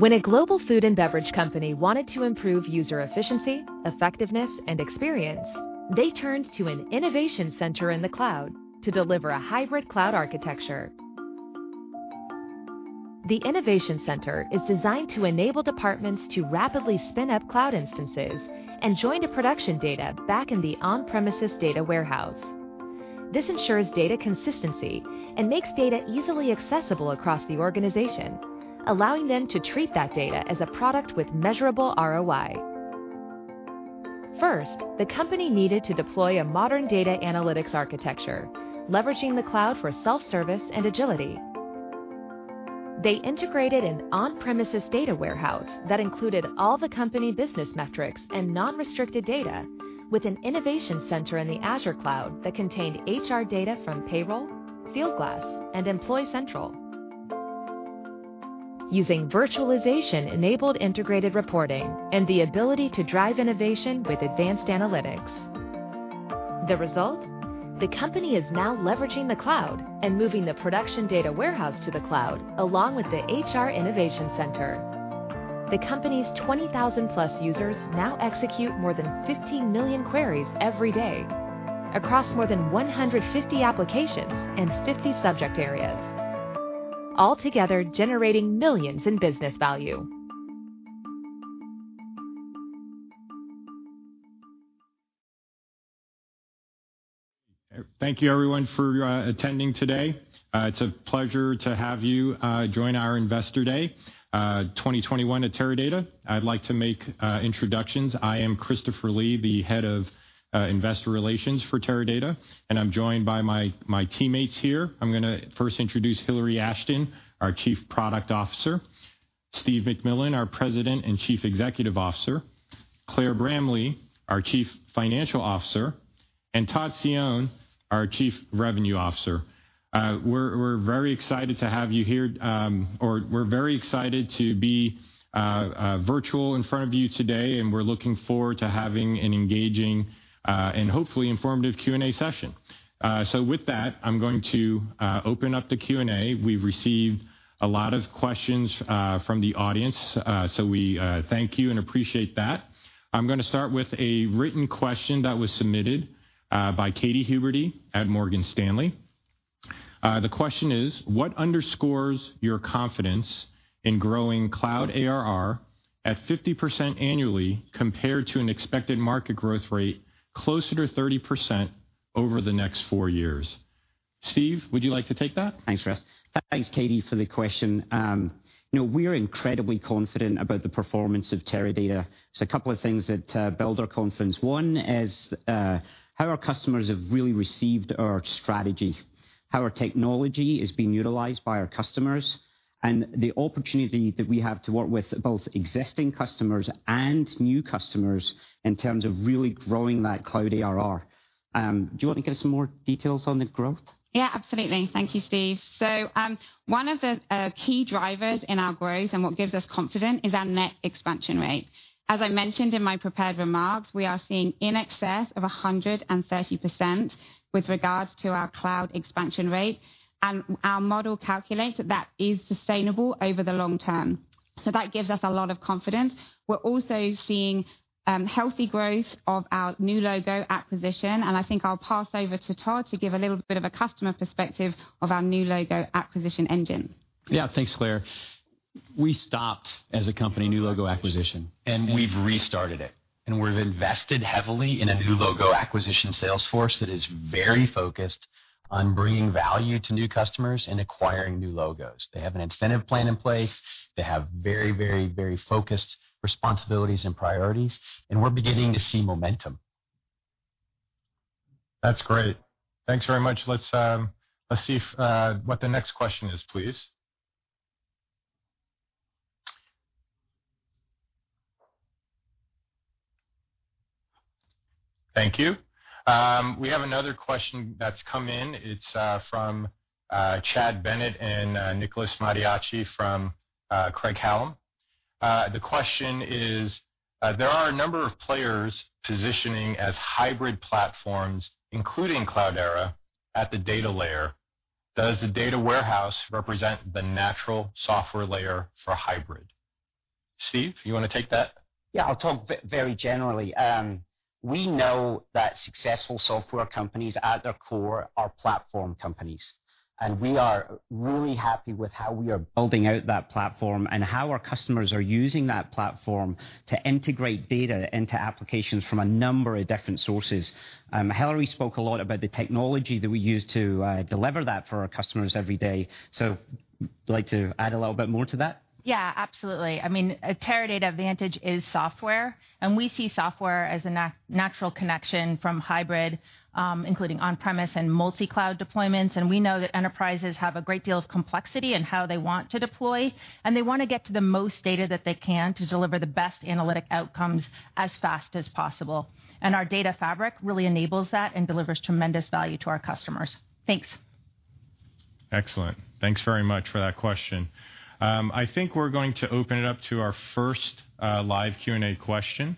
When a global food and beverage company wanted to improve user efficiency, effectiveness, and experience, they turned to an innovation center in the cloud to deliver a hybrid cloud architecture. The innovation center is designed to enable departments to rapidly spin up cloud instances and join to production data back in the on-premises data warehouse. This ensures data consistency and makes data easily accessible across the organization, allowing them to treat that data as a product with measurable ROI. First, the company needed to deploy a modern data analytics architecture, leveraging the cloud for self-service and agility. They integrated an on-premises data warehouse that included all the company business metrics and non-restricted data with an innovation center in the Azure cloud that contained HR data from Payroll, Fieldglass, and Employee Central. Using virtualization-enabled integrated reporting and the ability to drive innovation with advanced analytics. The result, the company is now leveraging the cloud and moving the production data warehouse to the cloud, along with the HR innovation center. The company's 20,000+ users now execute more than 15 million queries every day across more than 150 applications and 50 subject areas, all together generating millions in business value. Thank you everyone for attending today. It's a pleasure to have you join our Investor Day 2021 at Teradata. I'd like to make introductions. I am Christopher Lee, the Head of Investor Relations for Teradata, and I'm joined by my teammates here. I'm going to first introduce Hillary Ashton, our Chief Product Officer, Steve McMillan, our President and Chief Executive Officer, Claire Bramley, our Chief Financial Officer, and Todd Cione, our Chief Revenue Officer. We're very excited to have you here, or we're very excited to be virtual in front of you today, and we're looking forward to having an engaging, and hopefully informative Q&A session. With that, I'm going to open up the Q&A. We've received a lot of questions from the audience. We thank you and appreciate that. I'm going to start with a written question that was submitted by Katy Huberty at Morgan Stanley. The question is, "What underscores your confidence in growing cloud ARR at 50% annually compared to an expected market growth rate closer to 30% over the next four years?" Steve, would you like to take that? Thanks, Chris. Thanks, Katy, for the question. We're incredibly confident about the performance of Teradata. A couple of things that build our confidence. One is how our customers have really received our strategy, how our technology is being utilized by our customers, and the opportunity that we have to work with both existing customers and new customers in terms of really growing that cloud ARR. Do you want to give some more details on the growth? Yeah, absolutely. Thank you, Steve. One of the key drivers in our growth and what gives us confidence is our net expansion rate. As I mentioned in my prepared remarks, we are seeing in excess of 130% with regards to our cloud expansion rate. Our model calculates that is sustainable over the long term. That gives us a lot of confidence. We're also seeing healthy growth of our new logo acquisition, and I think I'll pass over to Todd to give a little bit of a customer perspective of our new logo acquisition engine. Yeah. Thanks, Claire. We stopped as a company new logo acquisition, and we've restarted it, and we've invested heavily in a new logo acquisition sales force that is very focused on bringing value to new customers and acquiring new logos. They have an incentive plan in place. They have very focused responsibilities and priorities, and we're beginning to see momentum. That's great. Thanks very much. Let's see what the next question is, please. Thank you. We have another question that's come in. It's from Chad Bennett and Nicholas Mattiacci from Craig-Hallum. The question is, "There are a number of players positioning as hybrid platforms, including Cloudera at the data layer. Does the data warehouse represent the natural software layer for hybrid?" Steve, you want to take that? Yeah, I'll talk very generally. We know that successful software companies at their core are platform companies, and we are really happy with how we are building out that platform and how our customers are using that platform to integrate data into applications from a number of different sources. Hillary spoke a lot about the technology that we use to deliver that for our customers every day. Would you like to add a little bit more to that? Yeah, absolutely. Teradata Vantage is software. We see software as a natural connection from hybrid, including on-premise and multi-cloud deployments. We know that enterprises have a great deal of complexity in how they want to deploy, and they want to get to the most data that they can to deliver the best analytic outcomes as fast as possible. Our data fabric really enables that and delivers tremendous value to our customers. Thanks. Excellent. Thanks very much for that question. I think we're going to open it up to our first live Q&A question.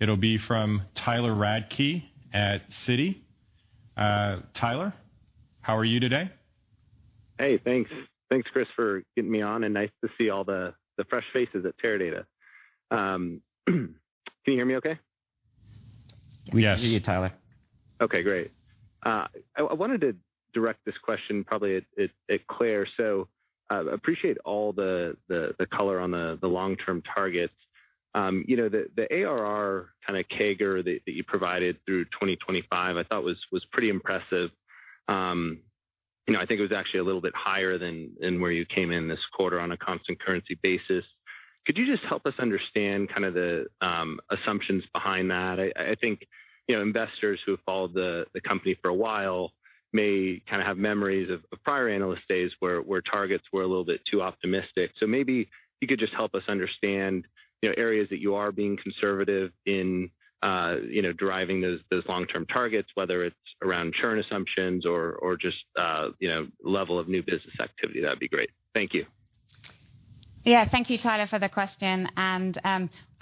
It'll be from Tyler Radke at Citi. Tyler, how are you today? Hey, thanks. Thanks, Chris, for getting me on, and nice to see all the fresh faces at Teradata. Can you hear me okay? Yes. We hear you, Tyler. Okay, great. I wanted to direct this question probably at Claire. Appreciate all the color on the long-term targets. The ARR kind of CAGR that you provided through 2025, I thought was pretty impressive. I think it was actually a little bit higher than where you came in this quarter on a constant currency basis. Could you just help us understand the assumptions behind that? I think investors who have followed the company for a while may have memories of prior Analyst Days where targets were a little bit too optimistic. Maybe you could just help us understand areas that you are being conservative in deriving those long-term targets, whether it's around churn assumptions or just level of new business activity, that'd be great. Thank you. Thank you, Tyler, for the question.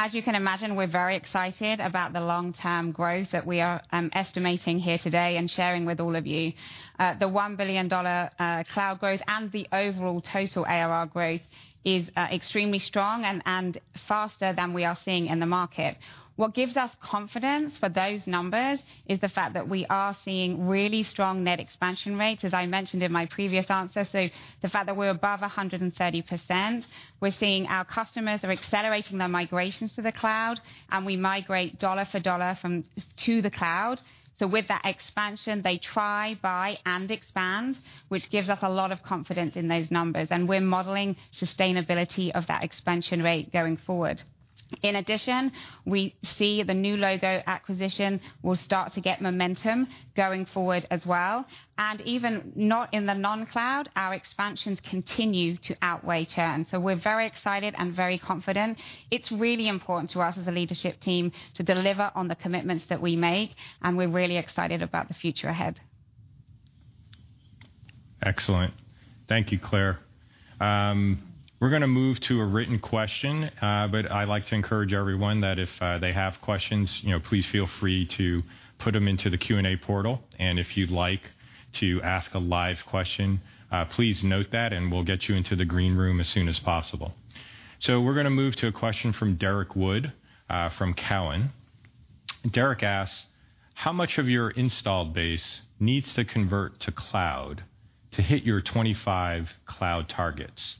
As you can imagine, we are very excited about the long-term growth that we are estimating here today and sharing with all of you. The $1 billion cloud growth and the overall total ARR growth is extremely strong and faster than we are seeing in the market. What gives us confidence for those numbers is the fact that we are seeing really strong net expansion rates, as I mentioned in my previous answer, so the fact that we're above 130%. We're seeing our customers are accelerating their migrations to the cloud, and we migrate dollar for dollar to the cloud. With that expansion, they try, buy, and expand, which gives us a lot of confidence in those numbers. We're modeling sustainability of that expansion rate going forward. In addition, we see the new logo acquisition will start to get momentum going forward as well. Even not in the non-cloud, our expansions continue to outweigh churn. We're very excited and very confident. It's really important to us as a leadership team to deliver on the commitments that we make, and we're really excited about the future ahead. Excellent. Thank you, Claire. We're going to move to a written question, but I'd like to encourage everyone that if they have questions, please feel free to put them into the Q&A portal. If you'd like to ask a live question, please note that, and we'll get you into the green room as soon as possible. We're going to move to a question from Derrick Wood, from Cowen. Derrick asks, "How much of your installed base needs to convert to cloud to hit your 2025 cloud targets?"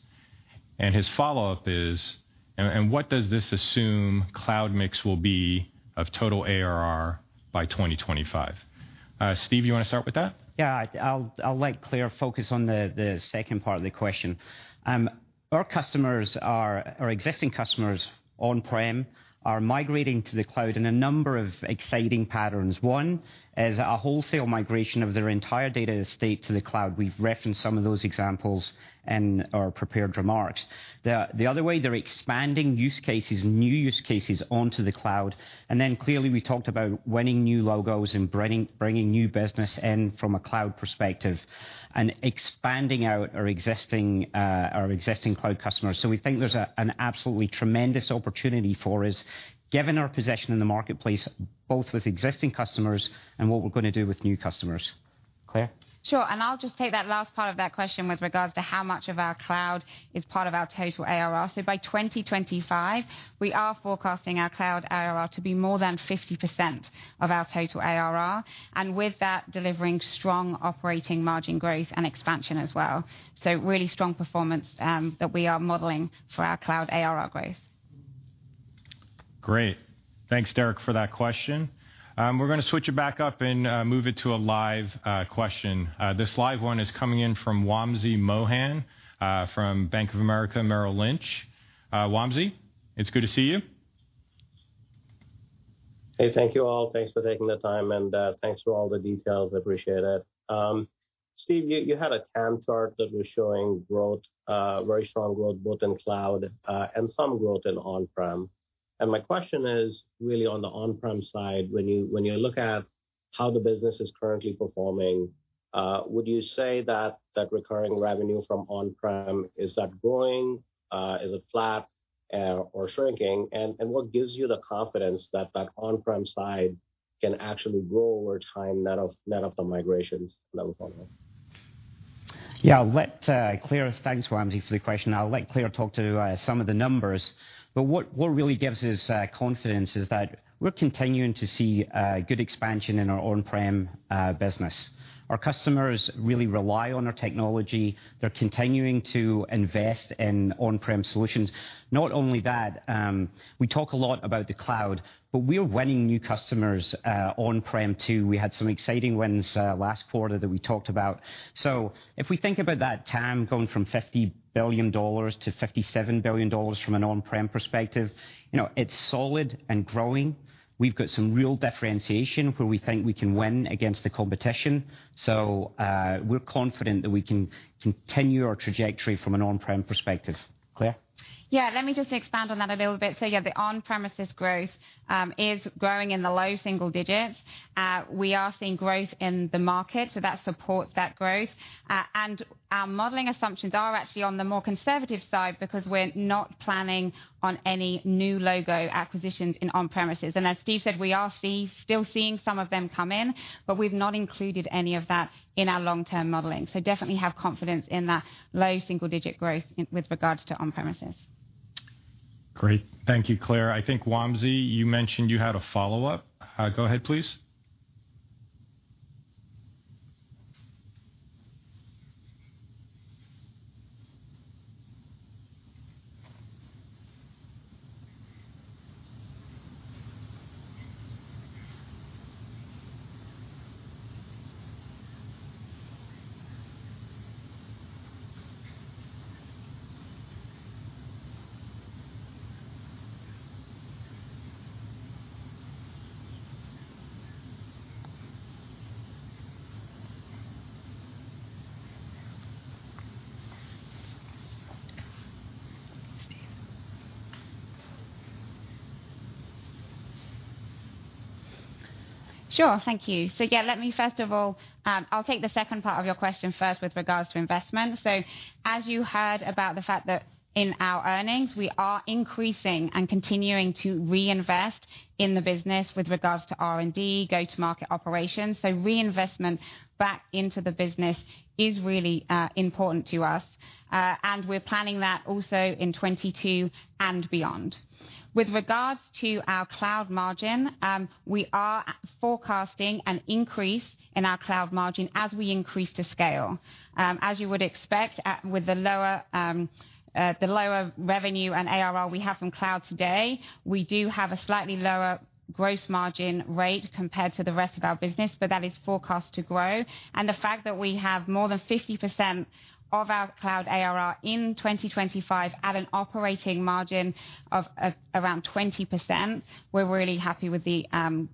His follow-up is, "What does this assume cloud mix will be of total ARR by 2025?" Steve, you want to start with that? I'll let Claire focus on the second part of the question. Our existing customers on-prem are migrating to the cloud in a number of exciting patterns. One is a wholesale migration of their entire data estate to the cloud. We've referenced some of those examples in our prepared remarks. The other way, they're expanding use cases, new use cases, onto the cloud. Clearly, we talked about winning new logos and bringing new business in from a cloud perspective and expanding out our existing cloud customers. We think there's an absolutely tremendous opportunity for us, given our position in the marketplace, both with existing customers and what we're going to do with new customers. Claire? Sure. I'll just take that last part of that question with regards to how much of our cloud is part of our total ARR. By 2025, we are forecasting our cloud ARR to be more than 50% of our total ARR. With that, delivering strong operating margin growth and expansion as well. Really strong performance that we are modeling for our cloud ARR growth. Great. Thanks, Derrick, for that question. We're going to switch it back up and move it to a live question. This live one is coming in from Wamsi Mohan from Bank of America Merrill Lynch. Wamsi, it's good to see you. Hey. Thank you, all. Thanks for taking the time, thanks for all the details. I appreciate it. Steve, you had a TAM chart that was showing very strong growth both in cloud and some growth in on-prem. My question is really on the on-prem side. When you look at how the business is currently performing, would you say that recurring revenue from on-prem, is that growing? Is it flat or shrinking? What gives you the confidence that that on-prem side can actually grow over time net of the migrations that we're talking about? Thanks, Wamsi, for the question. I'll let Claire talk to some of the numbers. What really gives us confidence is that we're continuing to see good expansion in our on-prem business. Our customers really rely on our technology. They're continuing to invest in on-prem solutions. Not only that, we talk a lot about the cloud, but we're winning new customers on-prem, too. We had some exciting wins last quarter that we talked about. If we think about that TAM going from $50 billion-$57 billion from an on-prem perspective, it's solid and growing. We've got some real differentiation where we think we can win against the competition. We're confident that we can continue our trajectory from an on-prem perspective. Claire? Yeah, let me just expand on that a little bit. Yeah, the on-premises growth is growing in the low single digits. We are seeing growth in the market, that supports that growth. Our modeling assumptions are actually on the more conservative side because we're not planning on any new logo acquisitions in on-premises. As Steve said, we are still seeing some of them come in, but we've not included any of that in our long-term modeling. Definitely have confidence in that low single-digit growth with regards to on-premises. Great. Thank you, Claire. I think, Wamsi, you mentioned you had a follow-up. Go ahead, please. Thank you. Let me first of all, I'll take the second part of your question first with regards to investment. As you heard about the fact that in our earnings, we are increasing and continuing to reinvest in the business with regards to R&D, go-to-market operations. Reinvestment back into the business is really important to us. We're planning that also in 2022 and beyond. With regards to our cloud margin, we are forecasting an increase in our cloud margin as we increase to scale. As you would expect with the lower revenue and ARR we have from cloud today, we do have a slightly lower gross margin rate compared to the rest of our business, that is forecast to grow. The fact that we have more than 50% of our cloud ARR in 2025 at an operating margin of around 20%, we're really happy with the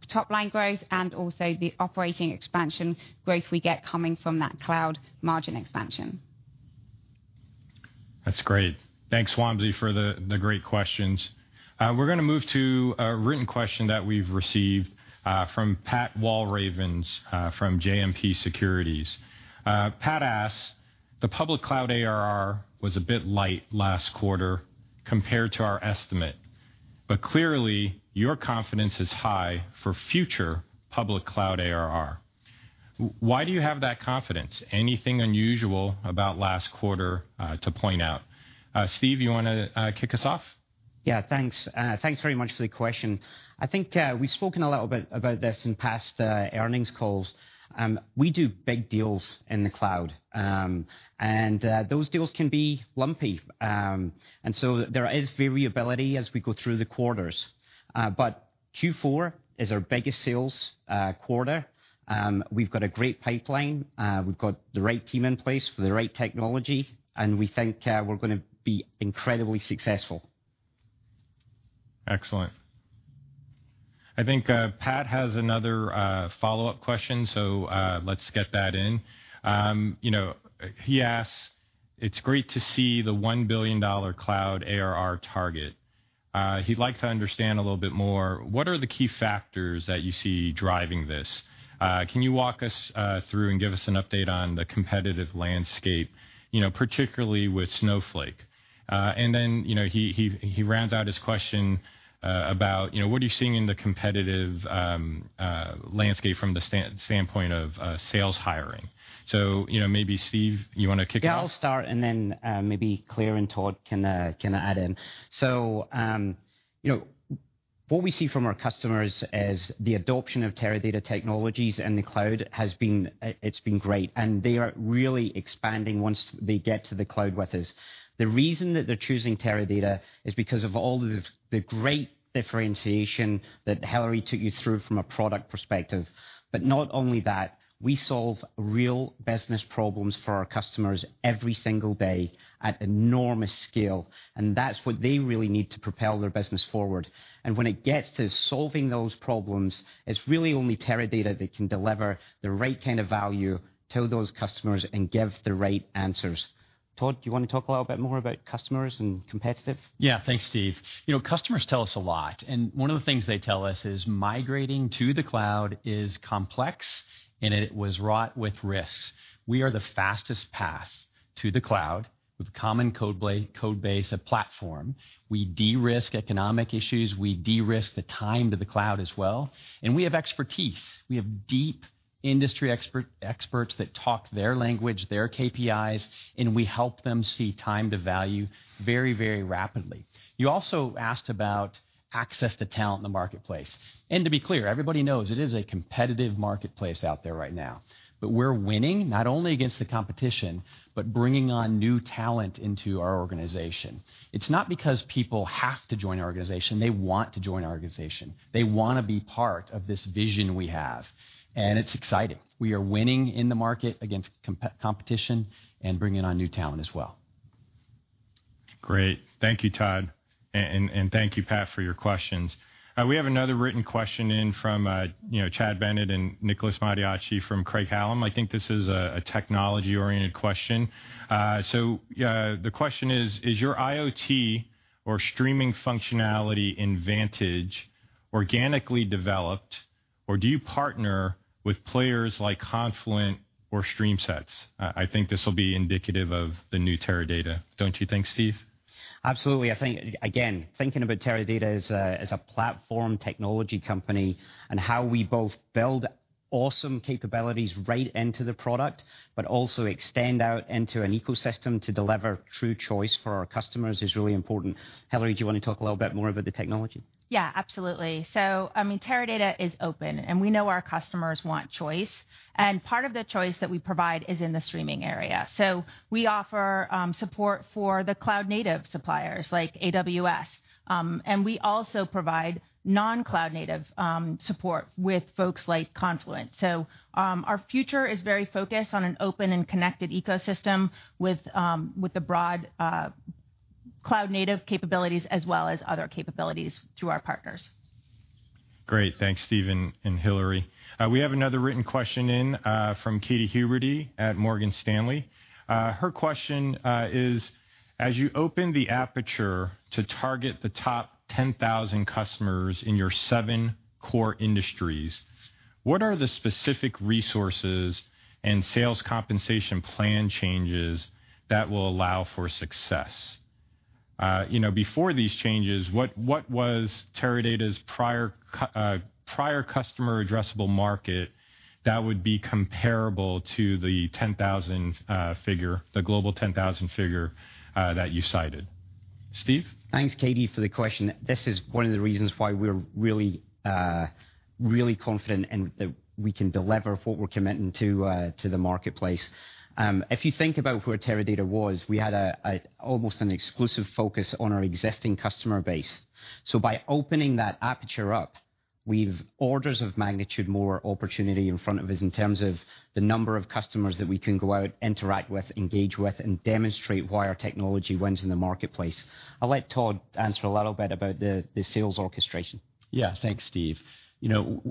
top-line growth and also the operating expansion growth we get coming from that cloud margin expansion. That's great. Thanks, Wamsi, for the great questions. We're going to move to a written question that we've received from Pat Walravens from JMP Securities. Pat asks, "The public cloud ARR was a bit light last quarter compared to our estimate, but clearly your confidence is high for future public cloud ARR. Why do you have that confidence? Anything unusual about last quarter to point out?" Steve, you want to kick us off? Yeah, thanks. Thanks very much for the question. I think we've spoken a little bit about this in past earnings calls. We do big deals in the cloud, and those deals can be lumpy. There is variability as we go through the quarters. Q4 is our biggest sales quarter. We've got a great pipeline. We've got the right team in place with the right technology, and we think we're going to be incredibly successful. Excellent. I think Pat has another follow-up question, so let's get that in. He asks, "It's great to see the $1 billion cloud ARR target." He'd like to understand a little bit more, what are the key factors that you see driving this? Can you walk us through and give us an update on the competitive landscape, particularly with Snowflake? He rounds out his question about what are you seeing in the competitive landscape from the standpoint of sales hiring? Maybe Steve, you want to kick off? Yeah, I'll start, and then maybe Claire and Todd can add in. What we see from our customers as the adoption of Teradata technologies in the cloud, it's been great. They are really expanding once they get to the cloud with us. The reason that they're choosing Teradata is because of all the great differentiation that Hillary took you through from a product perspective. Not only that, we solve real business problems for our customers every single day at enormous scale, and that's what they really need to propel their business forward. When it gets to solving those problems, it's really only Teradata that can deliver the right kind of value to those customers and give the right answers. Todd, do you want to talk a little bit more about customers and competitive? Yeah. Thanks, Steve. Customers tell us a lot, and one of the things they tell us is migrating to the cloud is complex, and it was wrought with risks. We are the fastest path to the cloud with common code base of platform. We de-risk economic issues. We de-risk the time to the cloud as well, and we have expertise. We have deep industry experts that talk their language, their KPIs, and we help them see time to value very, very rapidly. You also asked about access to talent in the marketplace. To be clear, everybody knows it is a competitive marketplace out there right now. We're winning not only against the competition, but bringing on new talent into our organization. It's not because people have to join our organization. They want to join our organization. They want to be part of this vision we have, and it's exciting. We are winning in the market against competition and bringing on new talent as well. Great. Thank you, Todd, and thank you, Pat, for your questions. We have another written question in from Chad Bennett and [Nicholas Mattiacci] from Craig-Hallum. I think this is a technology-oriented question. The question is, "Is your IoT or streaming functionality in Vantage organically developed, or do you partner with players like Confluent or StreamSets?" I think this will be indicative of the new Teradata, don't you think, Steve? Absolutely. I think, again, thinking about Teradata as a platform technology company and how we both build awesome capabilities right into the product, but also extend out into an ecosystem to deliver true choice for our customers is really important. Hillary, do you want to talk a little bit more about the technology? Yeah, absolutely. Teradata is open, and we know our customers want choice. Part of the choice that we provide is in the streaming area. We offer support for the cloud-native suppliers like AWS. We also provide non-cloud native support with folks like Confluent. Our future is very focused on an open and connected ecosystem with the broad cloud-native capabilities as well as other capabilities through our partners. Great. Thanks, Steve and Hillary. We have another written question in from Katy Huberty at Morgan Stanley. Her question is, "As you open the aperture to target the top 10,000 customers in your seven core industries, what are the specific resources and sales compensation plan changes that will allow for success? Before these changes, what was Teradata's prior customer addressable market that would be comparable to the 10,000 figure, the Global 10,000 figure that you cited? Steve? Thanks, Katy, for the question. This is one of the reasons why we're really confident in that we can deliver what we're committing to the marketplace. If you think about where Teradata was, we had almost an exclusive focus on our existing customer base. By opening that aperture up, we've orders of magnitude more opportunity in front of us in terms of the number of customers that we can go out, interact with, engage with, and demonstrate why our technology wins in the marketplace. I'll let Todd answer a little bit about the sales orchestration. Thanks, Steve.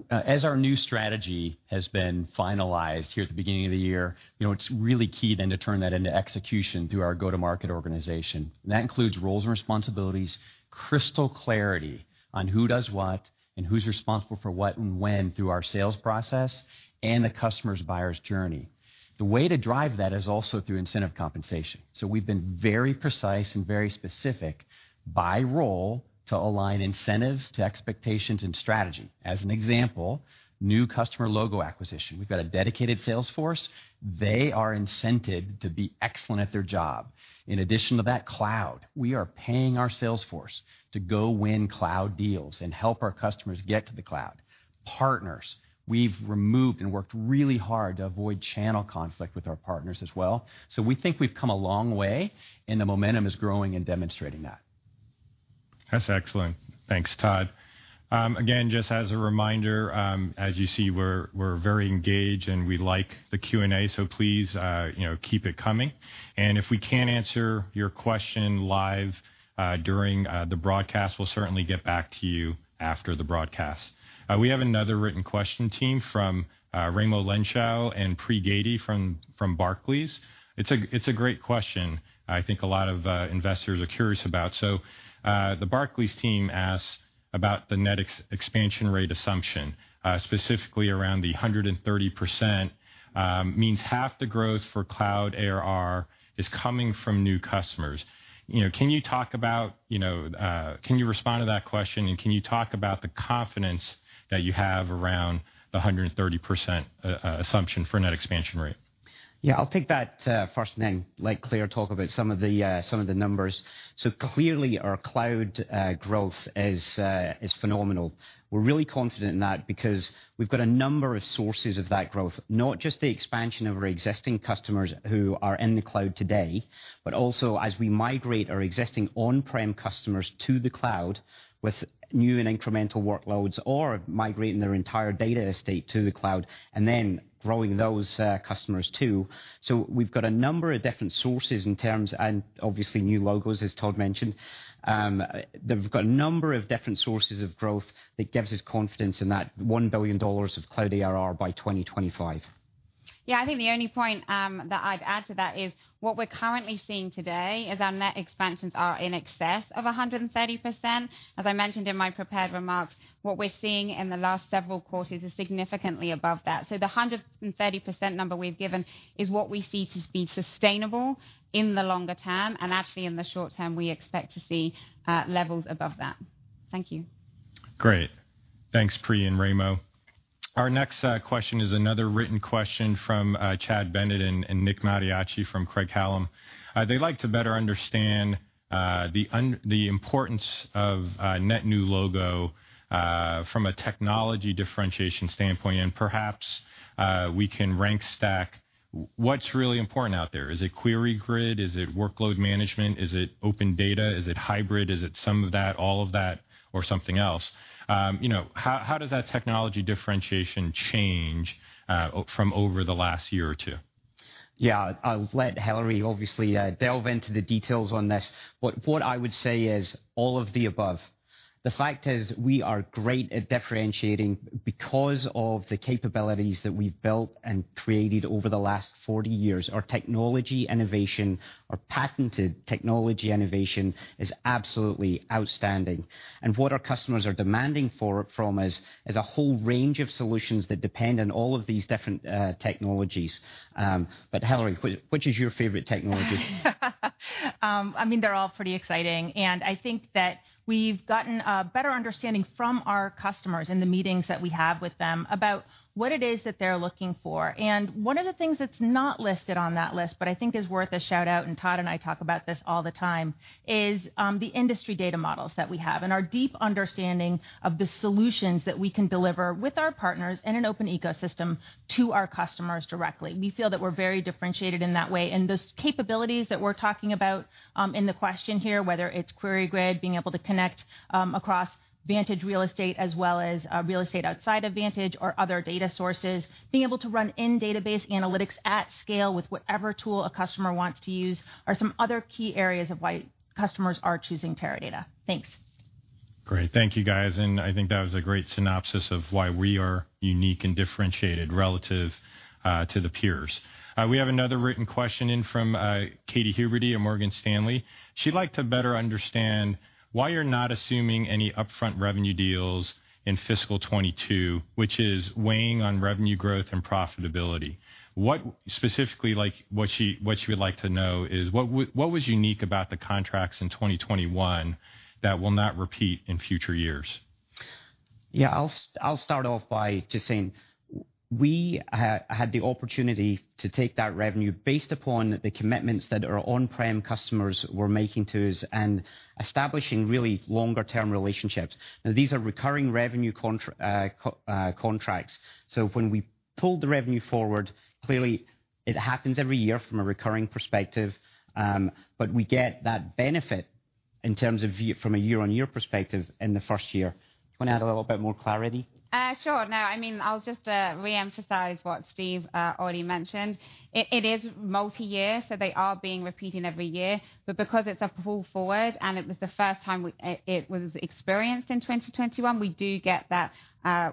As our new strategy has been finalized here at the beginning of the year, it's really key then to turn that into execution through our go-to-market organization. That includes roles and responsibilities, crystal clarity on who does what, and who's responsible for what and when through our sales process, and the customer's buyer's journey. The way to drive that is also through incentive compensation. We've been very precise and very specific by role to align incentives to expectations and strategy. As an example, new customer logo acquisition. We've got a dedicated sales force. They are incented to be excellent at their job. In addition to that, cloud. We are paying our sales force to go win cloud deals and help our customers get to the cloud. Partners, we've removed and worked really hard to avoid channel conflict with our partners as well. We think we've come a long way, and the momentum is growing and demonstrating that. That's excellent. Thanks, Todd. Again, just as a reminder, as you see, we're very engaged, and we like the Q&A, so please keep it coming. If we can't answer your question live during the broadcast, we'll certainly get back to you after the broadcast. We have another written question, team, from Raimo Lenschow and Pree Gadey from Barclays. It's a great question I think a lot of investors are curious about. The Barclays team asks about the net expansion rate assumption, specifically around the 130% means half the growth for cloud ARR is coming from new customers. Can you respond to that question, and can you talk about the confidence that you have around the 130% assumption for net expansion rate? Yeah, I'll take that first and then let Claire talk about some of the numbers. Clearly our cloud growth is phenomenal. We're really confident in that because we've got a number of sources of that growth, not just the expansion of our existing customers who are in the cloud today, but also as we migrate our existing on-prem customers to the cloud with new and incremental workloads, or migrating their entire data estate to the cloud, and then growing those customers, too. We've got a number of different sources and obviously new logos, as Todd mentioned. We've got a number of different sources of growth that gives us confidence in that $1 billion of cloud ARR by 2025. Yeah, I think the only point that I'd add to that is what we're currently seeing today is our net expansions are in excess of 130%. As I mentioned in my prepared remarks, what we're seeing in the last several quarters is significantly above that. The 130% number we've given is what we see to be sustainable in the longer term, and actually in the short term, we expect to see levels above that. Thank you. Great. Thanks, Pree and Raimo. Our next question is another written question from Chad Bennett and Nick Mattiacci from Craig-Hallum. They'd like to better understand the importance of net new logo from a technology differentiation standpoint. Perhaps we can rank stack what's really important out there. Is it QueryGrid? Is it workload management? Is it open data? Is it hybrid? Is it some of that, all of that, or something else? How does that technology differentiation change from over the last year or two? Yeah. I'll let Hillary obviously delve into the details on this. What I would say is all of the above. The fact is we are great at differentiating because of the capabilities that we've built and created over the last 40 years. Our technology innovation, our patented technology innovation is absolutely outstanding. What our customers are demanding from us is a whole range of solutions that depend on all of these different technologies. Hillary, which is your favorite technology? They're all pretty exciting. I think that we've gotten a better understanding from our customers in the meetings that we have with them about what it is that they're looking for. One of the things that's not listed on that list, but I think is worth a shout-out, and Todd and I talk about this all the time, is the industry data models that we have and our deep understanding of the solutions that we can deliver with our partners in an open ecosystem to our customers directly. We feel that we're very differentiated in that way. Those capabilities that we're talking about in the question here, whether it's QueryGrid, being able to connect across Vantage real estate as well as real estate outside of Vantage or other data sources, being able to run in-database analytics at scale with whatever tool a customer wants to use, are some other key areas of why customers are choosing Teradata. Thanks. Great. Thank you guys. I think that was a great synopsis of why we are unique and differentiated relative to the peers. We have another written question in from Katy Huberty at Morgan Stanley. She'd like to better understand why you're not assuming any upfront revenue deals in fiscal 2022, which is weighing on revenue growth and profitability. What she would like to know is, what was unique about the contracts in 2021 that will not repeat in future years? Yeah. I'll start off by just saying we had the opportunity to take that revenue based upon the commitments that our on-prem customers were making to us and establishing really longer-term relationships. Now, these are recurring revenue contracts, so when we pulled the revenue forward, clearly it happens every year from a recurring perspective, but we get that benefit in terms of from a year-on-year perspective in the first year. Do you want to add a little bit more clarity? I'll just reemphasize what Steve already mentioned. It is multi-year, they are being repeated every year. Because it's a pull forward and it was the first time it was experienced in 2021, we do get that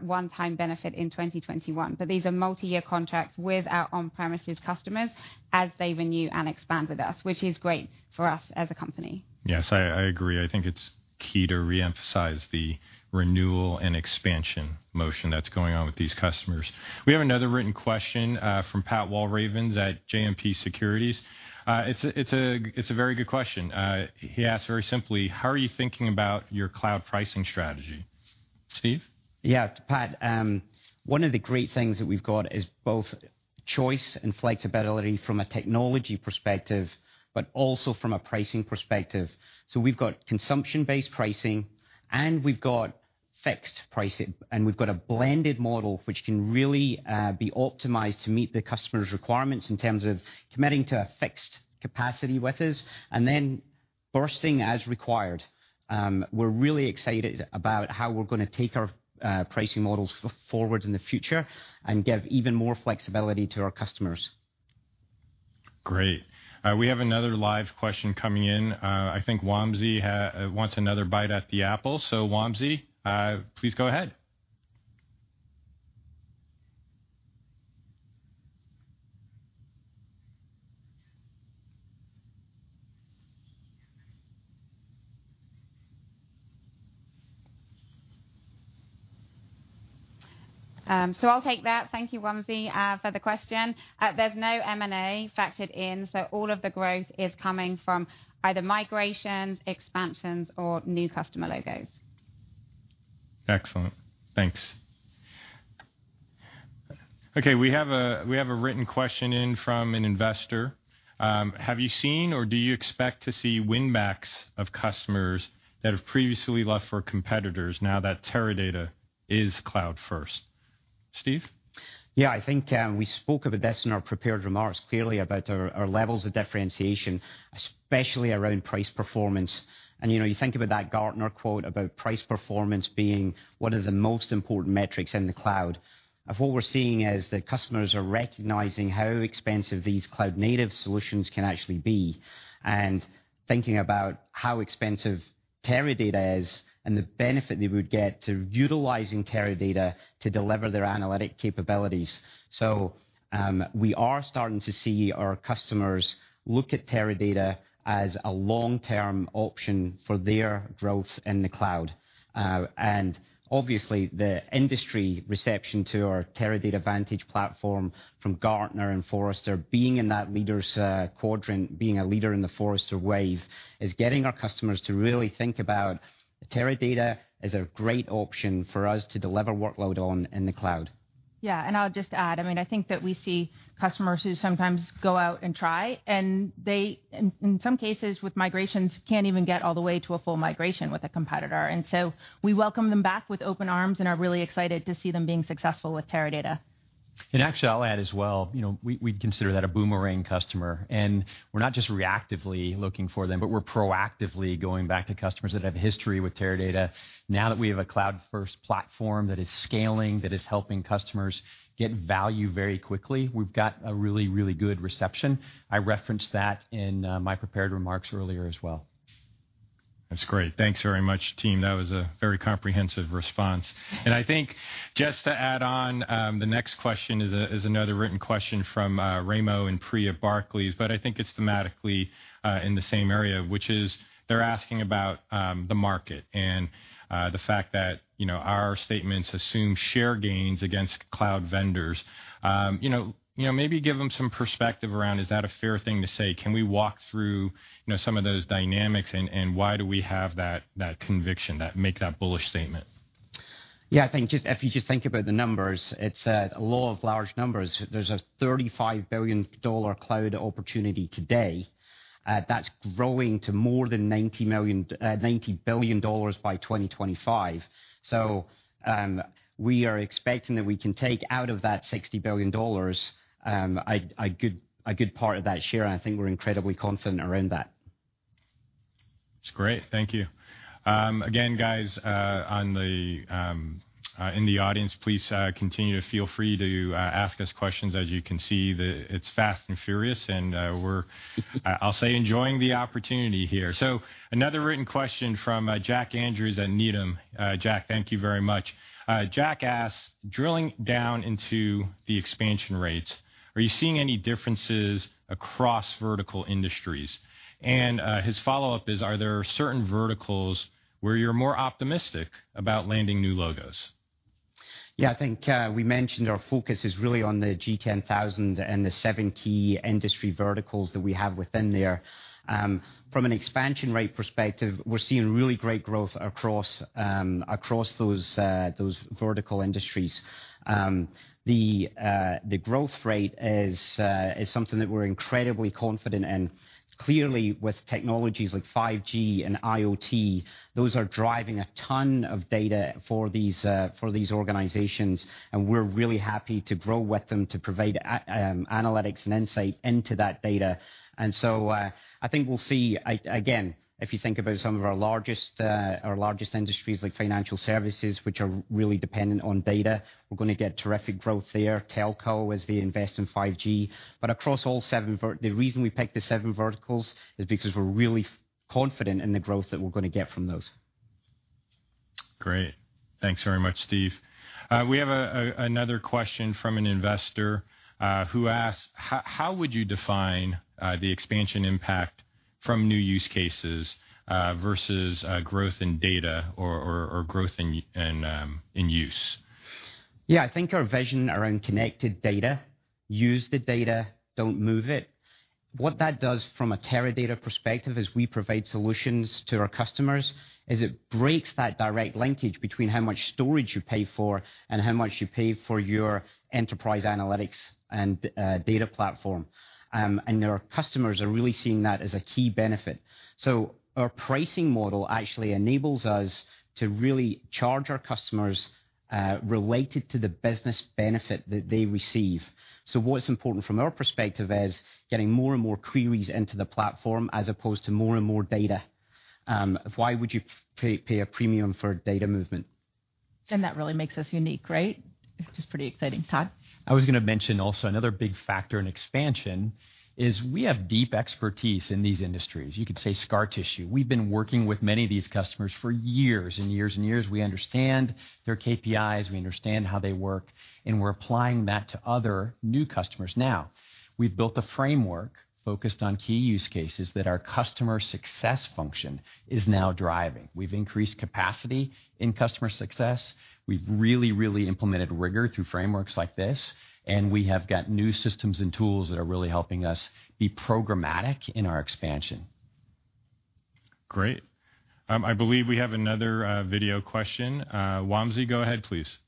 one-time benefit in 2021. These are multi-year contracts with our on-premises customers as they renew and expand with us, which is great for us as a company. Yes. I agree. I think it's key to reemphasize the renewal and expansion motion that's going on with these customers. We have another written question from Pat Walravens at JMP Securities. It's a very good question. He asks very simply, how are you thinking about your cloud pricing strategy? Steve? Yeah. Pat, one of the great things that we've got is both choice and flexibility from a technology perspective, but also from a pricing perspective. We've got consumption-based pricing, and we've got fixed pricing, and we've got a blended model which can really be optimized to meet the customer's requirements in terms of committing to a fixed capacity with us, and then bursting as required. We're really excited about how we're going to take our pricing models forward in the future and give even more flexibility to our customers. Great. We have another live question coming in. I think Wamsi wants another bite at the apple. Wamsi, please go ahead. I'll take that. Thank you, Wamsi, for the question. There's no M&A factored in, all of the growth is coming from either migrations, expansions, or new customer logos. Excellent. Thanks. Okay. We have a written question in from an investor. Have you seen or do you expect to see win backs of customers that have previously left for competitors now that Teradata is cloud first? Steve? Yeah. I think we spoke about this in our prepared remarks, clearly, about our levels of differentiation, especially around price performance. You think about that Gartner quote about price performance being one of the most important metrics in the cloud, what we're seeing is that customers are recognizing how expensive these cloud-native solutions can actually be, and thinking about how expensive Teradata is and the benefit they would get to utilizing Teradata to deliver their analytic capabilities. We are starting to see our customers look at Teradata as a long-term option for their growth in the cloud. Obviously, the industry reception to our Teradata Vantage platform from Gartner and Forrester, being in that Leaders Quadrant, being a leader in the Forrester Wave, is getting our customers to really think about Teradata as a great option for us to deliver workload on in the cloud. Yeah. I'll just add, I think that we see customers who sometimes go out and try, and they, in some cases with migrations, can't even get all the way to a full migration with a competitor. We welcome them back with open arms and are really excited to see them being successful with Teradata. Actually, I'll add as well, we'd consider that a boomerang customer, and we're not just reactively looking for them, but we're proactively going back to customers that have history with Teradata. Now that we have a cloud-first platform that is scaling, that is helping customers get value very quickly, we've got a really good reception. I referenced that in my prepared remarks earlier as well. That's great. Thanks very much, team. That was a very comprehensive response. I think just to add on, the next question is another written question from Raimo and Pree at Barclays, but I think it's thematically in the same area, which is they're asking about the market and the fact that our statements assume share gains against cloud vendors. Maybe give them some perspective around, is that a fair thing to say? Can we walk through some of those dynamics and why do we have that conviction that make that bullish statement? Yeah. If you just think about the numbers, it's a law of large numbers. There's a $35 billion cloud opportunity today. That's growing to more than $90 billion by 2025. We are expecting that we can take out of that $60 billion, a good part of that share, and I think we're incredibly confident around that. That's great. Thank you. Again, guys, in the audience, please continue to feel free to ask us questions. As you can see, it's fast and furious, and we're enjoying the opportunity here. Another written question from Jack Andrews at Needham. Jack, thank you very much. Jack asks, "Drilling down into the expansion rates, are you seeing any differences across vertical industries?" His follow-up is, "Are there certain verticals where you're more optimistic about landing new logos? Yeah, I think we mentioned our focus is really on the G10,000 and the seven key industry verticals that we have within there. From an expansion rate perspective, we're seeing really great growth across those vertical industries. The growth rate is something that we're incredibly confident in. Clearly, with technologies like 5G and IoT, those are driving a ton of data for these organizations, we're really happy to grow with them to provide analytics and insight into that data. I think we'll see, again, if you think about some of our largest industries like financial services, which are really dependent on data, we're going to get terrific growth there. Telco, as they invest in 5G. The reason we picked the seven verticals is because we're really confident in the growth that we're going to get from those. Great. Thanks very much, Steve. We have another question from an investor, who asks, "How would you define the expansion impact from new use cases versus growth in data or growth in use? Yeah, I think our vision around connected data, use the data, don't move it. What that does from a Teradata perspective is we provide solutions to our customers, is it breaks that direct linkage between how much storage you pay for and how much you pay for your enterprise analytics and data platform. Our customers are really seeing that as a key benefit. Our pricing model actually enables us to really charge our customers related to the business benefit that they receive. What's important from our perspective is getting more and more queries into the platform as opposed to more and more data. Why would you pay a premium for data movement? That really makes us unique, right? Which is pretty exciting. Todd? I was going to mention also another big factor in expansion is we have deep expertise in these industries. You could say scar tissue. We've been working with many of these customers for years and years and years. We understand their KPIs, we understand how they work, and we're applying that to other new customers now. We've built a framework focused on key use cases that our customer success function is now driving. We've increased capacity in customer success. We've really, really implemented rigor through frameworks like this, and we have got new systems and tools that are really helping us be programmatic in our expansion. Great. I believe we have another video question. Wamsi, go ahead, please.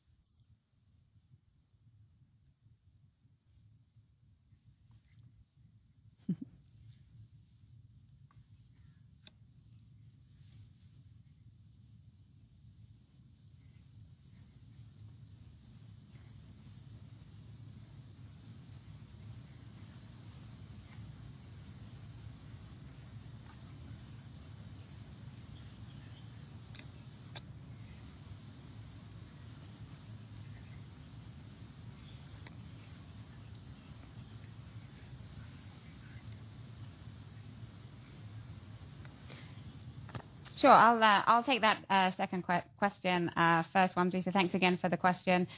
Sure. I'll take that second question first, Wamsi. Thanks again for the question.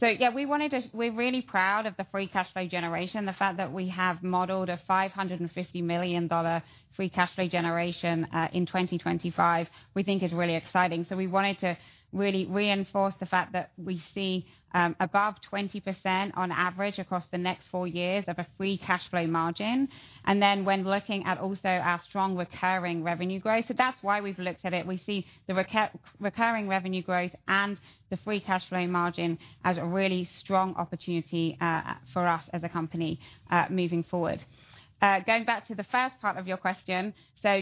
Yeah, we're really proud of the free cash flow generation. The fact that we have modeled a $550 million free cash flow generation in 2025, we think is really exciting. We wanted to really reinforce the fact that we see above 20% on average across the next four years of a free cash flow margin. When looking at also our strong recurring revenue growth. That's why we've looked at it. We see the recurring revenue growth and the free cash flow margin as a really strong opportunity for us as a company moving forward. Going back to the first part of your question,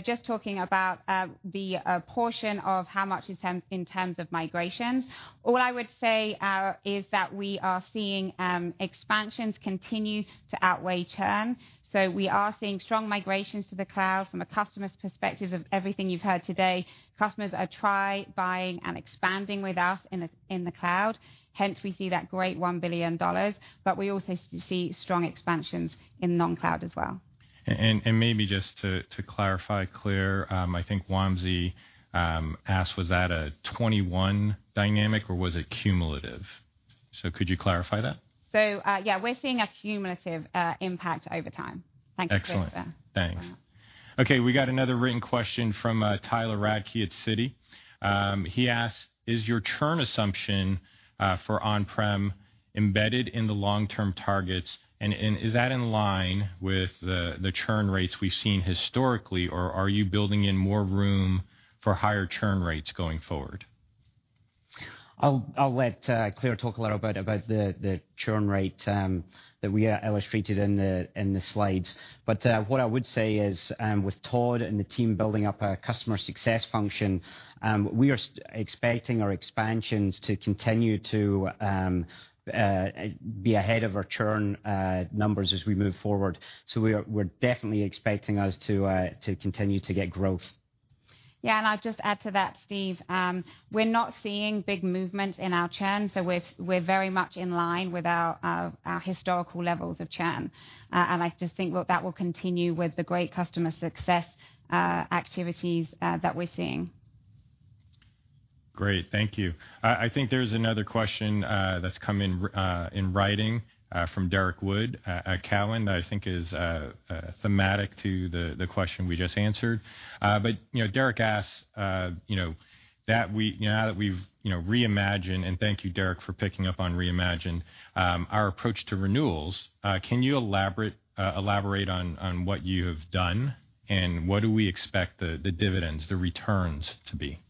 just talking about the portion of how much is in terms of migrations. All I would say is that we are seeing expansions continue to outweigh churn. We are seeing strong migrations to the cloud from a customer's perspective of everything you've heard today. Customers are buying and expanding with us in the cloud, hence we see that great $1 billion. We also see strong expansions in non-cloud as well. Maybe just to clarify, Claire, I think Wamsi asked was that a 2021 dynamic or was it cumulative? Could you clarify that? Yeah, we're seeing a cumulative impact over time. Thank you for- Excellent. that. Thanks. We got another written question from Tyler Radke at Citi. He asks, "Is your churn assumption for on-prem embedded in the long-term targets, and is that in line with the churn rates we've seen historically, or are you building in more room for higher churn rates going forward? I'll let Claire talk a little about the churn rate that we illustrated in the slides. What I would say is, with Todd and the team building up our customer success function, we are expecting our expansions to continue to be ahead of our churn numbers as we move forward. We're definitely expecting us to continue to get growth I'll just add to that, Steve. We're not seeing big movements in our churn, so we're very much in line with our historical levels of churn. I just think that will continue with the great customer success activities that we're seeing. Great. Thank you. I think there's another question that's come in in writing from Derrick Wood at Cowen that I think is thematic to the question we just answered. Derrick asks, "Now that we've reimagined," and thank you, Derrick, for picking up on reimagined, "our approach to renewals, can you elaborate on what you have done, and what do we expect the dividends, the returns to be?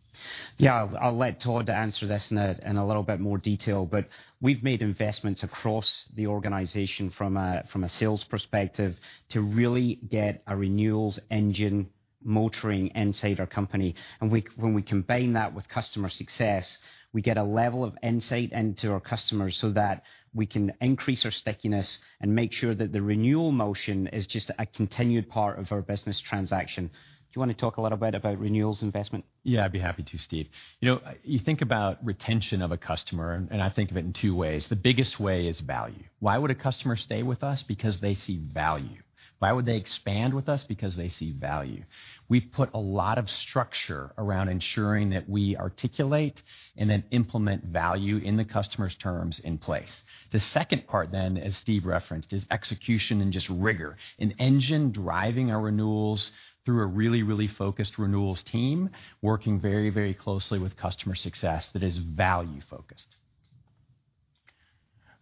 I'll let Todd answer this in a little bit more detail, but we've made investments across the organization from a sales perspective to really get a renewals engine motoring inside our company. When we combine that with customer success, we get a level of insight into our customers so that we can increase our stickiness and make sure that the renewal motion is just a continued part of our business transaction. Do you want to talk a little bit about renewals investment? Yeah, I'd be happy to, Steve. You think about retention of a customer, I think of it in two ways. The biggest way is value. Why would a customer stay with us? Because they see value. Why would they expand with us? Because they see value. We've put a lot of structure around ensuring that we articulate and then implement value in the customer's terms in place. The second part, as Steve referenced, is execution and just rigor, an engine driving our renewals through a really, really focused renewals team, working very, very closely with customer success that is value-focused.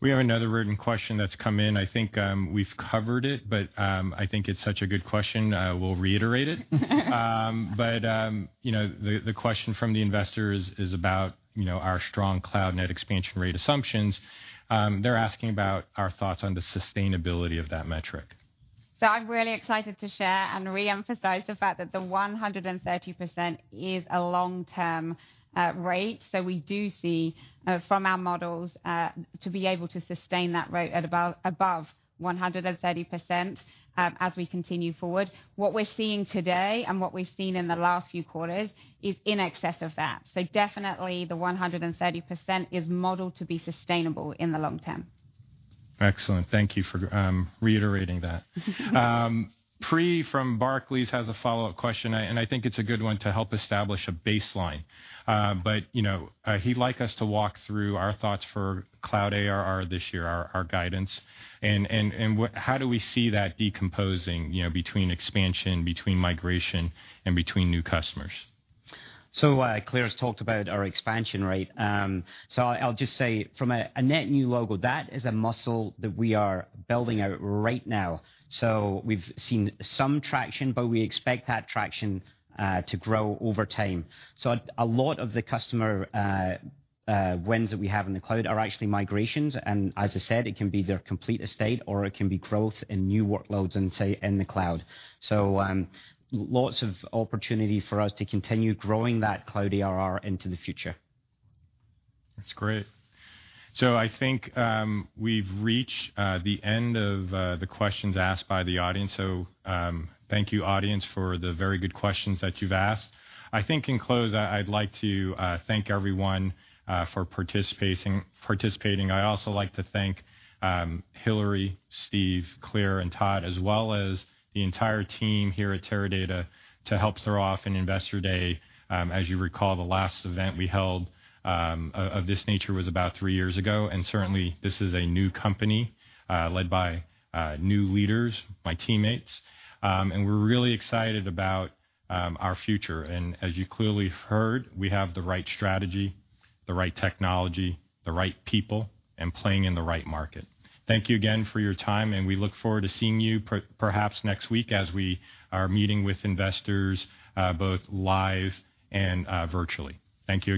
We have another written question that's come in. I think we've covered it, but I think it's such a good question, we'll reiterate it. The question from the investor is about our strong cloud net expansion rate assumptions. They're asking about our thoughts on the sustainability of that metric. I'm really excited to share and reemphasize the fact that the 130% is a long-term rate. We do see from our models to be able to sustain that rate at above 130% as we continue forward. What we're seeing today and what we've seen in the last few quarters is in excess of that. Definitely the 130% is modeled to be sustainable in the long term. Excellent. Thank you for reiterating that. Pree from Barclays has a follow-up question, and I think it's a good one to help establish a baseline. He'd like us to walk through our thoughts for cloud ARR this year, our guidance, and how do we see that decomposing between expansion, between migration, and between new customers? Claire's talked about our expansion rate. I'll just say from a net new logo, that is a muscle that we are building out right now. We've seen some traction, but we expect that traction to grow over time. A lot of the customer wins that we have in the cloud are actually migrations, and as I said, it can be their complete estate or it can be growth in new workloads in the cloud. Lots of opportunity for us to continue growing that cloud ARR into the future. That's great. I think we've reached the end of the questions asked by the audience, so thank you audience for the very good questions that you've asked. I think in close, I'd like to thank everyone for participating. I also like to thank Hillary, Steve, Claire, and Todd, as well as the entire team here at Teradata to help throw off an Investor Day. As you recall, the last event we held of this nature was about three years ago, and certainly, this is a new company led by new leaders, my teammates, and we're really excited about our future. As you clearly heard, we have the right strategy, the right technology, the right people, and playing in the right market. Thank you again for your time, and we look forward to seeing you perhaps next week as we are meeting with investors both live and virtually. Thank you again.